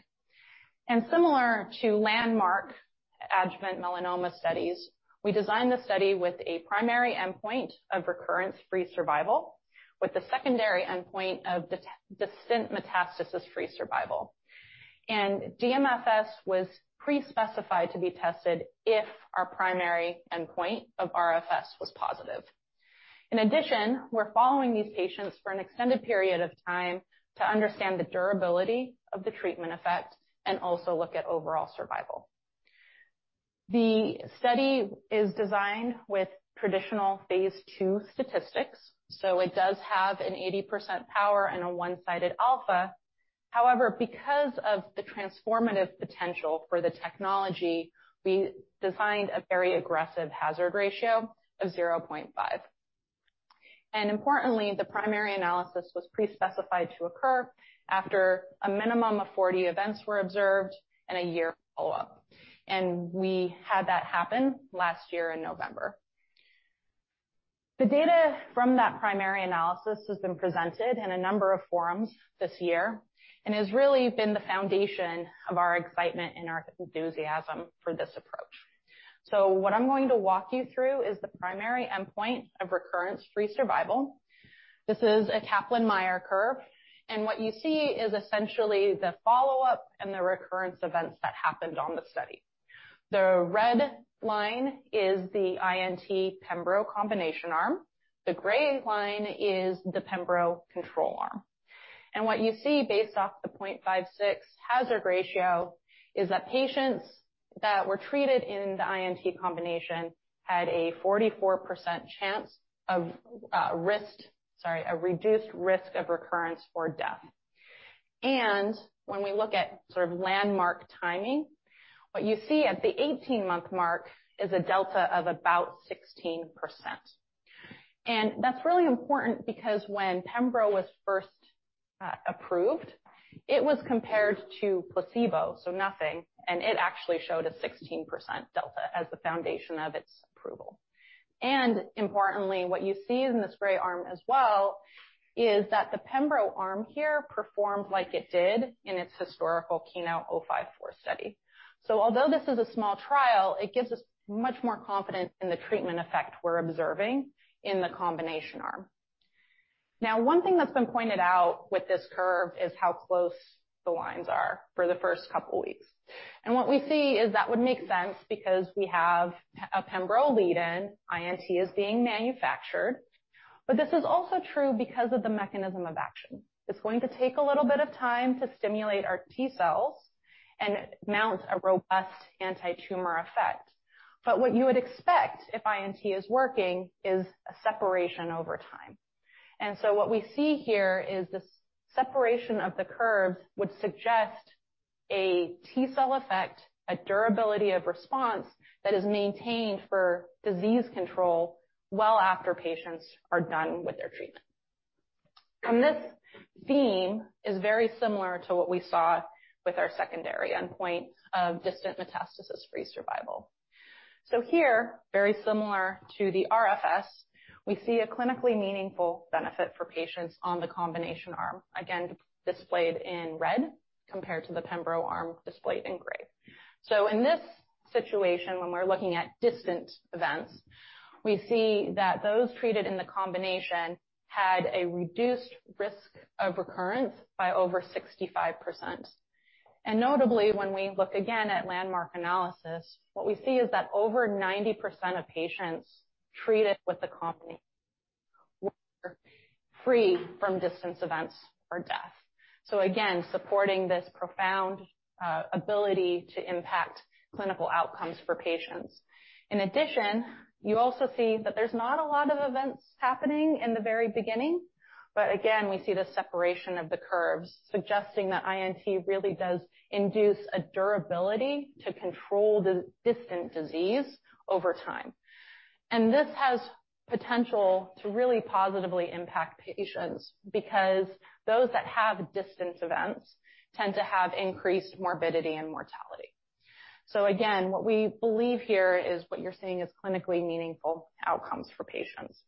Similar to Landmark adjuvant melanoma studies, we designed the study with a primary endpoint of recurrence-free survival, with the secondary endpoint of distant metastasis-free survival. DMFS was pre-specified to be tested if our primary endpoint of RFS was positive. In addition, we're following these patients for an extended period of time to understand the durability of the treatment effect and also look at overall survival. The study is designed with traditional phase II statistics, so it does have an 80% power and a one-sided alpha. However, because of the transformative potential for the technology, we designed a very aggressive hazard ratio of 0.5. Importantly, the primary analysis was pre-specified to occur after a minimum of 40 events were observed and a year follow-up, and we had that happen last year in November. The data from that primary analysis has been presented in a number of forums this year, and has really been the foundation of our excitement and our enthusiasm for this approach. What I'm going to walk you through is the primary endpoint of recurrence-free survival. This is a Kaplan-Meier curve, and what you see is essentially the follow-up and the recurrence events that happened on the study. The red line is the INT-pembro combination arm. The gray line is the pembro control arm. What you see, based off the 0.56 hazard ratio, is that patients that were treated in the INT combination had a 44% chance of risk, sorry, a reduced risk of recurrence or death. When we look at sort of Landmark timing, what you see at the 18-month mark is a delta of about 16%. That's really important because when pembro was first approved, it was compared to placebo, so nothing, and it actually showed a 16% delta as the foundation of its approval. Importantly, what you see in this gray arm as well, is that the pembro arm here performed like it did in its historical KEYNOTE-054 study. So although this is a small trial, it gives us much more confidence in the treatment effect we're observing in the combination arm. Now, one thing that's been pointed out with this curve is how close the lines are for the first couple of weeks. What we see is that would make sense because we have a pembro lead-in, INT is being manufactured, but this is also true because of the mechanism of action. It's going to take a little bit of time to stimulate our T-cells and mount a robust antitumor effect. What you would expect, if INT is working, is a separation over time. So what we see here is this separation of the curves, would suggest a T-cell effect, a durability of response that is maintained for disease control well after patients are done with their treatment. This theme is very similar to what we saw with our secondary endpoint of distant metastasis-free survival. So here, very similar to the RFS, we see a clinically meaningful benefit for patients on the combination arm, again, displayed in red, compared to the pembro arm displayed in gray. So in this situation, when we're looking at distant events, we see that those treated in the combination had a reduced risk of recurrence by over 65%. And notably, when we look again at Landmark analysis, what we see is that over 90% of patients treated with the combination were free from distant events or death. So again, supporting this profound ability to impact clinical outcomes for patients. In addition, you also see that there's not a lot of events happening in the very beginning, but again, we see the separation of the curves, suggesting that INT really does induce a durability to control the distant disease over time. This has potential to really positively impact patients because those that have distant events tend to have increased morbidity and mortality. So again, what we believe here is what you're seeing is clinically meaningful outcomes for patients.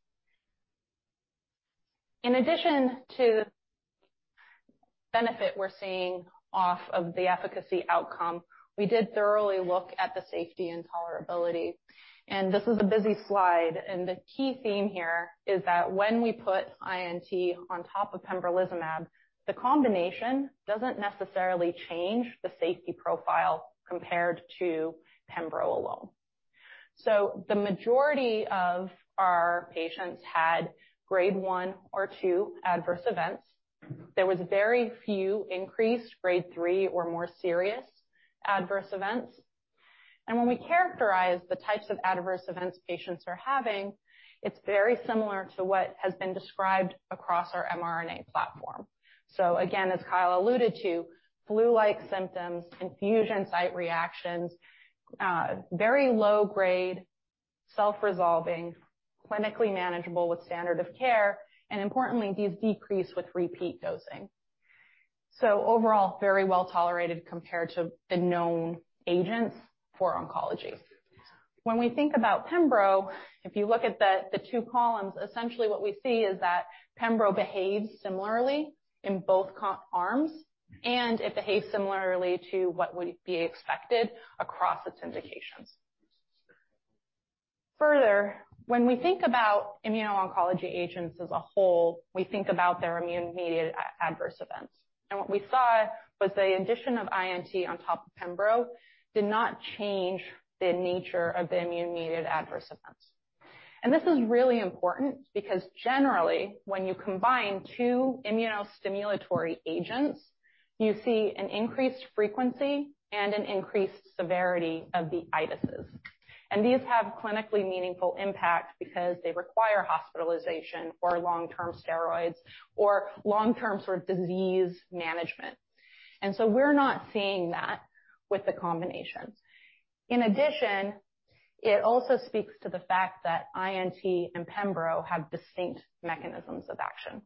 In addition to the benefit we're seeing off of the efficacy outcome, we did thoroughly look at the safety and tolerability, and this is a busy slide, and the key theme here is that when we put INT on top of pembrolizumab, the combination doesn't necessarily change the safety profile compared to pembro alone. So the majority of our patients had Grade 1 or 2 adverse events. There was very few increased Grade 3 or more serious adverse events. And when we characterize the types of adverse events patients are having, it's very similar to what has been described across our mRNA platform. So again, as Kyle alluded to, flu-like symptoms, infusion site reactions, very low grade, self-resolving, clinically manageable with standard of care, and importantly, these decrease with repeat dosing. So overall, very well tolerated compared to the known agents for oncology. When we think about pembro, if you look at the two columns, essentially what we see is that pembro behaves similarly in both arms, and it behaves similarly to what would be expected across its indications. Further, when we think about immuno-oncology agents as a whole, we think about their immune-mediated adverse events. And what we saw was the addition of INT on top of pembro did not change the nature of the immune-mediated adverse events. And this is really important because generally, when you combine two immuno-stimulatory agents, you see an increased frequency and an increased severity of the itises. These have clinically meaningful impact because they require hospitalization or long-term steroids, or long-term sort of disease management. So we're not seeing that with the combinations. In addition, it also speaks to the fact that INT and pembro have distinct mechanisms of action.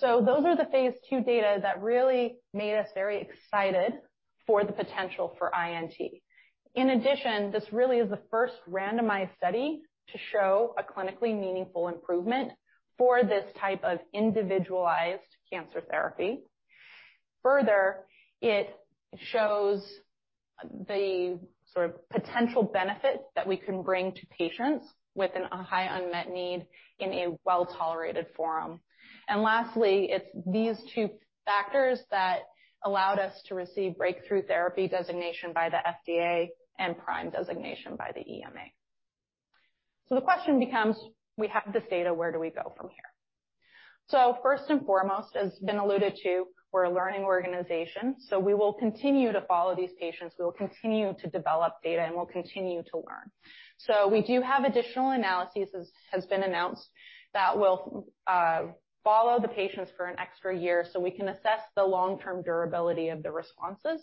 Those are the phase II data that really made us very excited for the potential for INT. In addition, this really is the first randomized study to show a clinically meaningful improvement for this type of individualized cancer therapy. Further, it shows the sort of potential benefit that we can bring to patients with a high unmet need in a well-tolerated form. Lastly, it's these two factors that allowed us to receive breakthrough therapy designation by the FDA and PRIME designation by the EMA. So the question becomes: we have this data, where do we go from here? So first and foremost, as has been alluded to, we're a learning organization, so we will continue to follow these patients. We will continue to develop data, and we'll continue to learn. So we do have additional analyses, as has been announced, that will follow the patients for an extra year, so we can assess the long-term durability of the responses.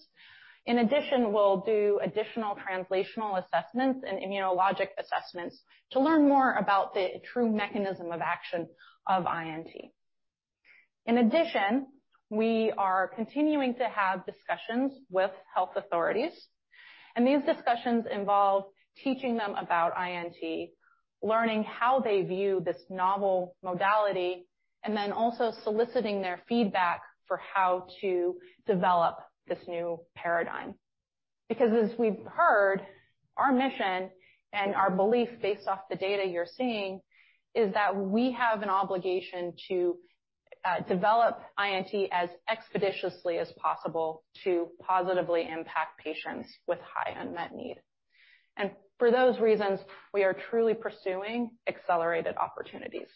In addition, we'll do additional translational assessments and immunologic assessments to learn more about the true mechanism of action of INT. In addition, we are continuing to have discussions with health authorities, and these discussions involve teaching them about INT, learning how they view this novel modality, and then also soliciting their feedback for how to develop this new paradigm. Because as we've heard, our mission and our belief, based off the data you're seeing, is that we have an obligation to develop INT as expeditiously as possible to positively impact patients with high unmet need. And for those reasons, we are truly pursuing accelerated opportunities.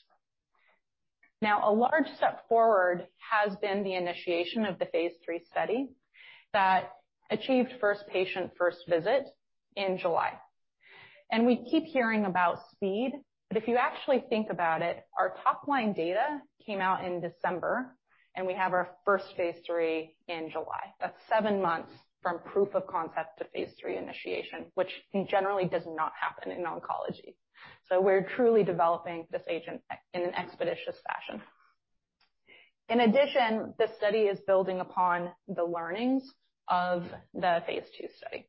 Now, a large step forward has been the initiation of the phase III study that achieved first patient, first visit in July. And we keep hearing about speed, but if you actually think about it, our top-line data came out in December, and we have our first phase III in July. That's seven months from proof of concept to phase III initiation, which generally does not happen in oncology. So we're truly developing this agent in an expeditious fashion. In addition, this study is building upon the learnings of the phase II study.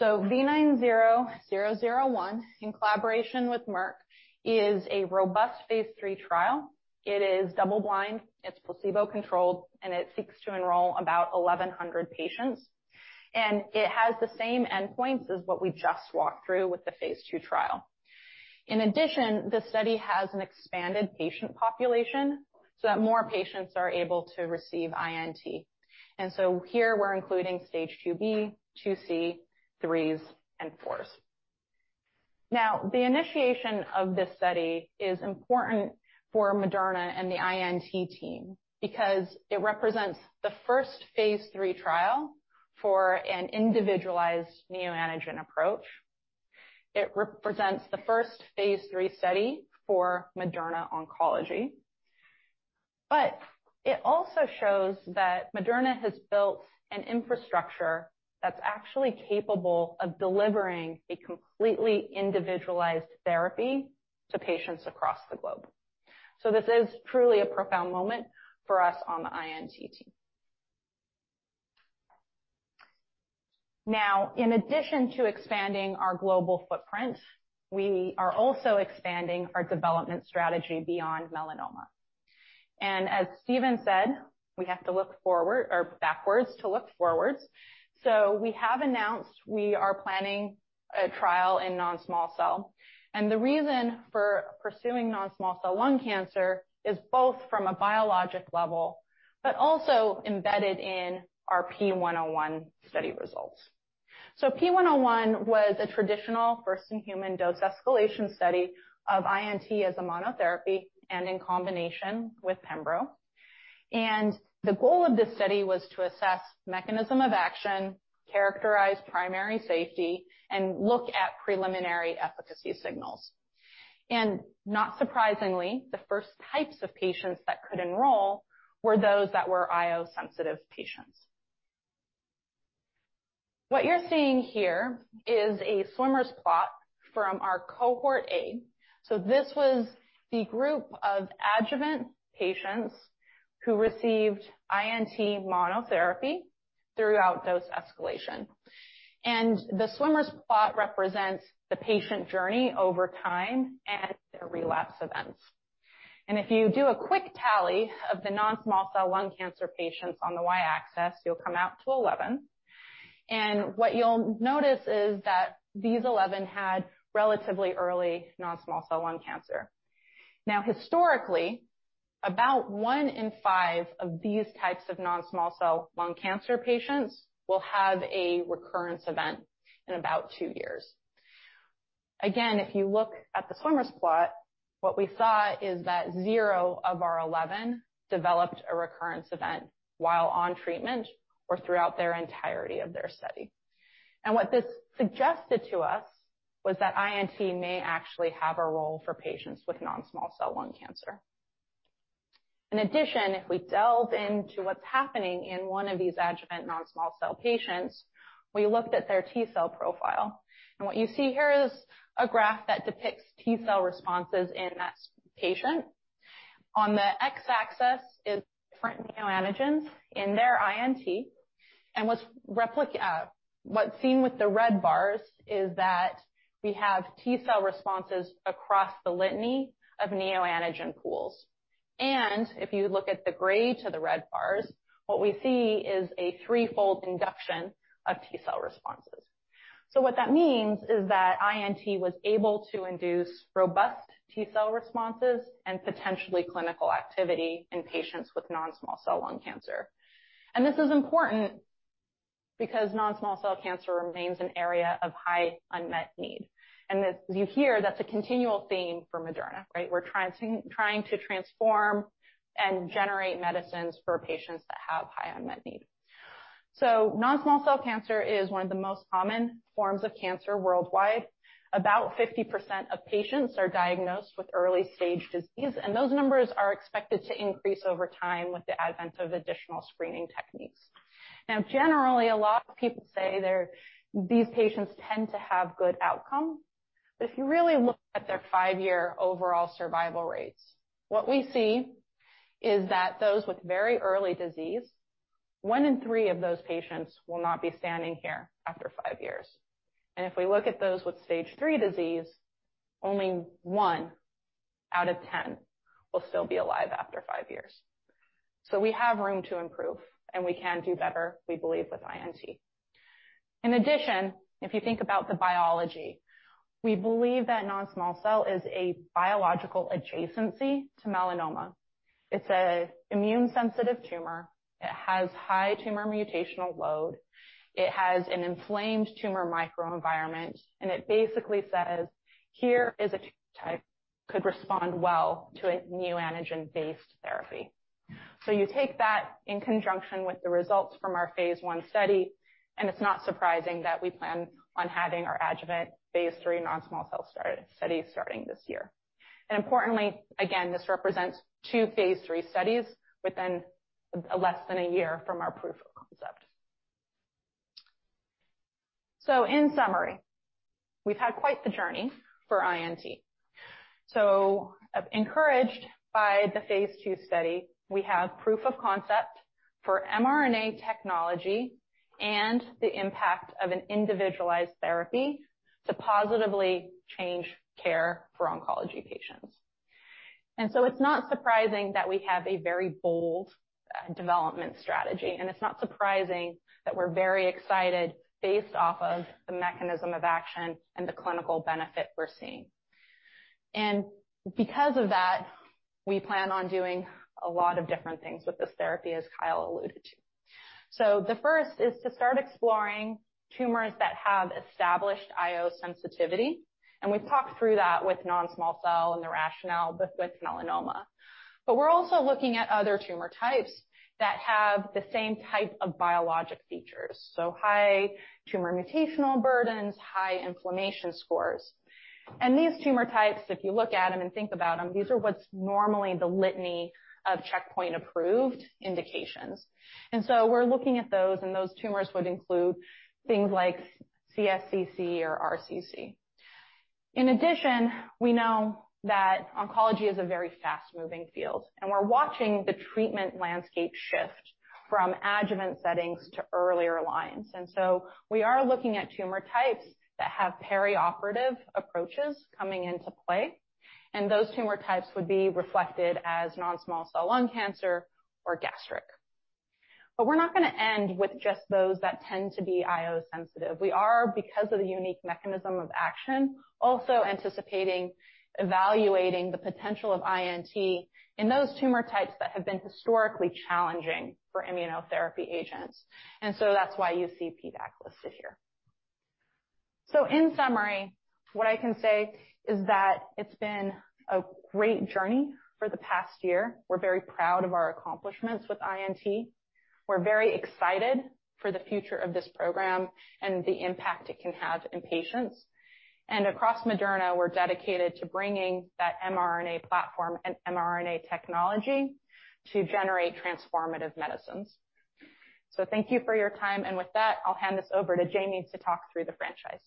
V940-001 in collaboration with Merck, is a robust phase III trial. It is double blind, it's placebo-controlled, and it seeks to enroll about 1,100 patients, and it has the same endpoints as what we just walked through with the phase II trial. In addition, the study has an expanded patient population so that more patients are able to receive INT. And so here we're including stage 2B, 2C, 3s, and 4s. Now, the initiation of this study is important for Moderna and the INT team because it represents the first phase III trial for an individualized neoantigen approach. It represents the first phase III study for Moderna Oncology, but it also shows that Moderna has built an infrastructure that's actually capable of delivering a completely individualized therapy to patients across the globe. This is truly a profound moment for us on the INT team. Now, in addition to expanding our global footprint, we are also expanding our development strategy beyond melanoma. As Stephen said, we have to look forward or backwards to look forwards. We have announced we are planning a trial in non-small cell, and the reason for pursuing non-small cell lung cancer is both from a biologic level but also embedded in our P101 study results. P101 was a traditional first-in-human dose escalation study of INT as a monotherapy and in combination with pembro. The goal of this study was to assess mechanism of action, characterize primary safety, and look at preliminary efficacy signals. Not surprisingly, the first types of patients that could enroll were those that were IO-sensitive patients. What you're seeing here is a swimmer's plot from our cohort A. This was the group of adjuvant patients who received INT monotherapy throughout dose escalation. The swimmer's plot represents the patient journey over time and their relapse events. If you do a quick tally of the non-small cell lung cancer patients on the y-axis, you'll come out to 11. What you'll notice is that these 11 had relatively early non-small cell lung cancer. Now, historically... About 1 in 5 of these types of non-small cell lung cancer patients will have a recurrence event in about two years. If you look at the swimmer's plot, what we saw is that 0 of our 11 developed a recurrence event while on treatment or throughout their entirety of their study. What this suggested to us was that INT may actually have a role for patients with non-small cell lung cancer. In addition, if we delve into what's happening in one of these adjuvant non-small cell patients, we looked at their T-cell profile, and what you see here is a graph that depicts T-cell responses in that patient. On the x-axis is different neoantigens in their INT, and what's seen with the red bars is that we have T-cell responses across the litany of neoantigen pools. If you look at the gray to the red bars, what we see is a threefold induction of T-cell responses. So what that means is that INT was able to induce robust T-cell responses and potentially clinical activity in patients with non-small cell lung cancer. This is important because non-small cell cancer remains an area of high unmet need. As you hear, that's a continual theme for Moderna, right? We're trying to, trying to transform and generate medicines for patients that have high unmet need. So non-small cell cancer is one of the most common forms of cancer worldwide. About 50% of patients are diagnosed with early-stage disease, and those numbers are expected to increase over time with the advent of additional screening techniques. Now, generally, a lot of people say there, these patients tend to have good outcome. But if you really look at their five-year overall survival rates, what we see is that those with very early disease, one in three of those patients will not be standing here after five years. And if we look at those with stage three disease, only one out of 10 will still be alive after five years. So we have room to improve, and we can do better, we believe, with INT. In addition, if you think about the biology, we believe that non-small cell is a biological adjacency to melanoma. It's an immune-sensitive tumor. It has high tumor mutational load. It has an inflamed tumor microenvironment, and it basically says, "Here is a type, could respond well to a Neoantigen-based therapy." So you take that in conjunction with the results from our phase I study, and it's not surprising that we plan on having our adjuvant phase III non-small cell study, starting this year. And importantly, again, this represents two phase III studies within less than a year from our proof of concept. So in summary, we've had quite the journey for INT. So encouraged by the phase II study, we have proof of concept for mRNA technology and the impact of an individualized therapy to positively change care for oncology patients. And so it's not surprising that we have a very bold, development strategy, and it's not surprising that we're very excited based off of the mechanism of action and the clinical benefit we're seeing. And because of that, we plan on doing a lot of different things with this therapy, as Kyle alluded to. So the first is to start exploring tumors that have established IO sensitivity, and we've talked through that with non-small cell and the rationale with melanoma. But we're also looking at other tumor types that have the same type of biologic features, so high tumor mutational burdens, high inflammation scores. And these tumor types, if you look at them and think about them, these are what's normally the litany of checkpoint-approved indications. And so we're looking at those, and those tumors would include things like CSCC or RCC. In addition, we know that oncology is a very fast-moving field, and we're watching the treatment landscape shift from adjuvant settings to earlier lines. And so we are looking at tumor types that have perioperative approaches coming into play, and those tumor types would be reflected as non-small cell lung cancer or gastric. But we're not going to end with just those that tend to be IO sensitive. We are, because of the unique mechanism of action, also anticipating evaluating the potential of INT in those tumor types that have been historically challenging for immunotherapy agents, and so that's why you see PDAC listed here. So in summary, what I can say is that it's been a great journey for the past year. We're very proud of our accomplishments with INT. We're very excited for the future of this program and the impact it can have in patients. Across Moderna, we're dedicated to bringing that mRNA platform and mRNA technology to generate transformative medicines. Thank you for your time, and with that, I'll hand this over to Jamey to talk through the franchise.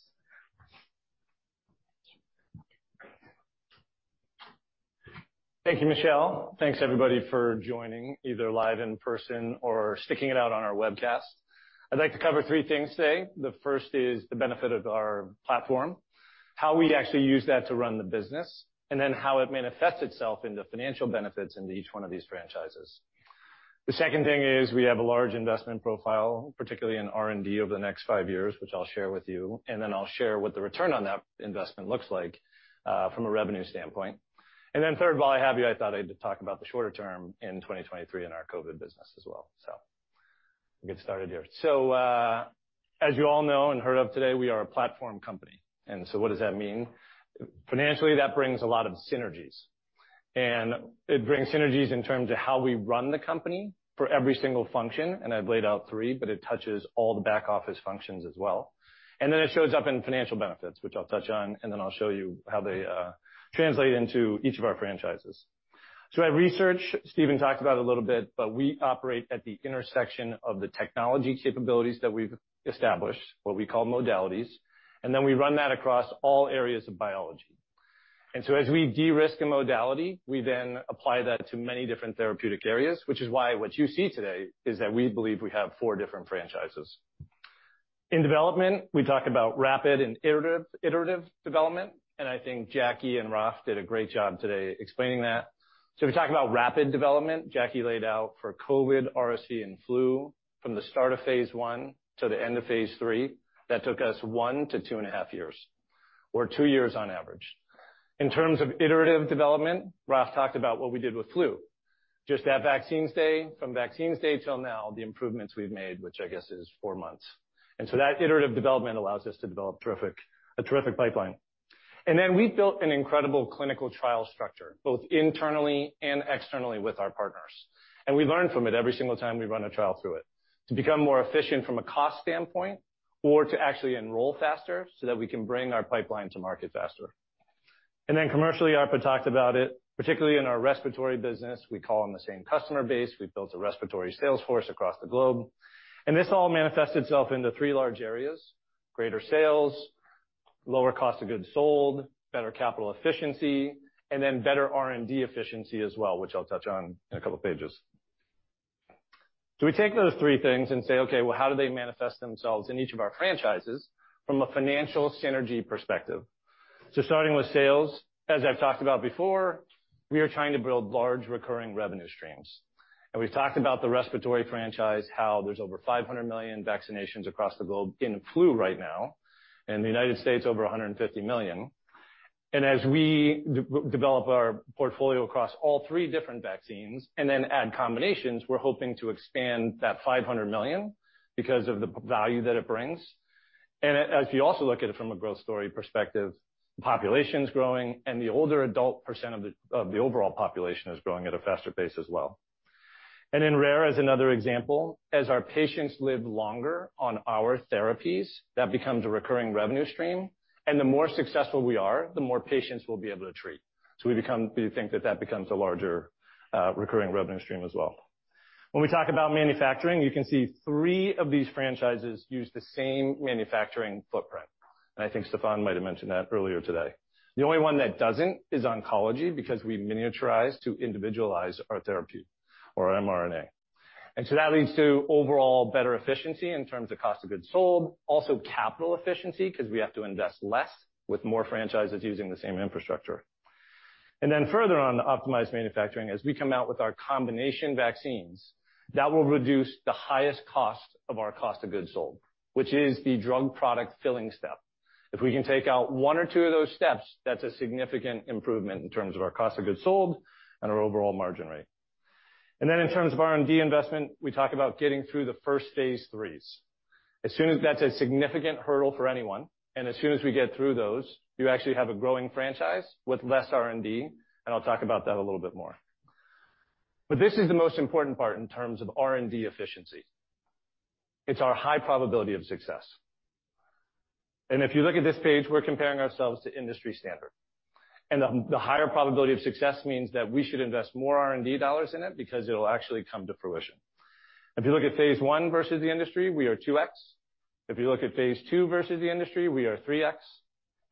Thank you, Michelle. Thanks, everybody, for joining, either live in person or sticking it out on our webcast. I'd like to cover three things today. The first is the benefit of our platform, how we actually use that to run the business, and then how it manifests itself in the financial benefits into each one of these franchises. The second thing is we have a large investment profile, particularly in R&D over the next five years, which I'll share with you, and then I'll share what the return on that investment looks like, from a revenue standpoint. And then third of all, I have you, I thought I'd talk about the shorter term in 2023 in our COVID business as well. So let me get started here. So, as you all know and heard of today, we are a platform company. And so what does that mean? Financially, that brings a lot of synergies, and it brings synergies in terms of how we run the company for every single function, and I've laid out three, but it touches all the back-office functions as well. And then it shows up in financial benefits, which I'll touch on, and then I'll show you how they translate into each of our franchises. So at research, Stephen talked about a little bit, but we operate at the intersection of the technology capabilities that we've established, what we call modalities, and then we run that across all areas of biology. And so as we de-risk a modality, we then apply that to many different therapeutic areas, which is why what you see today is that we believe we have four different franchises. In development, we talk about rapid and iterative, iterative development, and I think Jacque and Raph did a great job today explaining that. So if we talk about rapid development, Jacque laid out for COVID, RSV, and flu, from the start of phase I to the end of phase III, that took us 1-2.5 years, or two years on average. In terms of iterative development, Raph talked about what we did with flu. Just at Vaccine Day, from Vaccine Day till now, the improvements we've made, which I guess is four months. And so that iterative development allows us to develop a terrific pipeline. And then we've built an incredible clinical trial structure, both internally and externally with our partners. We learn from it every single time we run a trial through it to become more efficient from a cost standpoint or to actually enroll faster so that we can bring our pipeline to market faster. Commercially, Arpa talked about it, particularly in our respiratory business. We call them the same customer base. We've built a respiratory sales force across the globe, and this all manifests itself into three large areas, greater sales, lower cost of goods sold, better capital efficiency, and then better R&D efficiency as well, which I'll touch on in a couple of pages. We take those three things and say, "Okay, well, how do they manifest themselves in each of our franchises from a financial synergy perspective?" Starting with sales, as I've talked about before, we are trying to build large recurring revenue streams. And we've talked about the respiratory franchise, how there's over 500 million vaccinations across the globe in flu right now, in the United States, over 150 million. And as we develop our portfolio across all three different vaccines and then add combinations, we're hoping to expand that 500 million because of the value that it brings. And if you also look at it from a growth story perspective, the population is growing, and the older adult percent of the, of the overall population is growing at a faster pace as well. And in rare, as another example, as our patients live longer on our therapies, that becomes a recurring revenue stream, and the more successful we are, the more patients we'll be able to treat. So we become, we think that that becomes a larger, recurring revenue stream as well. When we talk about manufacturing, you can see three of these franchises use the same manufacturing footprint, and I think Stéphane might have mentioned that earlier today. The only one that doesn't is oncology, because we miniaturize to individualize our therapy or mRNA. And so that leads to overall better efficiency in terms of cost of goods sold, also capital efficiency, 'cause we have to invest less with more franchises using the same infrastructure. And then further on optimized manufacturing, as we come out with our combination vaccines, that will reduce the highest cost of our cost of goods sold, which is the drug product filling step. If we can take out one or two of those steps, that's a significant improvement in terms of our cost of goods sold and our overall margin rate. And then in terms of R&D investment, we talk about getting through the first phase IIIs. As soon as that's a significant hurdle for anyone, and as soon as we get through those, you actually have a growing franchise with less R&D, and I'll talk about that a little bit more. But this is the most important part in terms of R&D efficiency. It's our high probability of success. And if you look at this page, we're comparing ourselves to industry standard. And the higher probability of success means that we should invest more R&D dollars in it because it'll actually come to fruition. If you look at phase I versus the industry, we are 2x. If you look at phase II versus the industry, we are 3x.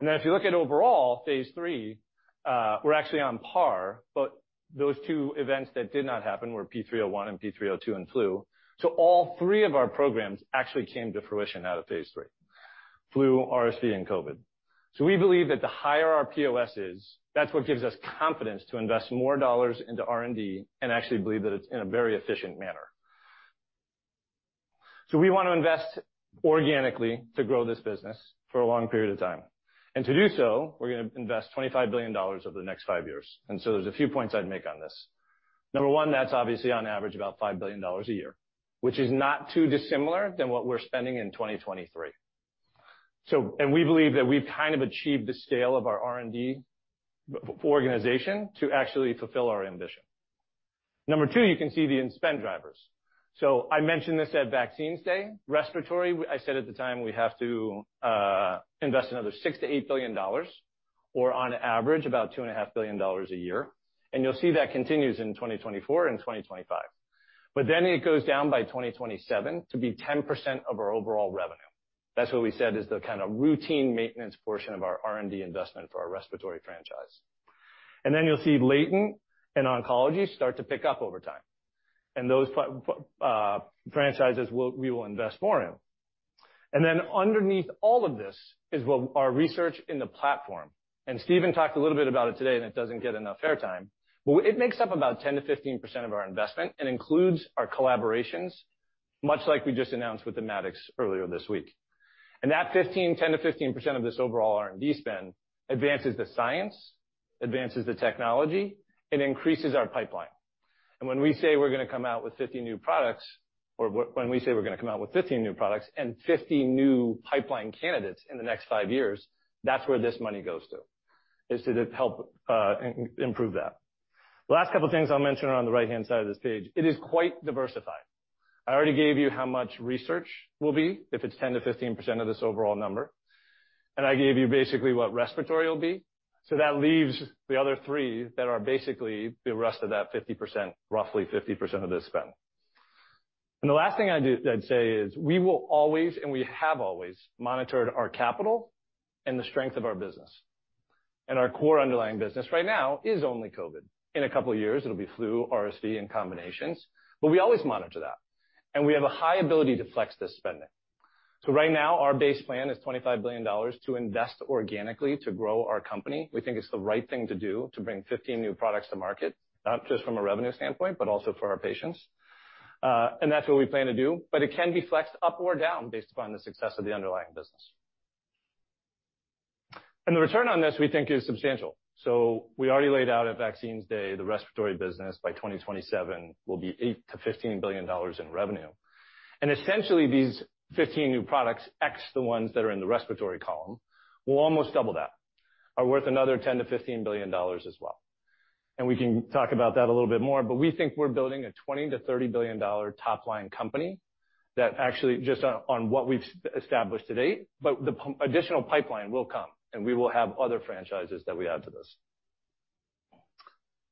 If you look at overall, phase three, we're actually on par, but those two events that did not happen were P301 and P302 and flu. So all three of our programs actually came to fruition out of phase three, flu, RSV, and COVID. So we believe that the higher our POS is, that's what gives us confidence to invest more dollars into R&D and actually believe that it's in a very efficient manner. So we want to invest organically to grow this business for a long period of time. And to do so, we're gonna invest $25 billion over the next 5 years. And so there's a few points I'd make on this. Number one, that's obviously on average, about $5 billion a year, which is not too dissimilar than what we're spending in 2023. We believe that we've kind of achieved the scale of our R&D organization to actually fulfill our ambition. Number 2, you can see the in-spend drivers. So I mentioned this at Vaccine Day. Respiratory, I said at the time, we have to invest another $6 billion-$8 billion, or on average, about $2.5 billion a year. And you'll see that continues in 2024 and 2025. But then it goes down by 2027 to be 10% of our overall revenue. That's what we said is the routine maintenance portion of our R&D investment for our respiratory franchise. And then you'll see latent and oncology start to pick up over time, and those franchises, we will invest more in... Then underneath all of this is what our research in the platform, and Stephen talked a little bit about it today, and it doesn't get enough airtime. Well, it makes up about 10%-15% of our investment and includes our collaborations, much like we just announced with Merck earlier this week. That 15, 10%-15% of this overall R&D spend advances the science, advances the technology, and increases our pipeline. When we say we're gonna come out with 50 new products, or when we say we're gonna come out with 15 new products and 50 new pipeline candidates in the next 5 years, that's where this money goes to, is to help improve that. The last couple of things I'll mention are on the right-hand side of this page. It is quite diversified. I already gave you how much research will be, if it's 10%-15% of this overall number, and I gave you basically what respiratory will be. So that leaves the other three that are basically the rest of that 50%, roughly 50% of this spend. And the last thing I do, I'd say, is, we will always and we have always monitored our capital and the strength of our business. And our core underlying business right now is only COVID. In a couple of years, it'll be flu, RSV, and combinations, but we always monitor that, and we have a high ability to flex this spending. So right now, our base plan is $25 billion to invest organically to grow our company. We think it's the right thing to do to bring 15 new products to market, not just from a revenue standpoint, but also for our patients. And that's what we plan to do, but it can be flexed up or down based upon the success of the underlying business. And the return on this, we think, is substantial. So we already laid out at Vaccines Day, the respiratory business by 2027 will be $8 billion-$15 billion in revenue. And essentially, these 15 new products, X, the ones that are in the respiratory column, will almost double that, are worth another $10 billion-$15 billion as well. And we can talk about that a little bit more, but we think we're building a $20-$30 billion top-line company that actually just on, on what we've established to date, but the additional pipeline will come, and we will have other franchises that we add to this.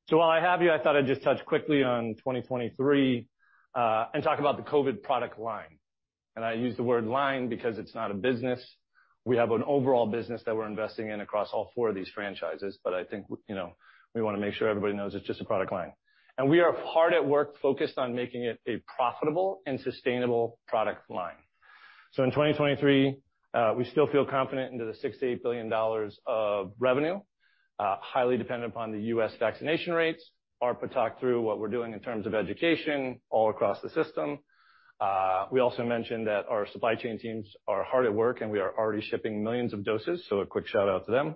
So while I have you, I thought I'd just touch quickly on 2023, and talk about the COVID product line. And I use the word line because it's not a business. We have an overall business that we're investing in across all four of these franchises, but I think, you know, we wanna make sure everybody knows it's just a product line. And we are hard at work, focused on making it a profitable and sustainable product line. So in 2023, we still feel confident in the $6 billion-$8 billion of revenue, highly dependent upon the U.S. vaccination rates. Arpa talked through what we're doing in terms of education all across the system. We also mentioned that our supply chain teams are hard at work, and we are already shipping millions of doses, so a quick shout-out to them.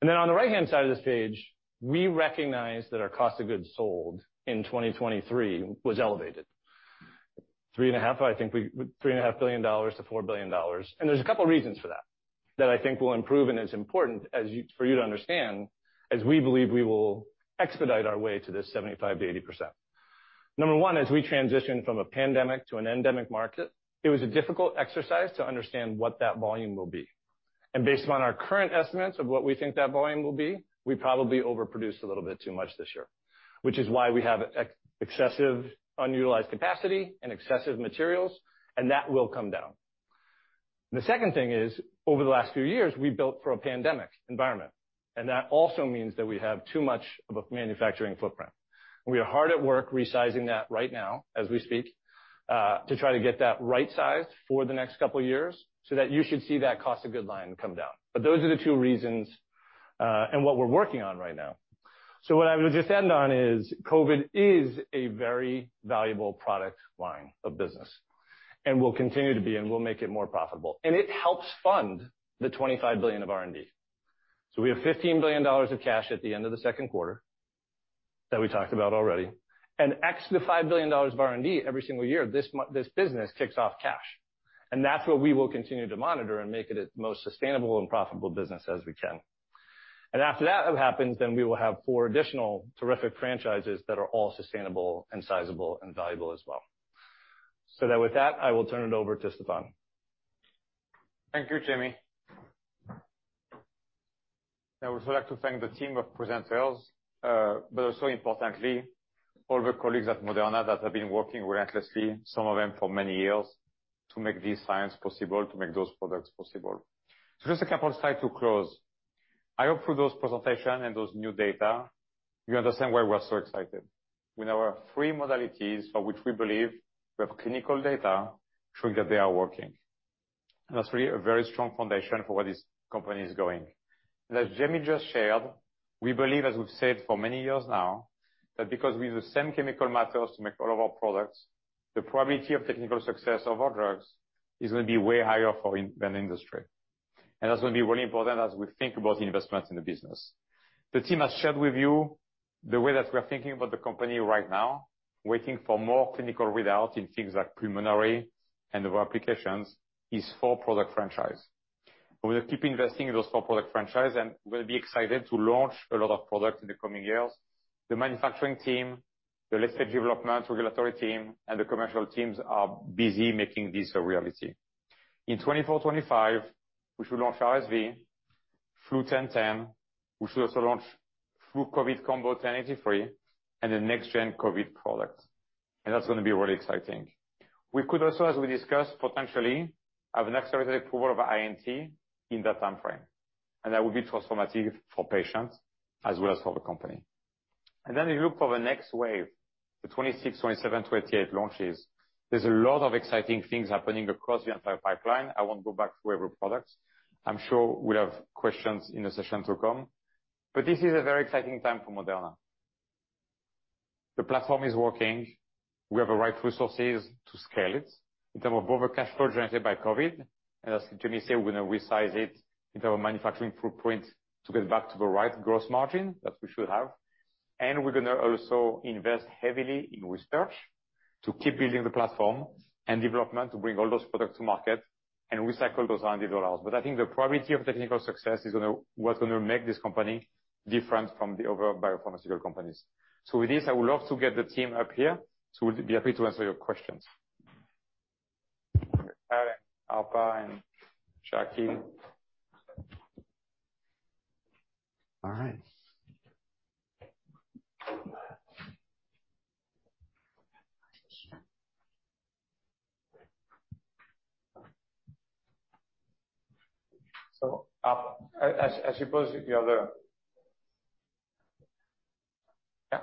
And then on the right-hand side of the page, we recognize that our cost of goods sold in 2023 was elevated. $3.5 billion-$4 billion. And there's a couple of reasons for that, that I think will improve and is important as you for you to understand, as we believe we will expedite our way to this 75%-80%. Number one, as we transition from a pandemic to an endemic market, it was a difficult exercise to understand what that volume will be. Based on our current estimates of what we think that volume will be, we probably overproduced a little bit too much this year, which is why we have excessive unutilized capacity and excessive materials, and that will come down. The second thing is, over the last few years, we've built for a pandemic environment, and that also means that we have too much of a manufacturing footprint. We are hard at work resizing that right now, as we speak, to try to get that right size for the next couple of years, so that you should see that cost of good line come down. But those are the two reasons, and what we're working on right now. So what I would just end on is COVID is a very valuable product line of business and will continue to be, and we'll make it more profitable. And it helps fund the $25 billion of R&D. So we have $15 billion of cash at the end of the second quarter that we talked about already, and, the $5 billion of R&D every single year, this business kicks off cash, and that's what we will continue to monitor and make it as most sustainable and profitable business as we can. And after that happens, then we will have four additional terrific franchises that are all sustainable and sizable and valuable as well. So then with that, I will turn it over to Stéphane. Thank you, Jamey I would like to thank the team of presenters, but also importantly, all the colleagues at Moderna that have been working relentlessly, some of them for many years, to make this science possible, to make those products possible. So just a couple of slides to close. I hope through those presentation and those new data, you understand why we're so excited. With our three modalities for which we believe we have clinical data, showing that they are working. And that's really a very strong foundation for where this company is going. As Jamey just shared, we believe, as we've said for many years now, that because we use the same chemical matter to make all of our products, the probability of technical success of our drugs is gonna be way higher for in than industry. That's gonna be really important as we think about the investments in the business. The team has shared with you the way that we are thinking about the company right now, waiting for more clinical results in things like pulmonary and other applications is four-product franchise. We will keep investing in those four-product franchise, and we'll be excited to launch a lot of products in the coming years. The manufacturing team, the late-stage development regulatory team, and the commercial teams are busy making this a reality. In 2024, 2025, we should launch RSV, Flu 1010. We should also launch Flu COVID Combo 1083 and the next-gen COVID product, and that's gonna be really exciting. We could also, as we discussed, potentially, have an accelerated approval of INT in that time frame, and that would be transformative for patients as well as for the company. Then you look for the next wave, the 2026, 2027, 2028 launches. There's a lot of exciting things happening across the entire pipeline. I won't go back through every product. I'm sure we'll have questions in the session to come, but this is a very exciting time for Moderna. The platform is working. We have the right resources to scale it in terms of over cash flow generated by COVID. And as Jamey said, we're going to resize it into our manufacturing footprint to get back to the right gross margin that we should have. We're gonna also invest heavily in research to keep building the platform and development, to bring all those products to market and recycle those R&D dollars. I think the priority of technical success is what's gonna make this company different from the other biopharmaceutical companies. With this, I would love to get the team up here to be happy to answer your questions. Arpa and Jacque. All right. So, as you put the other. Yeah.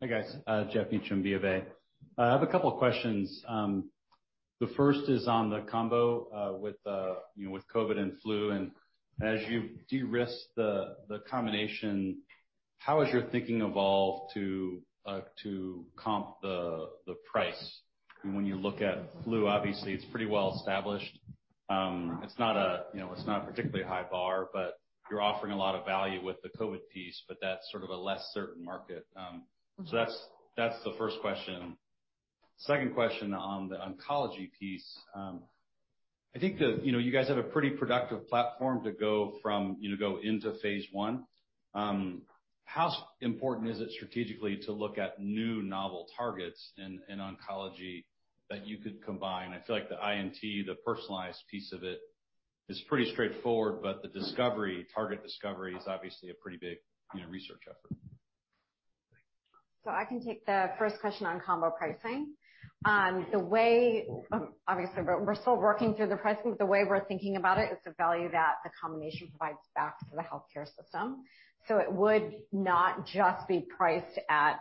Hi, guys, Geoff Meacham, Bank of America. I have a couple of questions. The first is on the combo with you know, with COVID and flu, and as you de-risk the combination, how has your thinking evolved to comp the price? When you look at flu, obviously, it's pretty well established. You know, it's not a particularly high bar, but you're offering a lot of value with the COVID piece, but that's sort of a less certain market. So that's the first question. Second question on the oncology piece. I think you know, you guys have a pretty productive platform to go from, you know, go into phase one. How important is it strategically to look at new novel targets in oncology that you could combine? I feel like the INT, the personalized piece of it is pretty straightforward, but the discovery, target discovery is obviously a pretty big, you know, research effort. So I can take the first question on combo pricing. The way, obviously, we're still working through the pricing, but the way we're thinking about it is the value that the combination provides back to the healthcare system. So it would not just be priced at,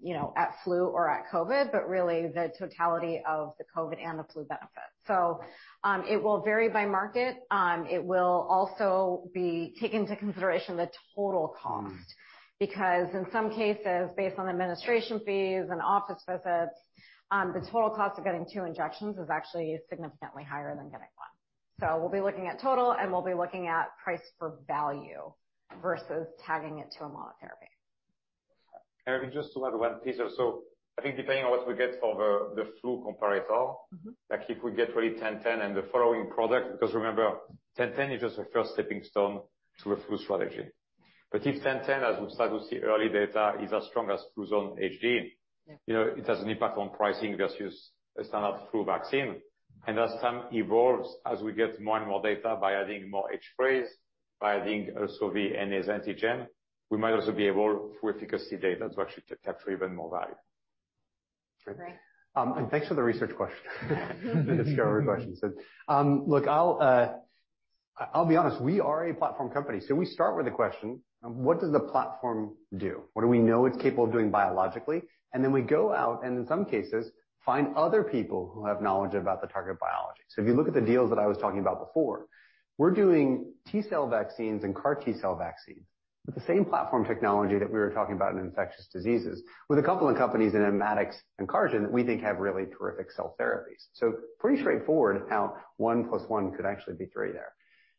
you know, at flu or at COVID, but really the totality of the COVID and the flu benefit. So, it will vary by market. It will also take into consideration the total cost, because in some cases, based on administration fees and office visits, the total cost of getting two injections is actually significantly higher than getting one. So we'll be looking at total, and we'll be looking at price for value versus tagging it to a monotherapy. If we just to add one piece or so, I think depending on what we get for the flu comparator. Like, if we get really 1010 and the following product, because remember, 1010 is just a first stepping stone to a flu strategy. But if 1010, as we start to see early data, is as strong as Fluzone HD Yeah. You know, it has an impact on pricing versus a standard flu vaccine. As time evolves, as we get more and more data by adding more H strains, by adding also the NA antigen, we might also be able, through efficacy data, to actually capture even more value. Agree. Thanks for the research question. The discovery question. So, look, I'll, I'll be honest, we are a platform company, so we start with the question: What does the platform do? What do we know it's capable of doing biologically? And then we go out and in some cases, find other people who have knowledge about the target biology. So if you look at the deals that I was talking about before, we're doing T-cell vaccines and CAR T-cell vaccines with the same platform technology that we were talking about in infectious diseases, with a couple of companies in Immatics and Carisma, that we think have really terrific cell therapies. So pretty straightforward how one plus one could actually be three there.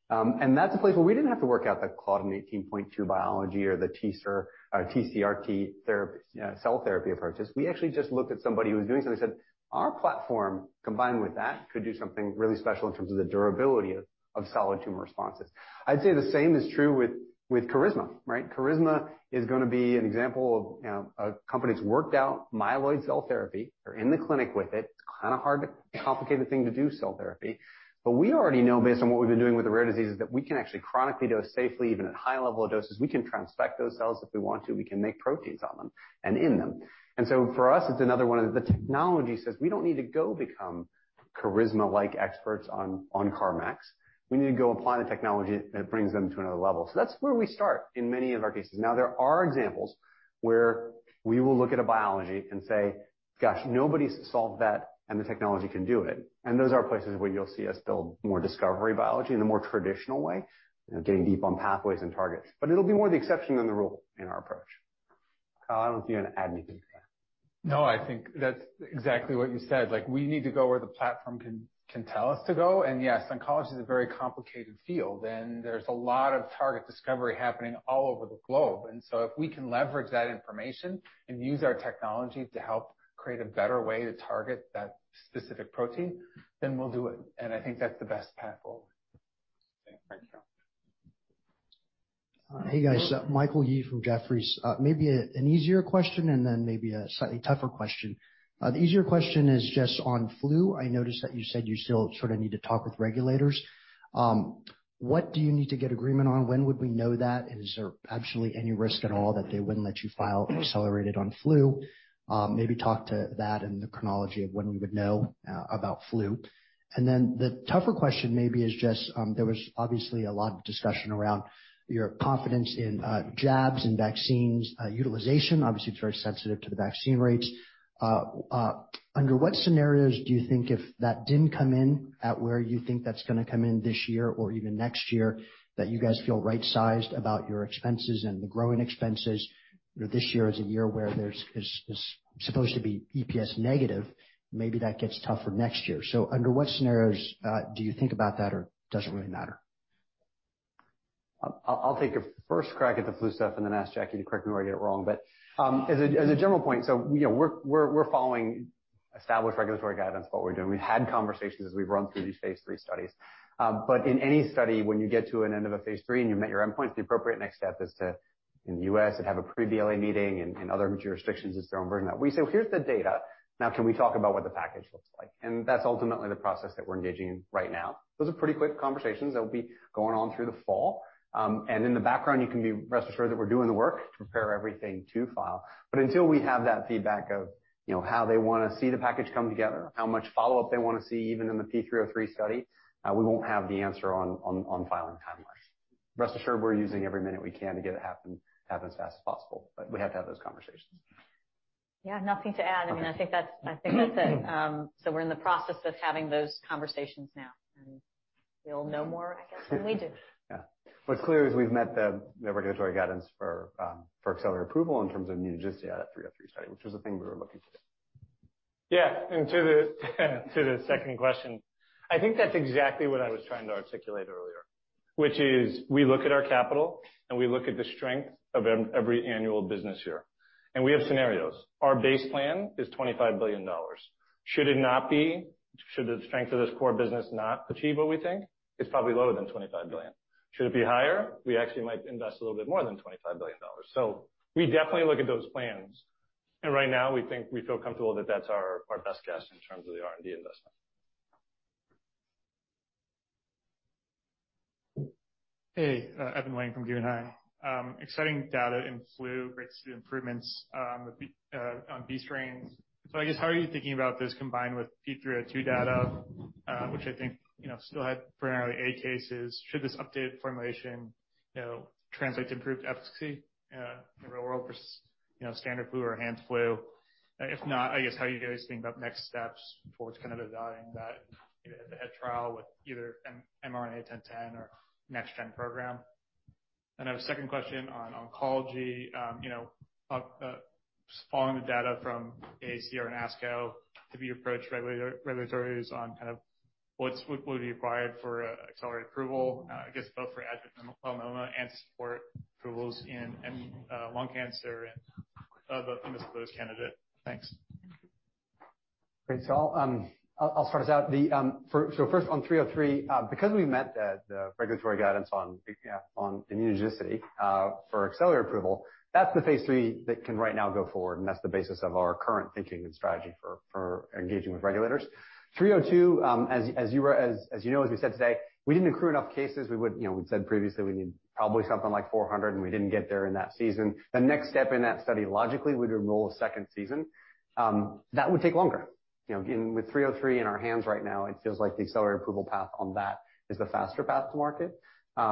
And that's a place where we didn't have to work out the claudin 18.2 biology or the TCR, TCRT therapy, cell therapy approaches. We actually just looked at somebody who was doing something, and said, "Our platform, combined with that, could do something really special in terms of the durability of, of solid tumor responses." I'd say the same is true with, with Carisma, right? Carisma is gonna be an example of, you know, a company that's worked out myeloid cell therapy. They're in the clinic with it. It's kind of hard to complicated thing to do, cell therapy. But we already know based on what we've been doing with the rare diseases, that we can actually chronically dose safely, even at high level of doses. We can transfect those cells if we want to. We can make proteins on them and in them. And so for us, it's another one of the technology says we don't need to go become Carisma-like experts on, on CAR-Ms. We need to go apply the technology that brings them to another level. So that's where we start in many of our cases. Now, there are examples where we will look at a biology and say, "Gosh, nobody's solved that, and the technology can do it." And those are places where you'll see us build more discovery biology in a more traditional way, you know, getting deep on pathways and targets. But it'll be more the exception than the rule in our approach. Kyle, I don't know if you want to add anything to that? No, I think that's exactly what you said. Like, we need to go where the platform can tell us to go. And yes, oncology is a very complicated field, and there's a lot of target discovery happening all over the globe. And so if we can leverage that information and use our technology to help create a better way to target that specific protein, then we'll do it. And I think that's the best path forward. Thank you. Hey, guys, Michael Yee from Jefferies. Maybe an easier question and then maybe a slightly tougher question. The easier question is just on flu. I noticed that you said you still sort of need to talk with regulators. What do you need to get agreement on? When would we know that? And is there absolutely any risk at all that they wouldn't let you file accelerated on flu? Maybe talk to that and the chronology of when we would know about flu. And then the tougher question maybe is just, there was obviously a lot of discussion around your confidence in jabs and vaccines utilization. Obviously, it's very sensitive to the vaccine rates. Under what scenarios do you think if that didn't come in at where you think that's going to come in this year or even next year, that you guys feel right-sized about your expenses and the growing expenses? You know, this year is a year where there is supposed to be EPS negative. Maybe that gets tougher next year. So under what scenarios do you think about that, or does it really matter? I'll take a first crack at the flu stuff and then ask Jacque to correct me where I get it wrong. But as a general point, so you know, we're following established regulatory guidance, what we're doing. We've had conversations as we've run through these phase three studies. But in any study, when you get to an end of a phase three and you've met your endpoint, the appropriate next step is to in the U.S. and have a pre-BLA meeting, and in other jurisdictions, it's their own version. We say, "Well, here's the data. Now, can we talk about what the package looks like?" And that's ultimately the process that we're engaging in right now. Those are pretty quick conversations that will be going on through the fall. And in the background, you can be rest assured that we're doing the work to prepare everything to file. But until we have that feedback of, you know, how they want to see the package come together, how much follow-up they want to see, even in the phase III 303 study, we won't have the answer on filing timelines. Rest assured, we're using every minute we can to get it to happen as fast as possible, but we have to have those conversations. Yeah, nothing to add. I mean, I think that's, I think that's it. So we're in the process of having those conversations now, and you'll know more, I guess, when we do. Yeah. What's clear is we've met the regulatory guidance for accelerated approval in terms of immunogenicity out of 303 study, which was the thing we were looking to do. Yeah, and to the, to the second question, I think that's exactly what I was trying to articulate earlier, which is we look at our capital, and we look at the strength of every annual business year, and we have scenarios. Our base plan is $25 billion. Should it not be, should the strength of this core business not achieve what we think? It's probably lower than $25 billion. Should it be higher? We actually might invest a little bit more than $25 billion. So we definitely look at those plans, and right now, we think we feel comfortable that that's our, our best guess in terms of the R&D investment. Hey, Evan Wang from Guggenheim. Exciting data in flu, great improvements on B strains. So I guess, how are you thinking about this combined with P302 data, which I think, you know, still had primarily A cases? Should this updated formulation, you know, translate to improved efficacy in the real world versus, you know, standard flu or HD flu? If not, I guess, how are you guys thinking about next steps towards kind of evaluating that at the head-to-head trial with either an mRNA-1010 or next-gen program? And I have a second question on oncology. You know, following the data from ACR and ASCO to approach regulators on kind of what would be required for an accelerated approval, I guess, both for adjuvant melanoma and supplemental approvals in lung cancer and of an undisclosed candidate. Thanks. Great. So I'll start us out. So first on 303, because we met the regulatory guidance on immunogenicity for accelerated approval, that's the phase III that can right now go forward, and that's the basis of our current thinking and strategy for engaging with regulators. 302, as you know, as we said today, we didn't accrue enough cases. We would, you know, we'd said previously, we need probably something like 400, and we didn't get there in that season. The next step in that study, logically, we'd enroll a second season. That would take longer. You know, with 303 in our hands right now, it feels like the accelerated approval path on that is the faster path to market you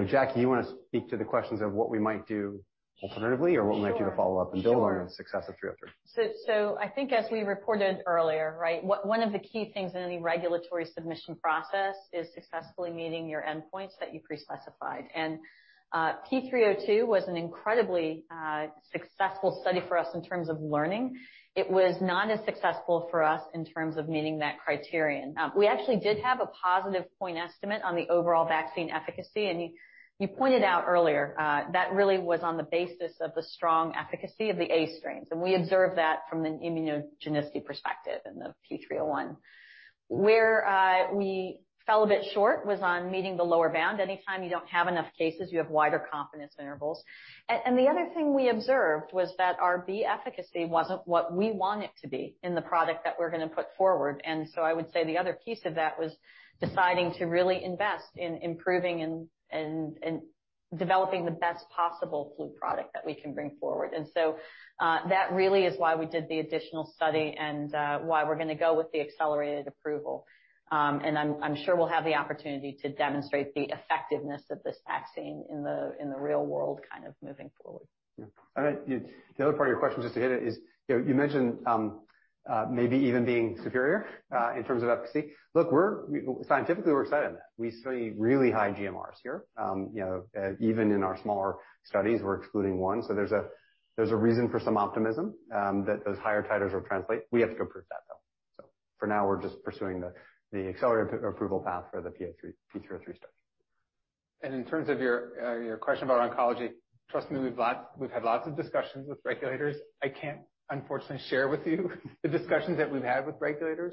know, Jacque, you want to speak to the questions of what we might do alternatively- Sure. What we might do to follow up and build on the success of 303. So I think as we reported earlier, right? One of the key things in any regulatory submission process is successfully meeting your endpoints that you pre-specified. And P302 was an incredibly successful study for us in terms of learning. It was not as successful for us in terms of meeting that criterion. We actually did have a positive point estimate on the overall vaccine efficacy, and you pointed out earlier that really was on the basis of the strong efficacy of the A strains, and we observed that from an immunogenicity perspective in the P301. Where we fell a bit short was on meeting the lower bound. Anytime you don't have enough cases, you have wider confidence intervals. The other thing we observed was that our B efficacy wasn't what we want it to be in the product that we're going to put forward. So I would say the other piece of that was deciding to really invest in improving and developing the best possible flu product that we can bring forward. So that really is why we did the additional study and why we're going to go with the accelerated approval. I'm sure we'll have the opportunity to demonstrate the effectiveness of this vaccine in the real world, kind of moving forward. Yeah. I think the other part of your question, just to hit it, is, you know, you mentioned maybe even being superior in terms of efficacy. Look, we're scientifically, we're excited about that. We see really high GMRs here. You know, even in our smaller studies, we're excluding one. So there's a reason for some optimism that those higher titers will translate. We have to go prove that, though. So for now, we're just pursuing the accelerated approval path for the P303 study. In terms of your your question about oncology, trust me, we've had lots of discussions with regulators. I can't, unfortunately, share with you the discussions that we've had with regulators,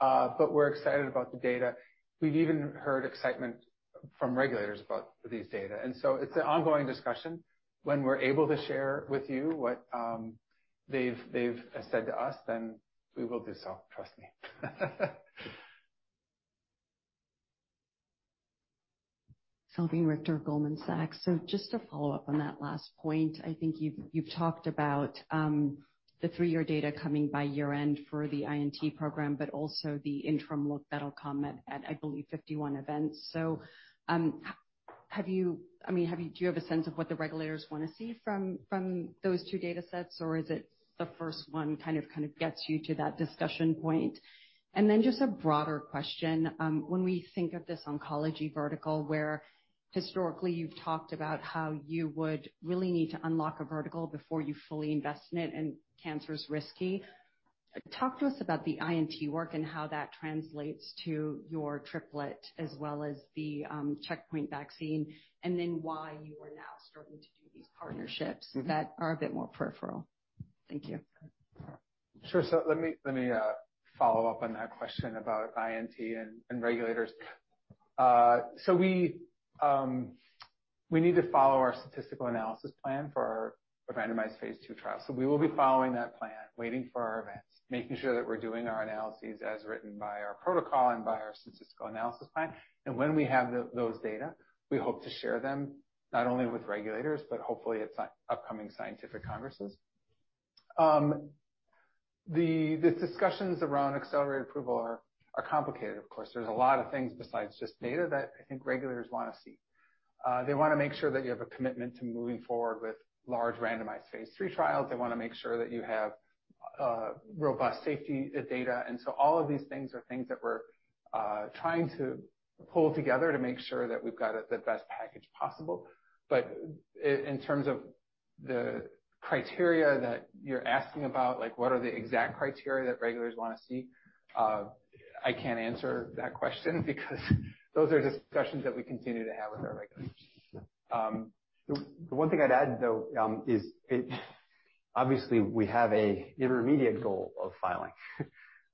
but we're excited about the data. We've even heard excitement from regulators about these data. And so it's an ongoing discussion. When we're able to share with you what they've, they've said to us, then we will do so. Trust me. Salveen Richter, Goldman Sachs. So just to follow up on that last point, I think you've talked about the three-year data coming by year-end for the INT program, but also the interim look that'll come at, I believe, 51 events. So, have you, I mean, do you have a sense of what the regulators want to see from those two datasets? Or is it the first one kind of gets you to that discussion point? And then just a broader question, when we think of this oncology vertical, where historically you've talked about how you would really need to unlock a vertical before you fully invest in it, and cancer is risky. Talk to us about the INT work and how that translates to your triplet as well as the, checkpoint vaccine, and then why you are now starting to do these partnerships that are a bit more peripheral. Thank you. Sure. So let me follow up on that question about INT and regulators. So we need to follow our statistical analysis plan for our randomized phase two trial. So we will be following that plan, waiting for our events, making sure that we're doing our analyses as written by our protocol and by our statistical analysis plan. And when we have those data, we hope to share them not only with regulators, but hopefully, at upcoming scientific congresses. The discussions around accelerated approval are complicated, of course. There's a lot of things besides just data that I think regulators want to see. They want to make sure that you have a commitment to moving forward with large randomized phase three trials. They want to make sure that you have robust safety data. And so all of these things are things that we're trying to pull together to make sure that we've got the best package possible. But in terms of the criteria that you're asking about, like, what are the exact criteria that regulators want to see? I can't answer that question because those are discussions that we continue to have with our regulators. The one thing I'd add, though, is it obviously we have a intermediate goal of filing,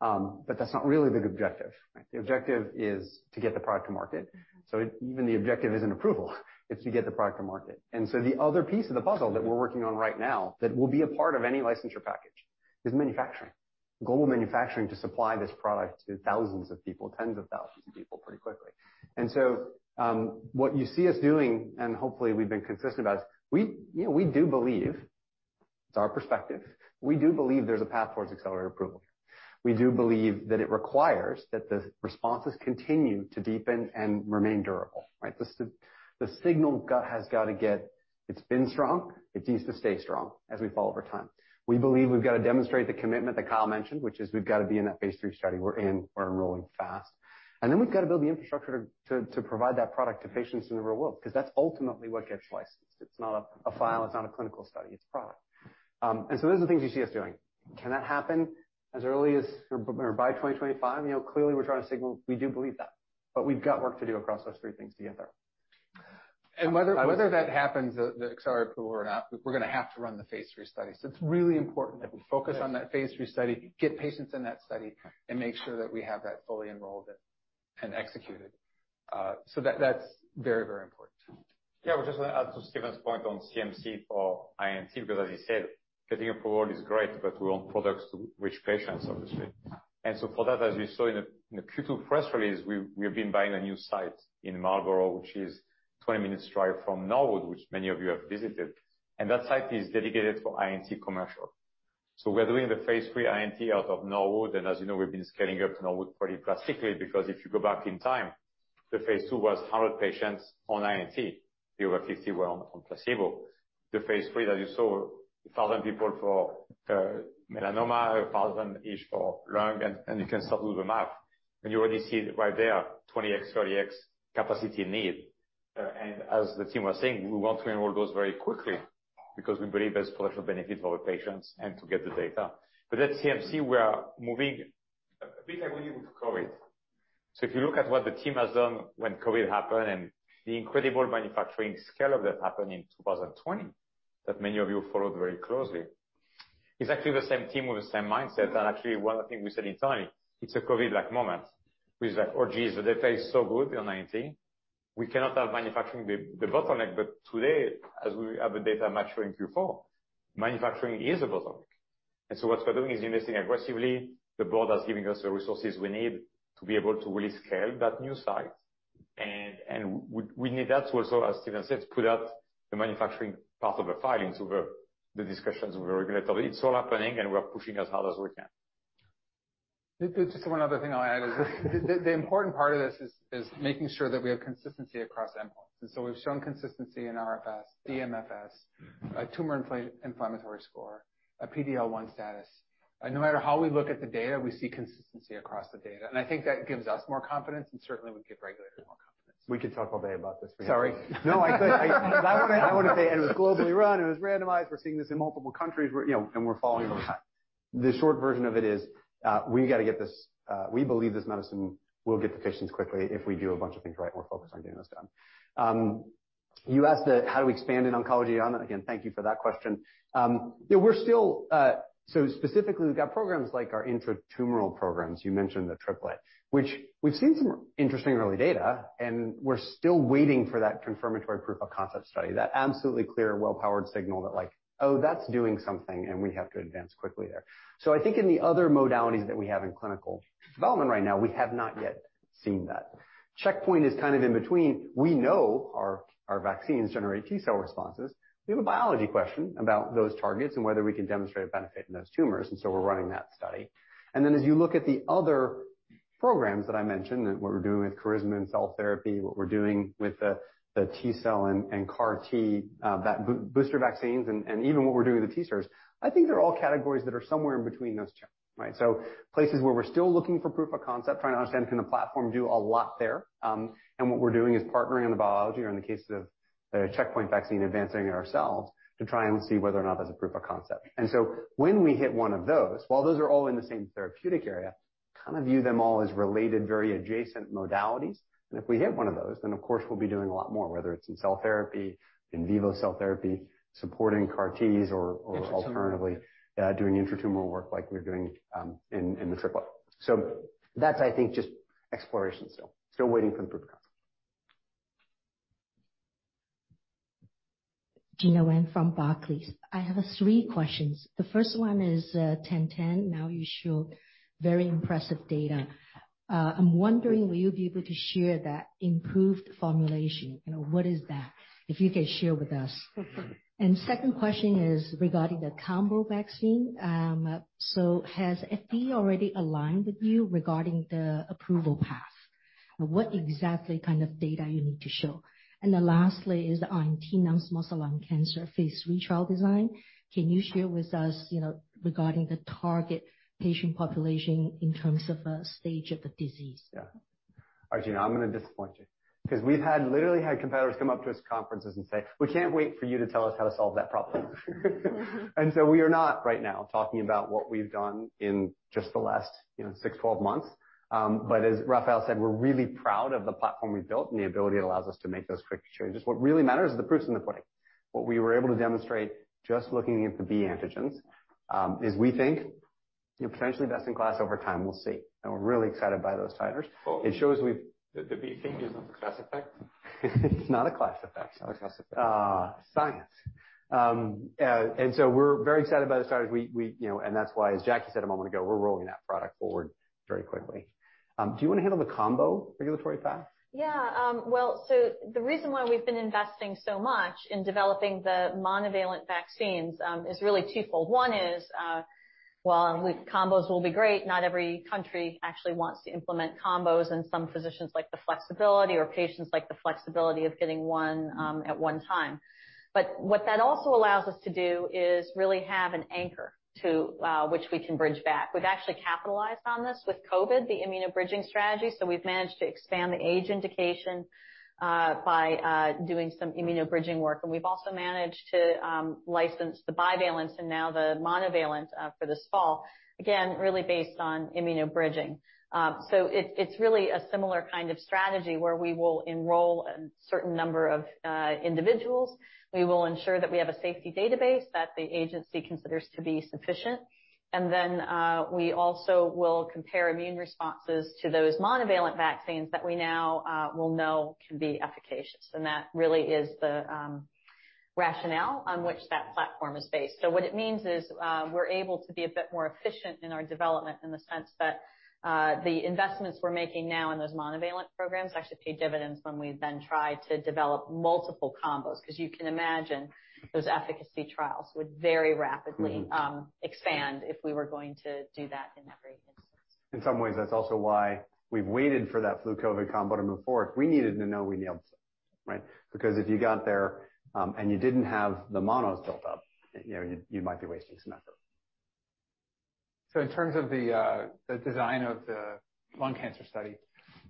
but that's not really the objective, right? The objective is to get the product to market. So even the objective isn't approval, it's to get the product to market. And so the other piece of the puzzle that we're working on right now that will be a part of any licensure package is manufacturing. Global manufacturing to supply this product to thousands of people, tens of thousands of people, pretty quickly. And so what you see us doing, and hopefully we've been consistent about, is we, you know, we do believe, it's our perspective. We do believe there's a path towards accelerated approval. We do believe that it requires that the responses continue to deepen and remain durable, right? The signal got has got to get... It's been strong. It needs to stay strong as we follow over time. We believe we've got to demonstrate the commitment that Kyle mentioned, which is we've got to be in that phase III study. We're in, we're enrolling fast. And then we've got to build the infrastructure to provide that product to patients in the real world, because that's ultimately what gets licensed. It's not a file, it's not a clinical study, it's a product. And so those are the things you see us doing. Can that happen as early as or by 2025? You know, clearly, we're trying to signal we do believe that, but we've got work to do across those three things to get there. Whether that happens, the accelerated approval or not, we're going to have to run the phase III study. So it's really important that we focus on that phase III study, get patients in that study, and make sure that we have that fully enrolled and executed. So that, that's very, very important. Yeah, I just want to add to Stephen's point on CMC for INT, because as you said, getting approved is great, but we want products to reach patients, obviously. And so for that, as you saw in the Q2 press release, we've been buying a new site in Marlborough, which is 20 minutes drive from Norwood, which many of you have visited. And that site is dedicated for INT commercial. So we're doing the phase three INT out of Norwood, and as you know, we've been scaling up Norwood pretty drastically, because if you go back in time, the phase two was 100 patients on INT. The other 50 were on placebo. The phase III that you saw, 1,000 people for melanoma, 1,000 each for lung, and you can start to do the math, and you already see right there, 20x, 30x capacity need. And as the team was saying, we want to enroll those very quickly because we believe there's potential benefit for the patients and to get the data. But at CMC, we are moving a bit like we did with COVID. So if you look at what the team has done when COVID happened and the incredible manufacturing scale-up that happened in 2020, that many of you followed very closely, it's actually the same team with the same mindset. And actually, one of the things we said in time, it's a COVID-like moment. We said, "Oh, geez, the data is so good on INT, we cannot have manufacturing be the bottleneck." But today, as we have the data maturing in Q4, manufacturing is a bottleneck. And so what we're doing is investing aggressively. The board is giving us the resources we need to be able to really scale that new site, and we need that to also, as Stephen said, to put out the manufacturing part of the filing to the discussions with the regulatory. It's all happening, and we're pushing as hard as we can. Just one other thing I'll add is the important part of this is making sure that we have consistency across endpoints. And so we've shown consistency in RFS, DMFS, a tumor inflammatory score, a PD-L1 status. And no matter how we look at the data, we see consistency across the data, and I think that gives us more confidence, and certainly would give regulators more confidence. We could talk all day about this. Sorry. No, I want to, I want to say it was globally run, it was randomized. We're seeing this in multiple countries, we're, you know, and we're following over time. The short version of it is, we got to get this... We believe this medicine will get to patients quickly if we do a bunch of things right, and we're focused on getting this done. You asked, how do we expand in oncology? And again, thank you for that question. Yeah, we're still, so specifically, we've got programs like our intratumoral programs. You mentioned the triplet, which we've seen some interesting early data, and we're still waiting for that confirmatory proof of concept study, that absolutely clear, well-powered signal that like, "Oh, that's doing something, and we have to advance quickly there." So I think in the other modalities that we have in clinical development right now, we have not yet seen that. Checkpoint is kind of in between. We know our, our vaccines generate T-cell responses. We have a biology question about those targets and whether we can demonstrate a benefit in those tumors, and so we're running that study. And then as you look at the other programs that I mentioned, and what we're doing with Carisma and cell therapy, what we're doing with the T-cell and CAR T, booster vaccines, and even what we're doing with the T-cells, I think they're all categories that are somewhere in between those checks, right? So places where we're still looking for proof of concept, trying to understand, can the platform do a lot there? And what we're doing is partnering on the biology or in the case of the checkpoint vaccine, advancing it ourselves, to try and see whether or not there's a proof of concept. And so when we hit one of those, while those are all in the same therapeutic area, kind of view them all as related, very adjacent modalities. If we hit one of those, then of course, we'll be doing a lot more, whether it's in cell therapy, in vivo cell therapy, supporting CAR Ts, or, or alternatively Intracellular. Doing intratumoral work like we're doing in the triplet. So that's, I think, just exploration still. Still waiting for the proof of concept. Gena Wang from Barclays. I have three questions. The first one is, 10, 10. Now, you show very impressive data. I'm wondering, will you be able to share that improved formulation? You know, what is that? If you can share with us. And second question is regarding the combo vaccine. So has FDA already aligned with you regarding the approval path? What exactly kind of data you need to show? And then lastly is on non-small cell lung cancer phase three trial design. Can you share with us, you know, regarding the target patient population in terms of stage of the disease? Yeah. All right, Gina, I'm going to disappoint you because we've had literally had competitors come up to us at conferences and say: We can't wait for you to tell us how to solve that problem. And so we are not right now talking about what we've done in just the last, you know, six, 12 months. But as Raffael said, we're really proud of the platform we've built and the ability it allows us to make those quick changes. What really matters is the proof's in the pudding. What we were able to demonstrate, just looking at the B antigens, is we think, you know, potentially best in class over time, we'll see. And we're really excited by those titers. Well It shows we The B antigen is not a class effect? It's not a class effect. Not a class effect. And so we're very excited by the starters. You know, and that's why, as Jacque said a moment ago, we're rolling that product forward very quickly. Do you want to handle the combo regulatory path? Yeah. Well, so the reason why we've been investing so much in developing the monovalent vaccines, is really twofold. One is, while combos will be great, not every country actually wants to implement combos, and some physicians like the flexibility or patients like the flexibility of getting one, at one time. But what that also allows us to do is really have an anchor to, which we can bridge back. We've actually capitalized on this with COVID, the immuno-bridging strategy, so we've managed to expand the age indication, by, doing some immuno-bridging work. And we've also managed to, license the bivalent and now the monovalent, for this fall, again, really based on immuno-bridging. So it, it's really a similar kind of strategy where we will enroll a certain number of, individuals. We will ensure that we have a safety database that the agency considers to be sufficient. Then, we also will compare immune responses to those monovalent vaccines that we now will know can be efficacious. That really is the rationale on which that platform is based. So what it means is, we're able to be a bit more efficient in our development in the sense that the investments we're making now in those monovalent programs actually pay dividends when we then try to develop multiple combos, because you can imagine those efficacy trials would very rapidly expand if we were going to do that in every instance. In some ways, that's also why we've waited for that Flu COVID Combo to move forward. We needed to know we nailed it, right? Because if you got there, and you didn't have the monos built up, you know, you might be wasting some effort. So in terms of the design of the lung cancer study,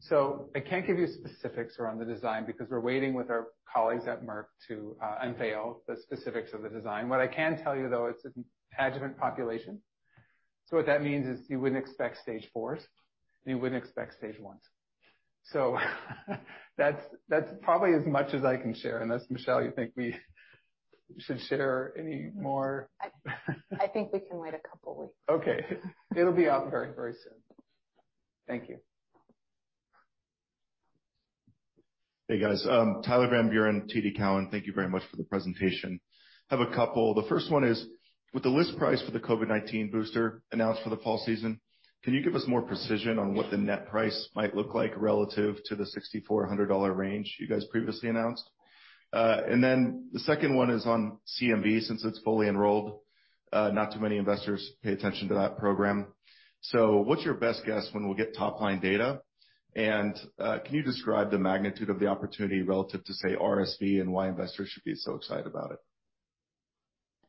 so I can't give you specifics around the design because we're waiting with our colleagues at Merck to unveil the specifics of the design. What I can tell you, though, it's an adjuvant population. So what that means is you wouldn't expect stage fours, and you wouldn't expect stage ones. So that's probably as much as I can share, unless, Michelle, you think we should share any more? I think we can wait a couple weeks. Okay. It'll be out very, very soon. Thank you. Hey, guys. Tyler Van Buren, TD Cowen. Thank you very much for the presentation. Have a couple. The first one is: With the list price for the COVID-19 booster announced for the fall season, can you give us more precision on what the net price might look like relative to the $6,400 range you guys previously announced? And then the second one is on CMV, since it's fully enrolled, not too many investors pay attention to that program. So what's your best guess when we'll get top-line data? And, can you describe the magnitude of the opportunity relative to, say, RSV, and why investors should be so excited about it?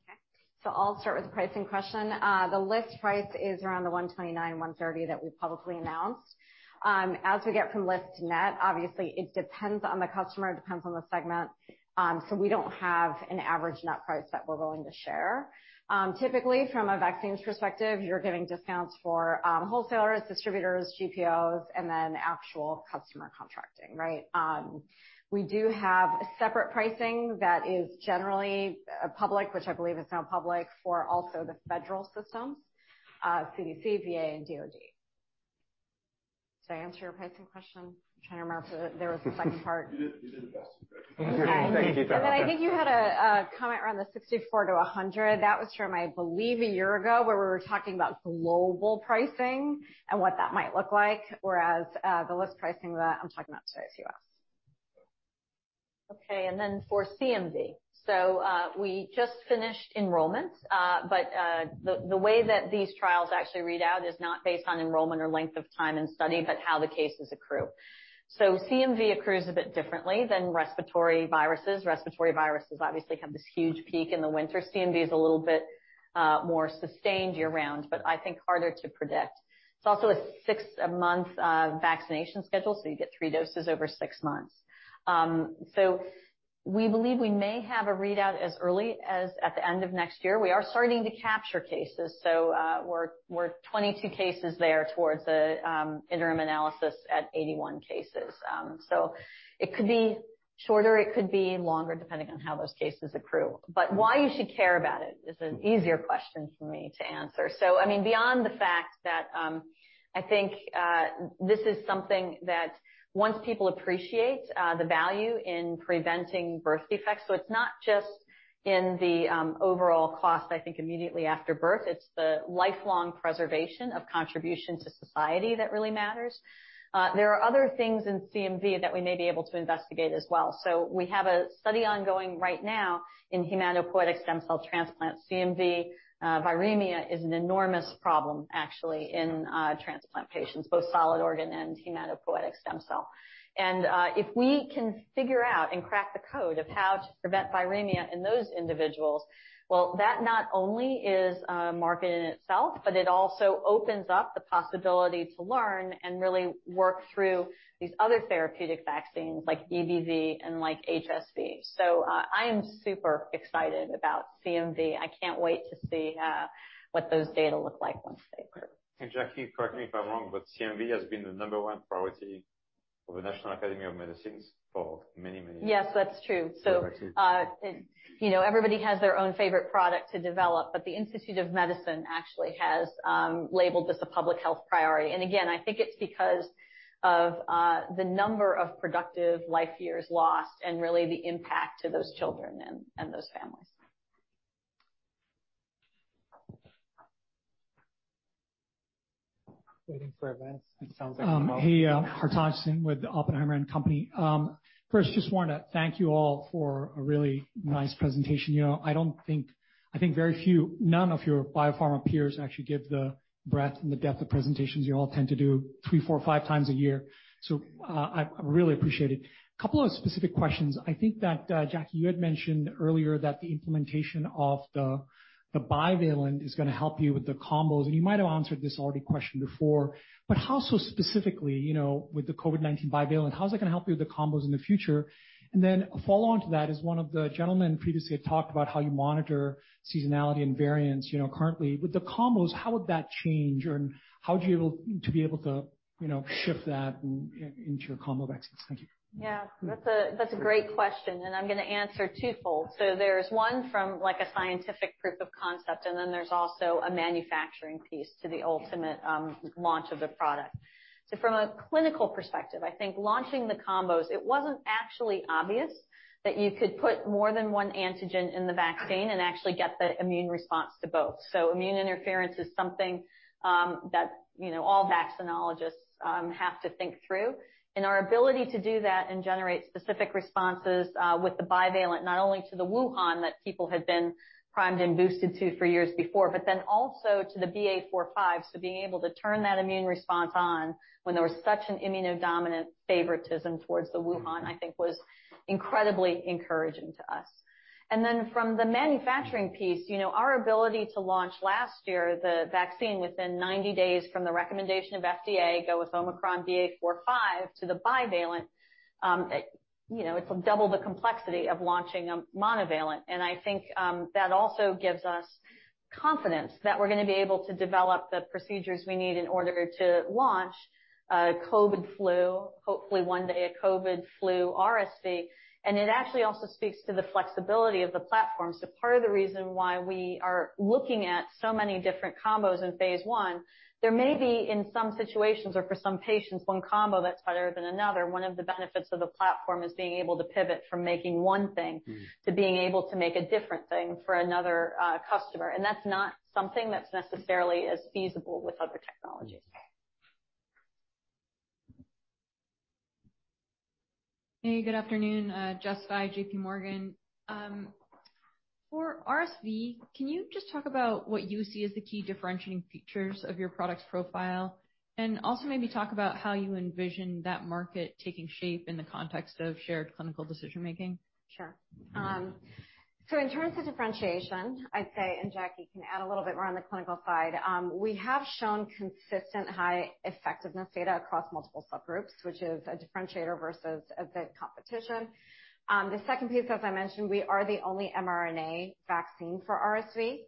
Okay, so I'll start with the pricing question. The list price is around $129-$130 that we publicly announced. As we get from list to net, obviously, it depends on the customer, it depends on the segment. So we don't have an average net price that we're willing to share. Typically, from a vaccines perspective, you're giving discounts for wholesalers, distributors, GPOs, and then actual customer contracting, right? We do have a separate pricing that is generally public, which I believe is now public, for also the federal systems, CDC, VA, and DoD. Did I answer your pricing question? I'm trying to remember if there was a second part. You did, you did the best you could. Okay. Thank you. And then I think you had a comment around the 64-100. That was from, I believe, a year ago, where we were talking about global pricing and what that might look like, whereas the list pricing that I'm talking about today is US. Okay, and then for CMV. So, we just finished enrollments, but the way that these trials actually read out is not based on enrollment or length of time and study, but how the cases accrue. So CMV accrues a bit differently than respiratory viruses. Respiratory viruses obviously have this huge peak in the winter. CMV is a little bit more sustained year-round, but I think harder to predict. It's also a six-month vaccination schedule, so you get three doses over six months. So we believe we may have a readout as early as at the end of next year. We are starting to capture cases, so we're 22 cases there towards the interim analysis at 81 cases. So it could be shorter, it could be longer, depending on how those cases accrue. But why you should care about it is an easier question for me to answer. So I mean, beyond the fact that, I think, this is something that once people appreciate, the value in preventing birth defects, so it's not just in the, overall cost, I think, immediately after birth. It's the lifelong preservation of contribution to society that really matters. There are other things in CMV that we may be able to investigate as well. So we have a study ongoing right now in hematopoietic stem cell transplant. CMV, viremia is an enormous problem, actually, in, transplant patients, both solid organ and hematopoietic stem cell. If we can figure out and crack the code of how to prevent viremia in those individuals, well, that not only is a market in itself, but it also opens up the possibility to learn and really work through these other therapeutic vaccines like EBV and like HSV. So, I am super excited about CMV. I can't wait to see what those data look like once they occur. Jacque, correct me if I'm wrong, but CMV has been the number one priority for the National Academy of Medicine for many, many years. Yes, that's true. So Correct. You know, everybody has their own favorite product to develop, but the Institute of Medicine actually has labeled this a public health priority. Again, I think it's because of the number of productive life years lost and really the impact to those children and those families. Waiting for events. It sounds like Hey, Hartaj Singh with the Oppenheimer and Company. First, just wanted to thank you all for a really nice presentation. You know, I don't think. I think very few, none of your biopharma peers actually give the breadth and the depth of presentations you all tend to do three, four, five times a year. So, I really appreciate it. A couple of specific questions. I think that, Jacque, you had mentioned earlier that the implementation of the bivalent is gonna help you with the combos, and you might have answered this already question before. But how so specifically, you know, with the COVID-19 bivalent, how is that gonna help you with the combos in the future? And then a follow-on to that is, one of the gentlemen previously had talked about how you monitor seasonality and variants, you know, currently. With the combos, how would that change? And how would you be able to, you know, shift that into your combo of X? Thank you. Yeah, that's a, that's a great question, and I'm gonna answer twofold. So there's one from, like, a scientific proof of concept, and then there's also a manufacturing piece to the ultimate launch of the product. So from a clinical perspective, I think launching the combos, it wasn't actually obvious that you could put more than one antigen in the vaccine and actually get the immune response to both. So immune interference is something that, you know, all vaccinologists have to think through. And our ability to do that and generate specific responses with the bivalent, not only to the Wuhan that people had been primed and boosted to for years before, but then also to the BA.4/5. So being able to turn that immune response on when there was such an immunodominant favoritism towards the Wuhan, I think was incredibly encouraging to us. Then from the manufacturing piece, you know, our ability to launch last year, the vaccine, within 90 days from the recommendation of FDA, go with Omicron BA.4/5 to the bivalent, it, you know, it's double the complexity of launching a monovalent. And I think, that also gives us confidence that we're gonna be able to develop the procedures we need in order to launch, COVID flu, hopefully one day, a COVID flu RSV. And it actually also speaks to the flexibility of the platform. So part of the reason why we are looking at so many different combos in phase I, there may be, in some situations or for some patients, one combo that's better than another. One of the benefits of the platform is being able to pivot from making one thing to being able to make a different thing for another customer. And that's not something that's necessarily as feasible with other technologies. Hey, good afternoon, Jessica, JPMorgan. For RSV, can you just talk about what you see as the key differentiating features of your product's profile? And also maybe talk about how you envision that market taking shape in the context of shared clinical decision-making? Sure. So in terms of differentiation, I'd say, and Jacque can add a little bit more on the clinical side, we have shown consistent high effectiveness data across multiple subgroups, which is a differentiator versus the competition. The second piece, as I mentioned, we are the only mRNA vaccine for RSV,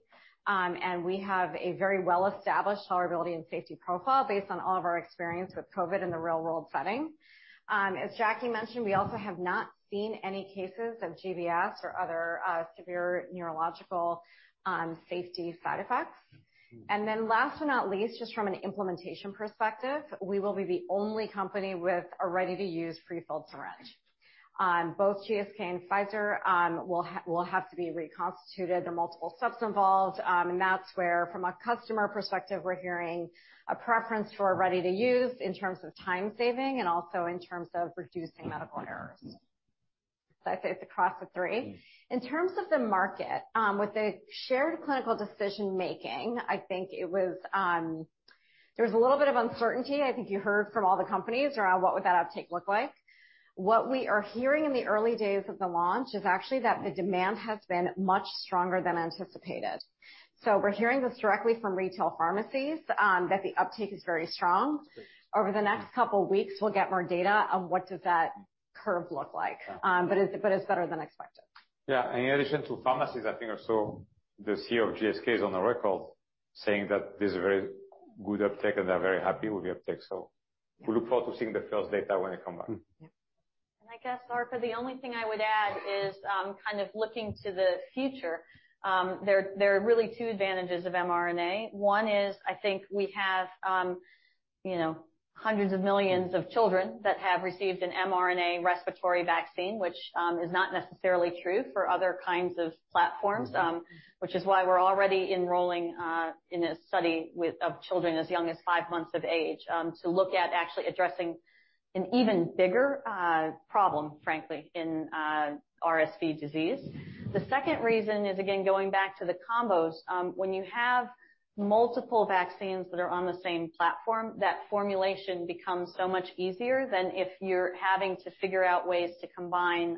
and we have a very well-established tolerability and safety profile based on all of our experience with COVID in the real-world setting. As Jacque mentioned, we also have not seen any cases of GBS or other, severe neurological, safety side effects. And then last but not least, just from an implementation perspective, we will be the only company with a ready-to-use prefilled syringe. Both GSK and Pfizer will have to be reconstituted, there are multiple steps involved, and that's where, from a customer perspective, we're hearing a preference for ready-to-use in terms of time saving and also in terms of reducing medical errors. So I'd say it's across the three. In terms of the market, with the shared clinical decision-making, I think it was, there was a little bit of uncertainty. I think you heard from all the companies around what would that uptake look like? What we are hearing in the early days of the launch is actually that the demand has been much stronger than anticipated. So we're hearing this directly from retail pharmacies, that the uptake is very strong. Over the next couple of weeks, we'll get more data on what does that curve look like? But it's better than expected. Yeah, in addition to pharmacies, I think also the CEO of GSK is on the record saying that there's a very good uptake and they're very happy with the uptake. So we look forward to seeing the first data when it come back. Yeah. I guess, Arpa, the only thing I would add is, kind of looking to the future. There are really two advantages of mRNA. One is, I think we have, you know, hundreds of millions of children that have received an mRNA respiratory vaccine, which is not necessarily true for other kinds of platforms, which is why we're already enrolling in a study of children as young as five months of age, to look at actually addressing an even bigger problem, frankly, in RSV disease. The second reason is, again, going back to the combos. When you have multiple vaccines that are on the same platform, that formulation becomes so much easier than if you're having to figure out ways to combine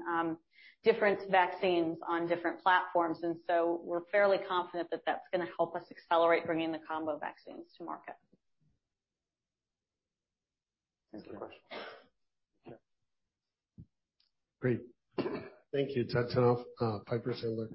different vaccines on different platforms. And so we're fairly confident that that's gonna help us accelerate bringing the combo vaccines to market. Thank you. Great. Thank you. Terrence, Piper Sandler.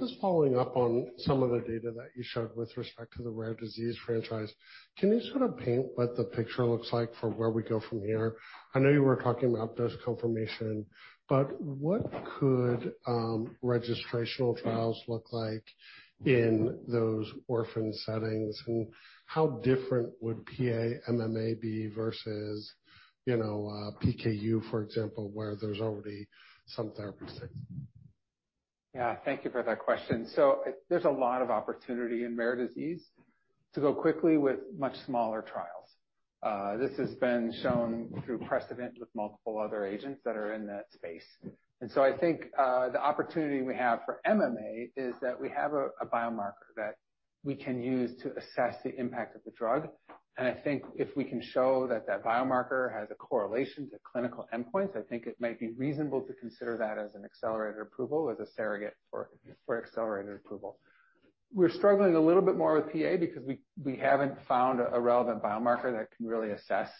Just following up on some of the data that you showed with respect to the rare disease franchise, can you sort of paint what the picture looks like for where we go from here? I know you were talking about dose confirmation, but what could registrational trials look like in those orphan settings? And how different would PA MMA be versus, you know, PKU, for example, where there's already some therapies? Yeah, thank you for that question. So there's a lot of opportunity in rare disease to go quickly with much smaller trials. This has been shown through precedent with multiple other agents that are in that space. And so I think the opportunity we have for MMA is that we have a biomarker that we can use to assess the impact of the drug. And I think if we can show that that biomarker has a correlation to clinical endpoints, I think it might be reasonable to consider that as an accelerated approval, as a surrogate for accelerated approval. We're struggling a little bit more with PA because we haven't found a relevant biomarker that can really assess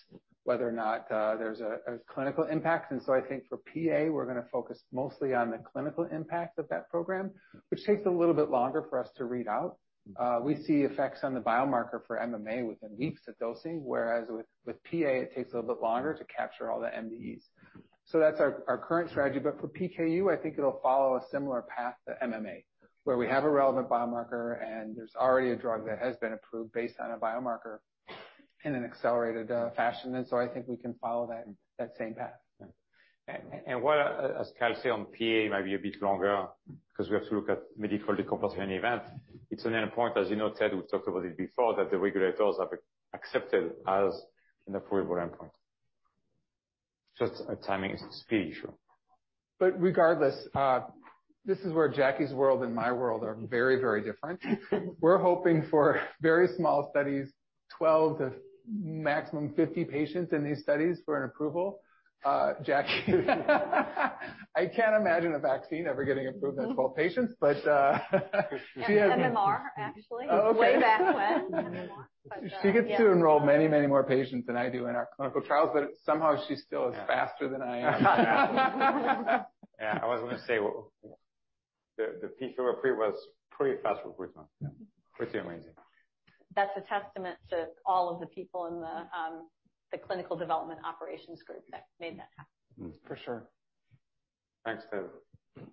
whether or not there's a clinical impact. I think for PA, we're gonna focus mostly on the clinical impact of that program, which takes a little bit longer for us to read out. We see effects on the biomarker for MMA within weeks of dosing, whereas with PA, it takes a little bit longer to capture all the MDEs. That's our current strategy. For PKU, I think it'll follow a similar path to MMA, where we have a relevant biomarker and there's already a drug that has been approved based on a biomarker in an accelerated fashion. I think we can follow that same path. As Kyle said, on PA, it might be a bit longer because we have to look at metabolic decompensation event. It's an endpoint, as you know, Ted, we talked about it before, that the regulators have accepted as an approval endpoint. Just a timing speed issue. But regardless, this is where Jacque's world and my world are very, very different. We're hoping for very small studies, 12-50 patients in these studies for an approval. Jacque, I can't imagine a vaccine ever getting approved on 12 patients, but MMR, actually. Okay. Way back when, MMR. She gets to enroll many, many more patients than I do in our clinical trials, but somehow she still is faster than I am. Yeah. I was going to say, the phase III was pretty fast recruitment. Pretty amazing. That's a testament to all of the people in the, the clinical development operations group that made that happen. For sure. Thanks, Ted.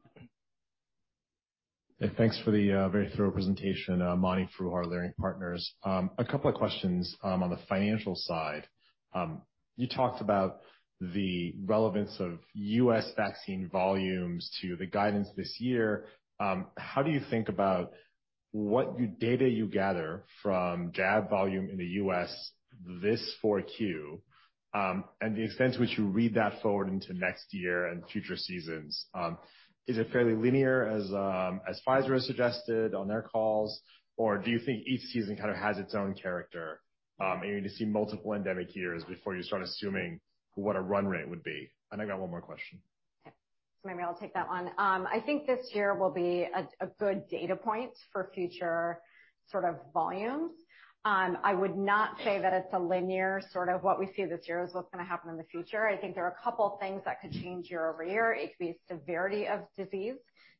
Hey, thanks for the very thorough presentation. Marty Foroohar, Leerink Partners. A couple of questions on the financial side. You talked about the relevance of U.S. vaccine volumes to the guidance this year. How do you think about what data you gather from vax volume in the U.S. this Q4, and the extent to which you read that forward into next year and future seasons? Is it fairly linear as Pfizer has suggested on their calls, or do you think each season kind of has its own character, and you need to see multiple endemic years before you start assuming what a run rate would be? And I got one more question. So maybe I'll take that one. I think this year will be a good data point for future sort of volumes. I would not say that it's a linear, sort of, what we see this year is what's gonna happen in the future. I think there are a couple things that could change year-over-year. It could be severity of disease,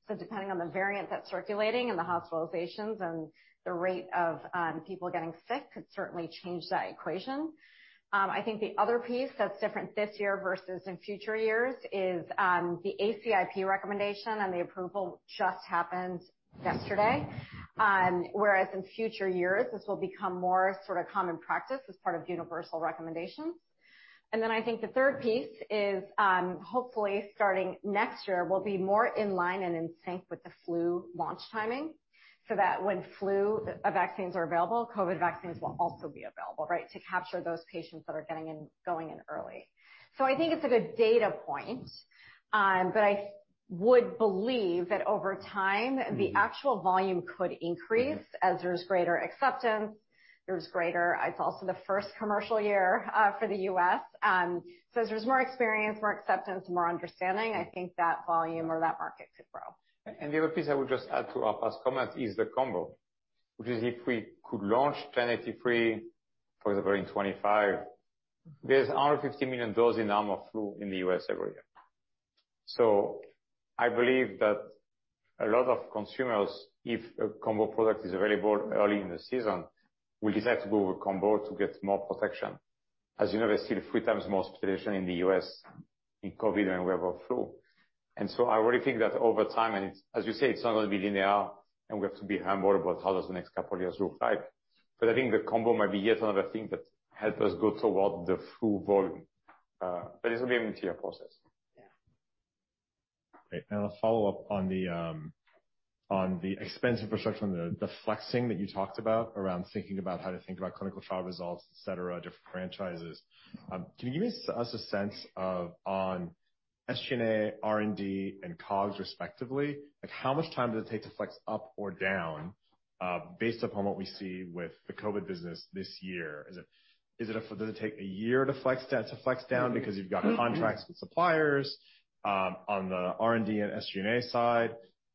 so depending on the variant that's circulating and the hospitalizations, and the rate of people getting sick could certainly change that equation. I think the other piece that's different this year versus in future years is the ACIP recommendation, and the approval just happened yesterday. Whereas in future years, this will become more sort of common practice as part of universal recommendations. I think the third piece is, hopefully, starting next year, we'll be more in line and in sync with the flu launch timing, so that when flu vaccines are available, COVID vaccines will also be available, right? To capture those patients that are going in early. So I think it's a good data point, but I would believe that over time, the actual volume could increase as there's greater acceptance. It's also the first commercial year for the U.S. So as there's more experience, more acceptance, more understanding, I think that volume or that market could grow. The other piece I would just add to Arpa's comment is the combo, which is if we could launch 1083, for example, in 2025, there's under 50 million doses in annual flu in the U.S. every year. So I believe that a lot of consumers, if a combo product is available early in the season, will decide to go with combo to get more protection. As you know, we see 3 times more hospitalization in the U.S. in COVID than we ever flu. And so I already think that over time, and as you say, it's not going to be linear, and we have to be humble about how does the next couple of years look like. But I think the combo might be yet another thing that helps us go toward the full volume, but this will be a material process. Yeah. Great. And I'll follow up on the expense infrastructure and the flexing that you talked about around thinking about how to think about clinical trial results, et cetera, different franchises. Can you give us a sense of on SG&A, R&D, and COGS, respectively, like, how much time does it take to flex up or down, based upon what we see with the COVID business this year? Is it – does it take a year to flex down, because you've got contracts with suppliers, on the R&D and SG&A side,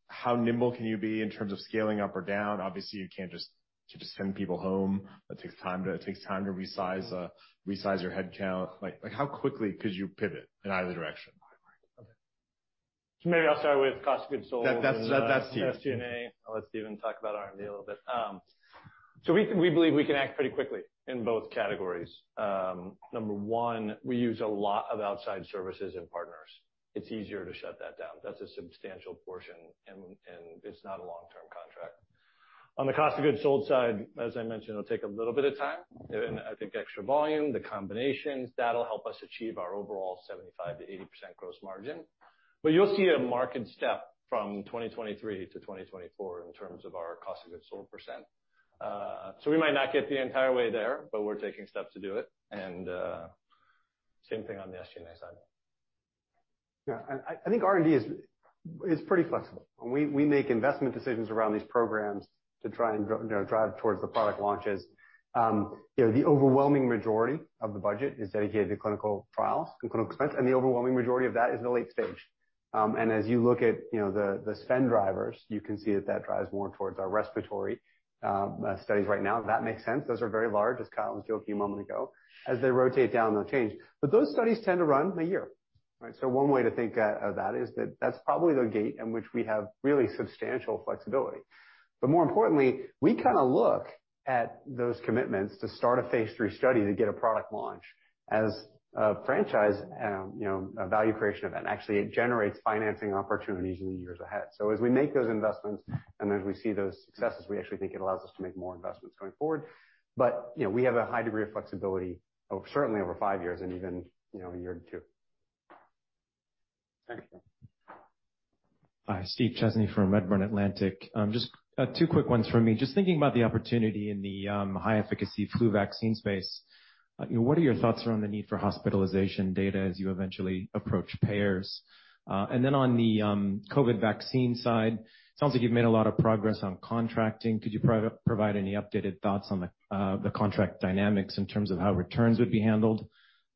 how nimble can you be in terms of scaling up or down? Obviously, you can't just send people home. It takes time to resize your headcount. Like, how quickly could you pivot in either direction? Maybe I'll start with cost of goods sold- That's you. SG&A. I'll let Stephen talk about R&D a little bit. So we, we believe we can act pretty quickly in both categories. Number one, we use a lot of outside services and partners. It's easier to shut that down. That's a substantial portion, and it's not a long-term contract. On the cost of goods sold side, as I mentioned, it'll take a little bit of time, and I think extra volume, the combinations, that'll help us achieve our overall 75%-80% gross margin. But you'll see a marked step from 2023 to 2024 in terms of our cost of goods sold percent. So we might not get the entire way there, but we're taking steps to do it, and same thing on the SG&A side. Yeah, I think R&D is pretty flexible. We make investment decisions around these programs to try and you know, drive towards the product launches. You know, the overwhelming majority of the budget is dedicated to clinical trials and clinical expense, and the overwhelming majority of that is in the late stage. And as you look at, you know, the spend drivers, you can see that that drives more towards our respiratory studies right now. That makes sense. Those are very large, as Kyle was talking a moment ago. As they rotate down, they'll change. But those studies tend to run a year, right? So one way to think of that is that that's probably the gate in which we have really substantial flexibility. But more importantly, we kinda look at those commitments to start a phase three study to get a product launch as a franchise, you know, a value creation event. Actually, it generates financing opportunities in the years ahead. So as we make those investments and as we see those successes, we actually think it allows us to make more investments going forward. But, you know, we have a high degree of flexibility, certainly over five years and even, you know, a year or two. Thank you. Hi, Steve Chesney from Redburn Atlantic. Just, two quick ones for me. Just thinking about the opportunity in the, high efficacy flu vaccine space, you know, what are your thoughts around the need for hospitalization data as you eventually approach payers? And then on the, COVID vaccine side, it sounds like you've made a lot of progress on contracting. Could you provide any updated thoughts on the, the contract dynamics in terms of how returns would be handled?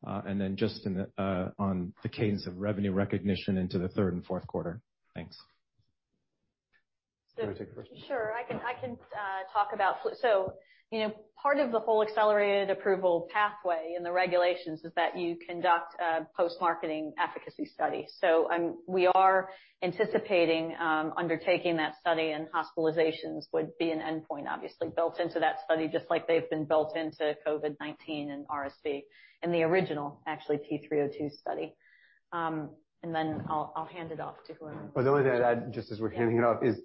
And then just in the, on the cadence of revenue recognition into the third and fourth quarter. Thanks. So Do you want to take the first one? Sure, I can talk about flu. So, you know, part of the whole accelerated approval pathway in the regulations is that you conduct a post-marketing efficacy study. So, we are anticipating undertaking that study, and hospitalizations would be an endpoint, obviously, built into that study, just like they've been built into COVID-19 and RSV, in the original, actually, P302 study. And then I'll hand it off to Jamey Mock. Well, the only thing I'd add, just as we're handing it off, is,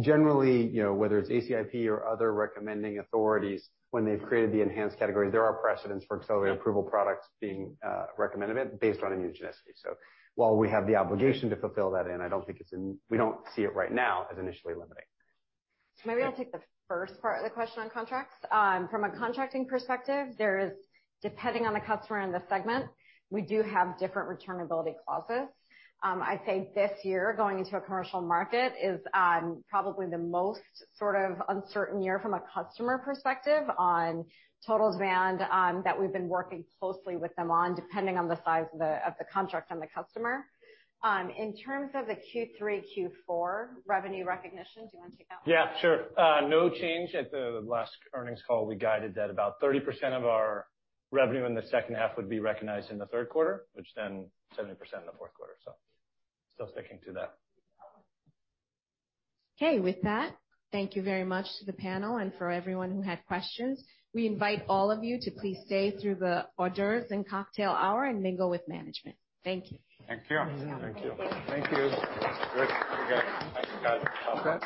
generally, you know, whether it's ACIP or other recommending authorities, when they've created the enhanced categories, there are precedents for accelerated approval products being recommended based on immunogenicity. So while we have the obligation to fulfill that, and I don't think it's in we don't see it right now as initially limiting. Maybe I'll take the first part of the question on contracts. From a contracting perspective, there is, depending on the customer and the segment, we do have different returnability clauses. I'd say this year, going into a commercial market is, probably the most sort of uncertain year from a customer perspective on totals and, that we've been working closely with them on, depending on the size of the contract and the customer. In terms of the Q3, Q4 revenue recognition, do you want to take that one? Yeah, sure. No change. At the last earnings call, we guided that about 30% of our revenue in the second half would be recognized in the third quarter, which then 70% in the fourth quarter. So still sticking to that. Okay, with that, thank you very much to the panel and for everyone who had questions. We invite all of you to please stay through the hors d'oeuvres and cocktail hour and mingle with management. Thank you. Thank you. Thank you. Thank you. Great. Thanks, guys.